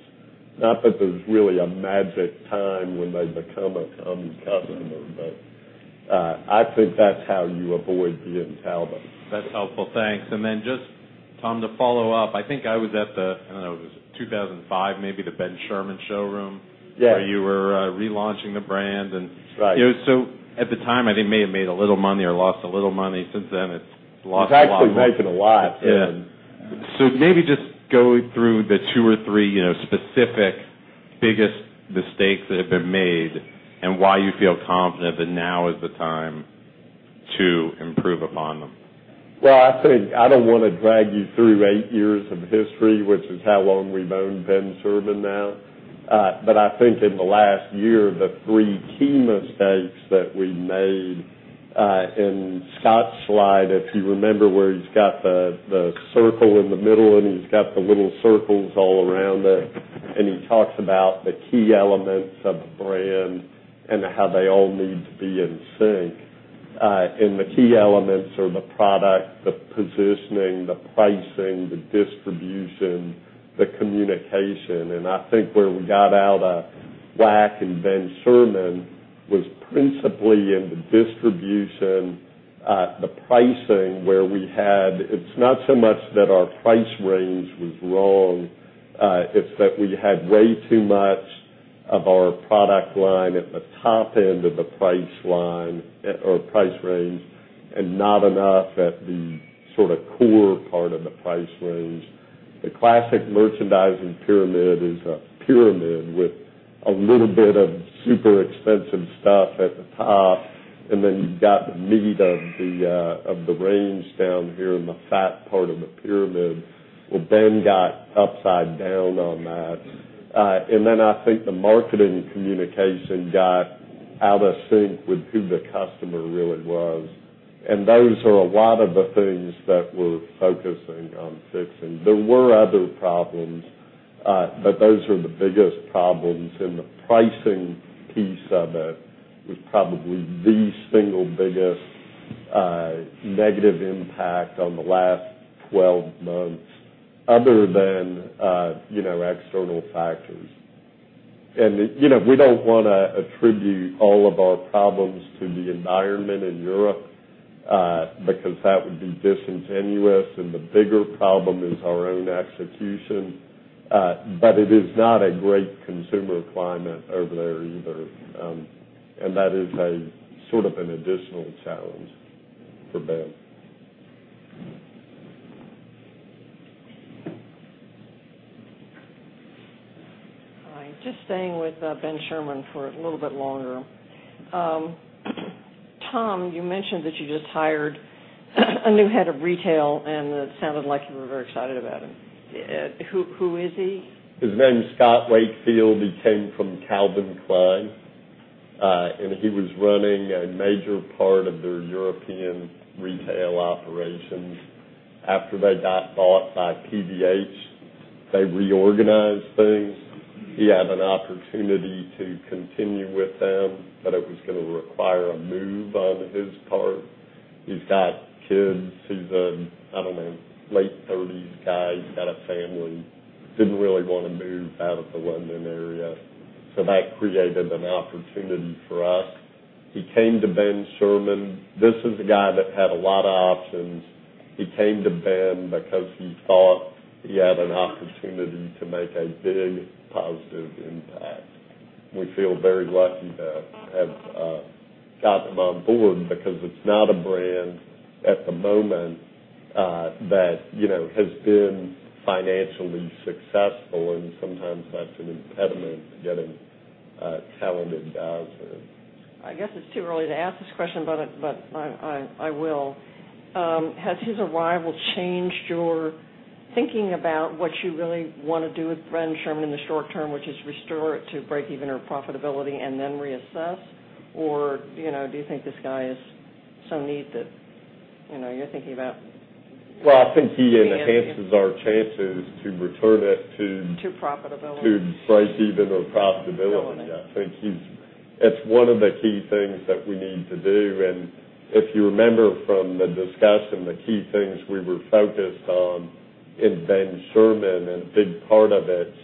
Not that there's really a magic time when they become a Tommy customer, but I think that's how you avoid being Talbots. That's helpful. Thanks. Just, Tom, to follow up, I think I was at the, I don't know, it was 2005, maybe, the Ben Sherman showroom. Yes. Where you were relaunching the brand. Right. At the time, I think may have made a little money or lost a little money. Since then, it's lost- It's actually making a lot. Yeah. Maybe just go through the two or three specific biggest mistakes that have been made, and why you feel confident that now is the time to improve upon them. Well, I think I don't want to drag you through eight years of history, which is how long we've owned Ben Sherman now. I think in the last year, the three key mistakes that we made, in Scott's slide, if you remember where he's got the circle in the middle, and he's got the little circles all around it, he talks about the key elements of the brand and how they all need to be in sync. The key elements are the product, the positioning, the pricing, the distribution, the communication, and I think where we got out of whack in Ben Sherman was principally in the distribution. It's not so much that our price range was wrong, it's that we had way too much of our product line at the top end of the price range and not enough at the core part of the price range. The classic merchandising pyramid is a pyramid with a little bit of super expensive stuff at the top, and then you've got the meat of the range down here in the fat part of the pyramid. Well, Ben got upside down on that. Then I think the marketing communication got out of sync with who the customer really was, and those are a lot of the things that we're focusing on fixing. There were other problems, but those are the biggest problems, and the pricing piece of it was probably the single biggest negative impact on the last 12 months, other than external factors. We don't want to attribute all of our problems to the environment in Europe, because that would be disingenuous, and the bigger problem is our own execution. It is not a great consumer climate over there either, and that is an additional challenge for Ben. Hi. Just staying with Ben Sherman for a little bit longer. Tom, you mentioned that you just hired a new head of retail, and it sounded like you were very excited about him. Who is he? His name is Scott Wakefield. He came from Calvin Klein, and he was running a major part of their European retail operations. After they got bought by PVH, they reorganized things. He had an opportunity to continue with them, but it was going to require a move on his part. He's got kids. He's a, I don't know, late 30s guy. He's got a family. That created an opportunity for us. He came to Ben Sherman. This is a guy that had a lot of options. He came to Ben because he thought he had an opportunity to make a big positive impact. We feel very lucky to have gotten him on board because it's not a brand at the moment that has been financially successful, and sometimes that's an impediment to getting talented guys in. I guess it's too early to ask this question, but I will. Has his arrival changed your thinking about what you really want to do with Ben Sherman in the short term, which is restore it to break even, or profitability and then reassess? Do you think this guy is so neat that you're thinking about- Well, I think he enhances our chances to return it to- To profitability to break even or profitability. Okay. It's one of the key things that we need to do, and if you remember from the discussion, the key things we were focused on in Ben Sherman, and a big part of it's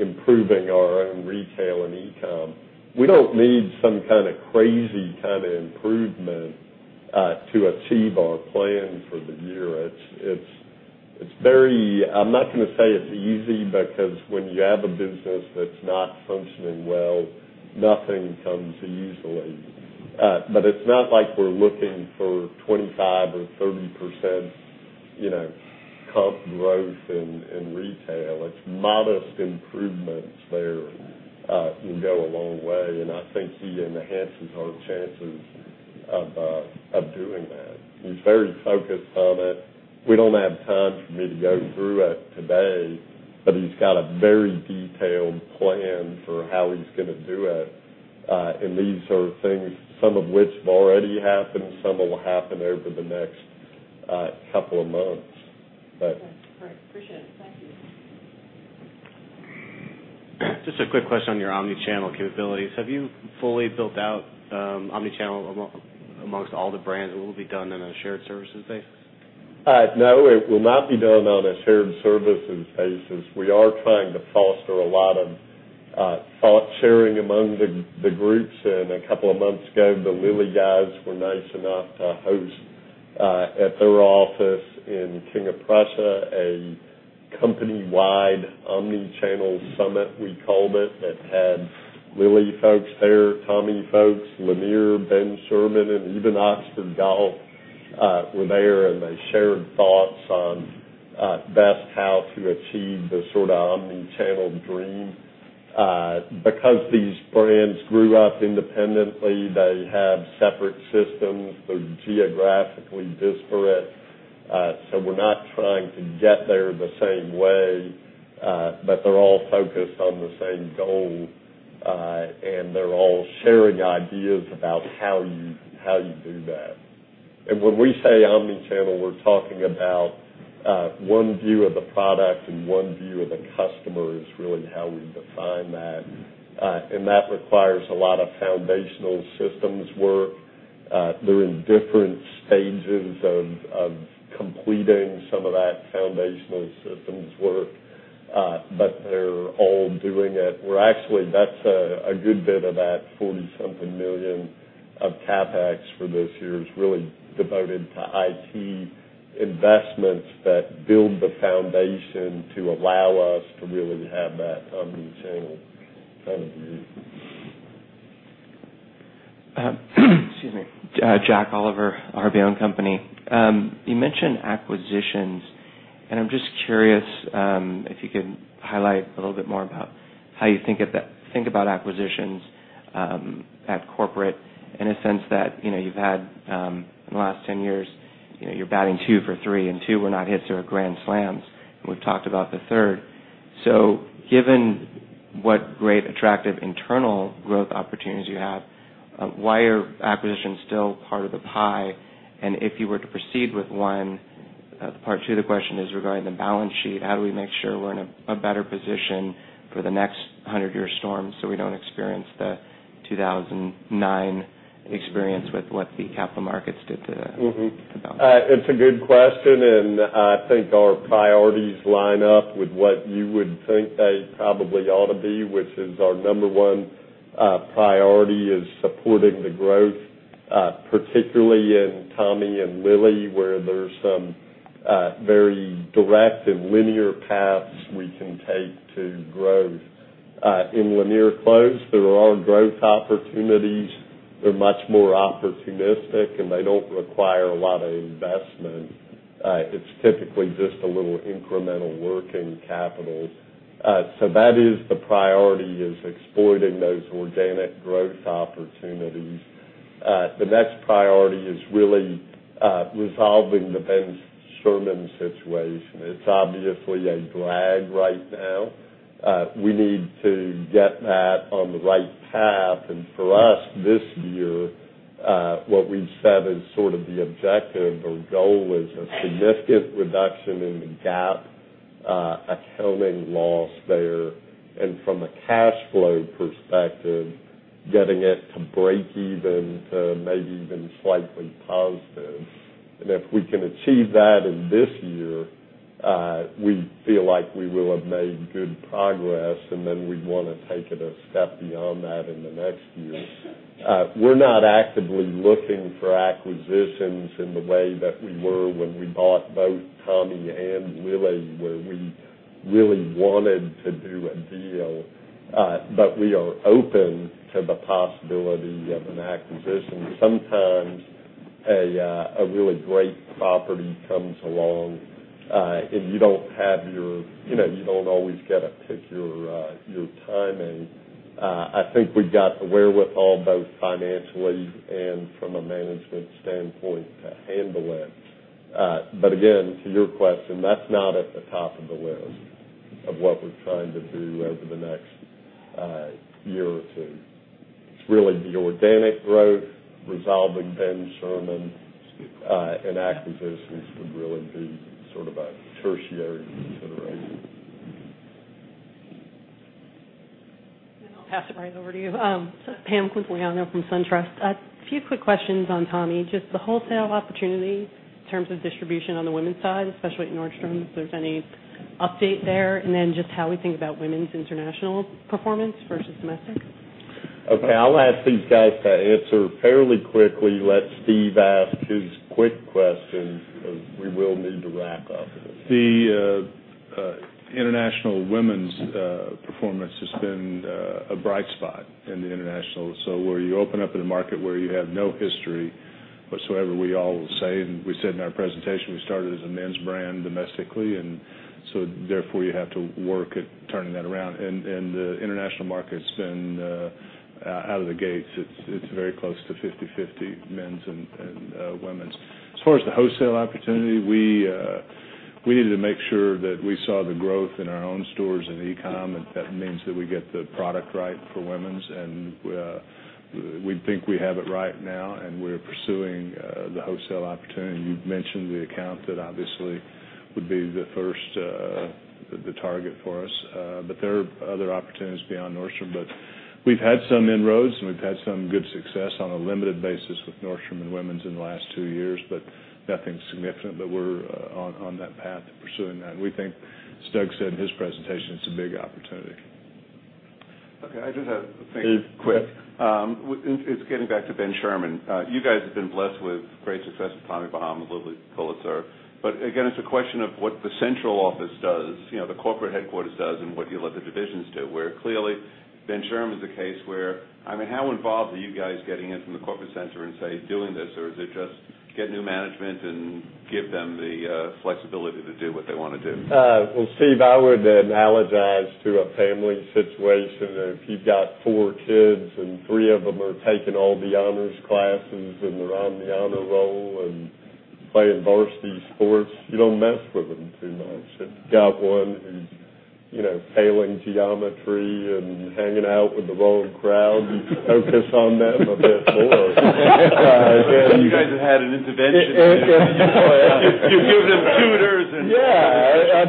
improving our own retail and e-com. We don't need some kind of crazy improvement to achieve our plan for the year. I'm not going to say it's easy, because when you have a business that's not functioning well, nothing comes easily. It's not like we're looking for 25% or 30% comp growth in retail. It's modest improvements there can go a long way. I think he enhances our chances of doing that. He's very focused on it. We don't have time for me to go through it today, but he's got a very detailed plan for how he's going to do it. These are things, some of which have already happened, some will happen over the next couple of months. Great. Appreciate it. Thank you. Just a quick question on your omni-channel capabilities. Have you fully built out omni-channel amongst all the brands, or will it be done on a shared services basis? No, it will not be done on a shared services basis. We are trying to foster a lot of thought sharing among the groups. A couple of months ago, the Lilly guys were nice enough to host at their office in King of Prussia, a company-wide omni-channel summit, we called it, that had Lilly folks there, Tommy folks, Lanier, Ben Sherman, and even Oxford Golf were there, and they shared thoughts on best how to achieve the omni-channel dream. These brands grew up independently, they have separate systems. They're geographically disparate. We're not trying to get there the same way, but they're all focused on the same goal. They're all sharing ideas about how you do that. When we say omni-channel, we're talking about one view of the product and one view of the customer is really how we define that. That requires a lot of foundational systems work. They're in different stages of completing some of that foundational systems work. They're all doing it. Actually, that's a good bit of that $40-something million of CapEx for this year is really devoted to IT investments that build the foundation to allow us to really have that omni-channel kind of view. Excuse me. Jack Oliver, RBO & Co. You mentioned acquisitions. I'm just curious if you could highlight a little bit more about how you think about acquisitions at corporate in a sense that you've had in the last 10 years, you're batting two for three, and two were not hits or grand slams, and we've talked about the third. Given what great attractive internal growth opportunities you have, why are acquisitions still part of the pie? If you were to proceed with one, part two of the question is regarding the balance sheet. How do we make sure we're in a better position for the next 100-year storm so we don't experience the 2009 experience with what the capital markets did to the balance sheet? It's a good question. I think our priorities line up with what you would think they probably ought to be, which is our number 1 priority is supporting the growth, particularly in Tommy and Lilly, where there's some very direct and linear paths we can take to growth. In Lanier Clothes, there are growth opportunities. They're much more opportunistic, and they don't require a lot of investment. It's typically just a little incremental working capital. That is the priority is exploiting those organic growth opportunities. The next priority is really resolving the Ben Sherman situation. It's obviously a drag right now. We need to get that on the right path. For us this year, what we've said is sort of the objective or goal is a significant reduction in the GAAP accounting loss there. From a cash flow perspective, getting it to break even to maybe even slightly positive. If we can achieve that in this year, we feel like we will have made good progress and then we'd want to take it a step beyond that in the next year. We're not actively looking for acquisitions in the way that we were when we bought both Tommy and Lilly, where we really wanted to do a deal. We are open to the possibility of an acquisition. Sometimes a really great property comes along, and you don't always get to pick your timing. I think we've got the wherewithal, both financially and from a management standpoint, to handle it. Again, to your question, that's not at the top of the list of what we're trying to do over the next year or two. It's really the organic growth, resolving Ben Sherman, and acquisitions would really be sort of a tertiary consideration. I'll pass it right over to you. Pamela Quintiliano from SunTrust. A few quick questions on Tommy, just the wholesale opportunity in terms of distribution on the women's side, especially at Nordstrom, if there's any update there, just how we think about women's international performance versus domestic. Okay. I'll ask these guys to answer fairly quickly, let Steve ask his quick questions, because we will need to wrap up in a minute. The international women's performance has been a bright spot in the international. Where you open up in a market where you have no history whatsoever, we all say, and we said in our presentation, we started as a men's brand domestically. Therefore, you have to work at turning that around. The international market's been out of the gates, it's very close to 50/50, men's and women's. As far as the wholesale opportunity, we needed to make sure that we saw the growth in our own stores and e-com, and that means that we get the product right for women's. We think we have it right now, and we're pursuing the wholesale opportunity. You've mentioned the account that obviously would be the first target for us. There are other opportunities beyond Nordstrom. We've had some inroads, and we've had some good success on a limited basis with Nordstrom and women's in the last two years, but nothing significant. We're on that path to pursuing that. We think, as Doug said in his presentation, it's a big opportunity. Okay. I just have a thing quick. It's getting back to Ben Sherman. You guys have been blessed with great success with Tommy Bahama, Lilly Pulitzer. Again, it's a question of what the central office does, the corporate headquarters does, and what you let the divisions do. Where clearly, Ben Sherman's a case where, how involved are you guys getting in from the corporate center and, say, doing this? Is it just get new management and give them the flexibility to do what they want to do? Well, Steve, I would analogize to a family situation. If you've got four kids, and three of them are taking all the honors classes and they're on the honor roll and playing varsity sports, you don't mess with them too much. If you've got one who's failing geometry and hanging out with the wrong crowd. You focus on them a bit more. You guys have had an intervention. You give them tutors and. Yeah.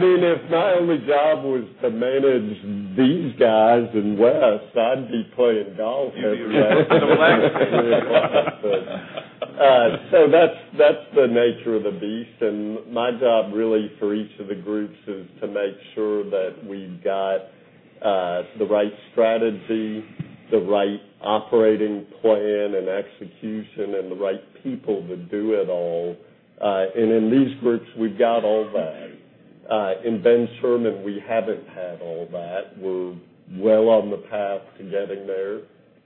If my only job was to manage these guys and Wes, I'd be playing golf every day. Relaxing. That's the nature of the beast. My job really for each of the groups is to make sure that we've got the right strategy, the right operating plan and execution, and the right people to do it all. In these groups, we've got all that. In Ben Sherman, we haven't had all that. We're well on the path to getting there,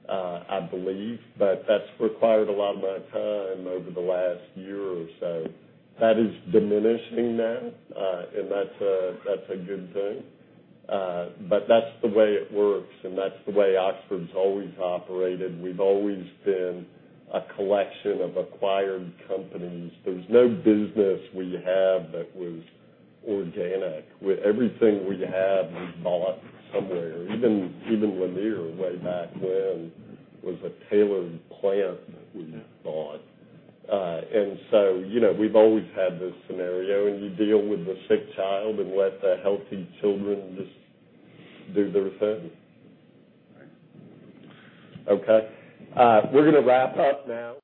I believe. That's required a lot of my time over the last year or so. That is diminishing now, and that's a good thing. That's the way it works, and that's the way Oxford's always operated. We've always been a collection of acquired companies. There's no business we have that was organic. With everything we have, we bought somewhere. Even Lanier, way back when, was a tailored plant that we bought. We've always had this scenario, and you deal with the sick child and let the healthy children just do their thing. All right. Okay. We're going to wrap up now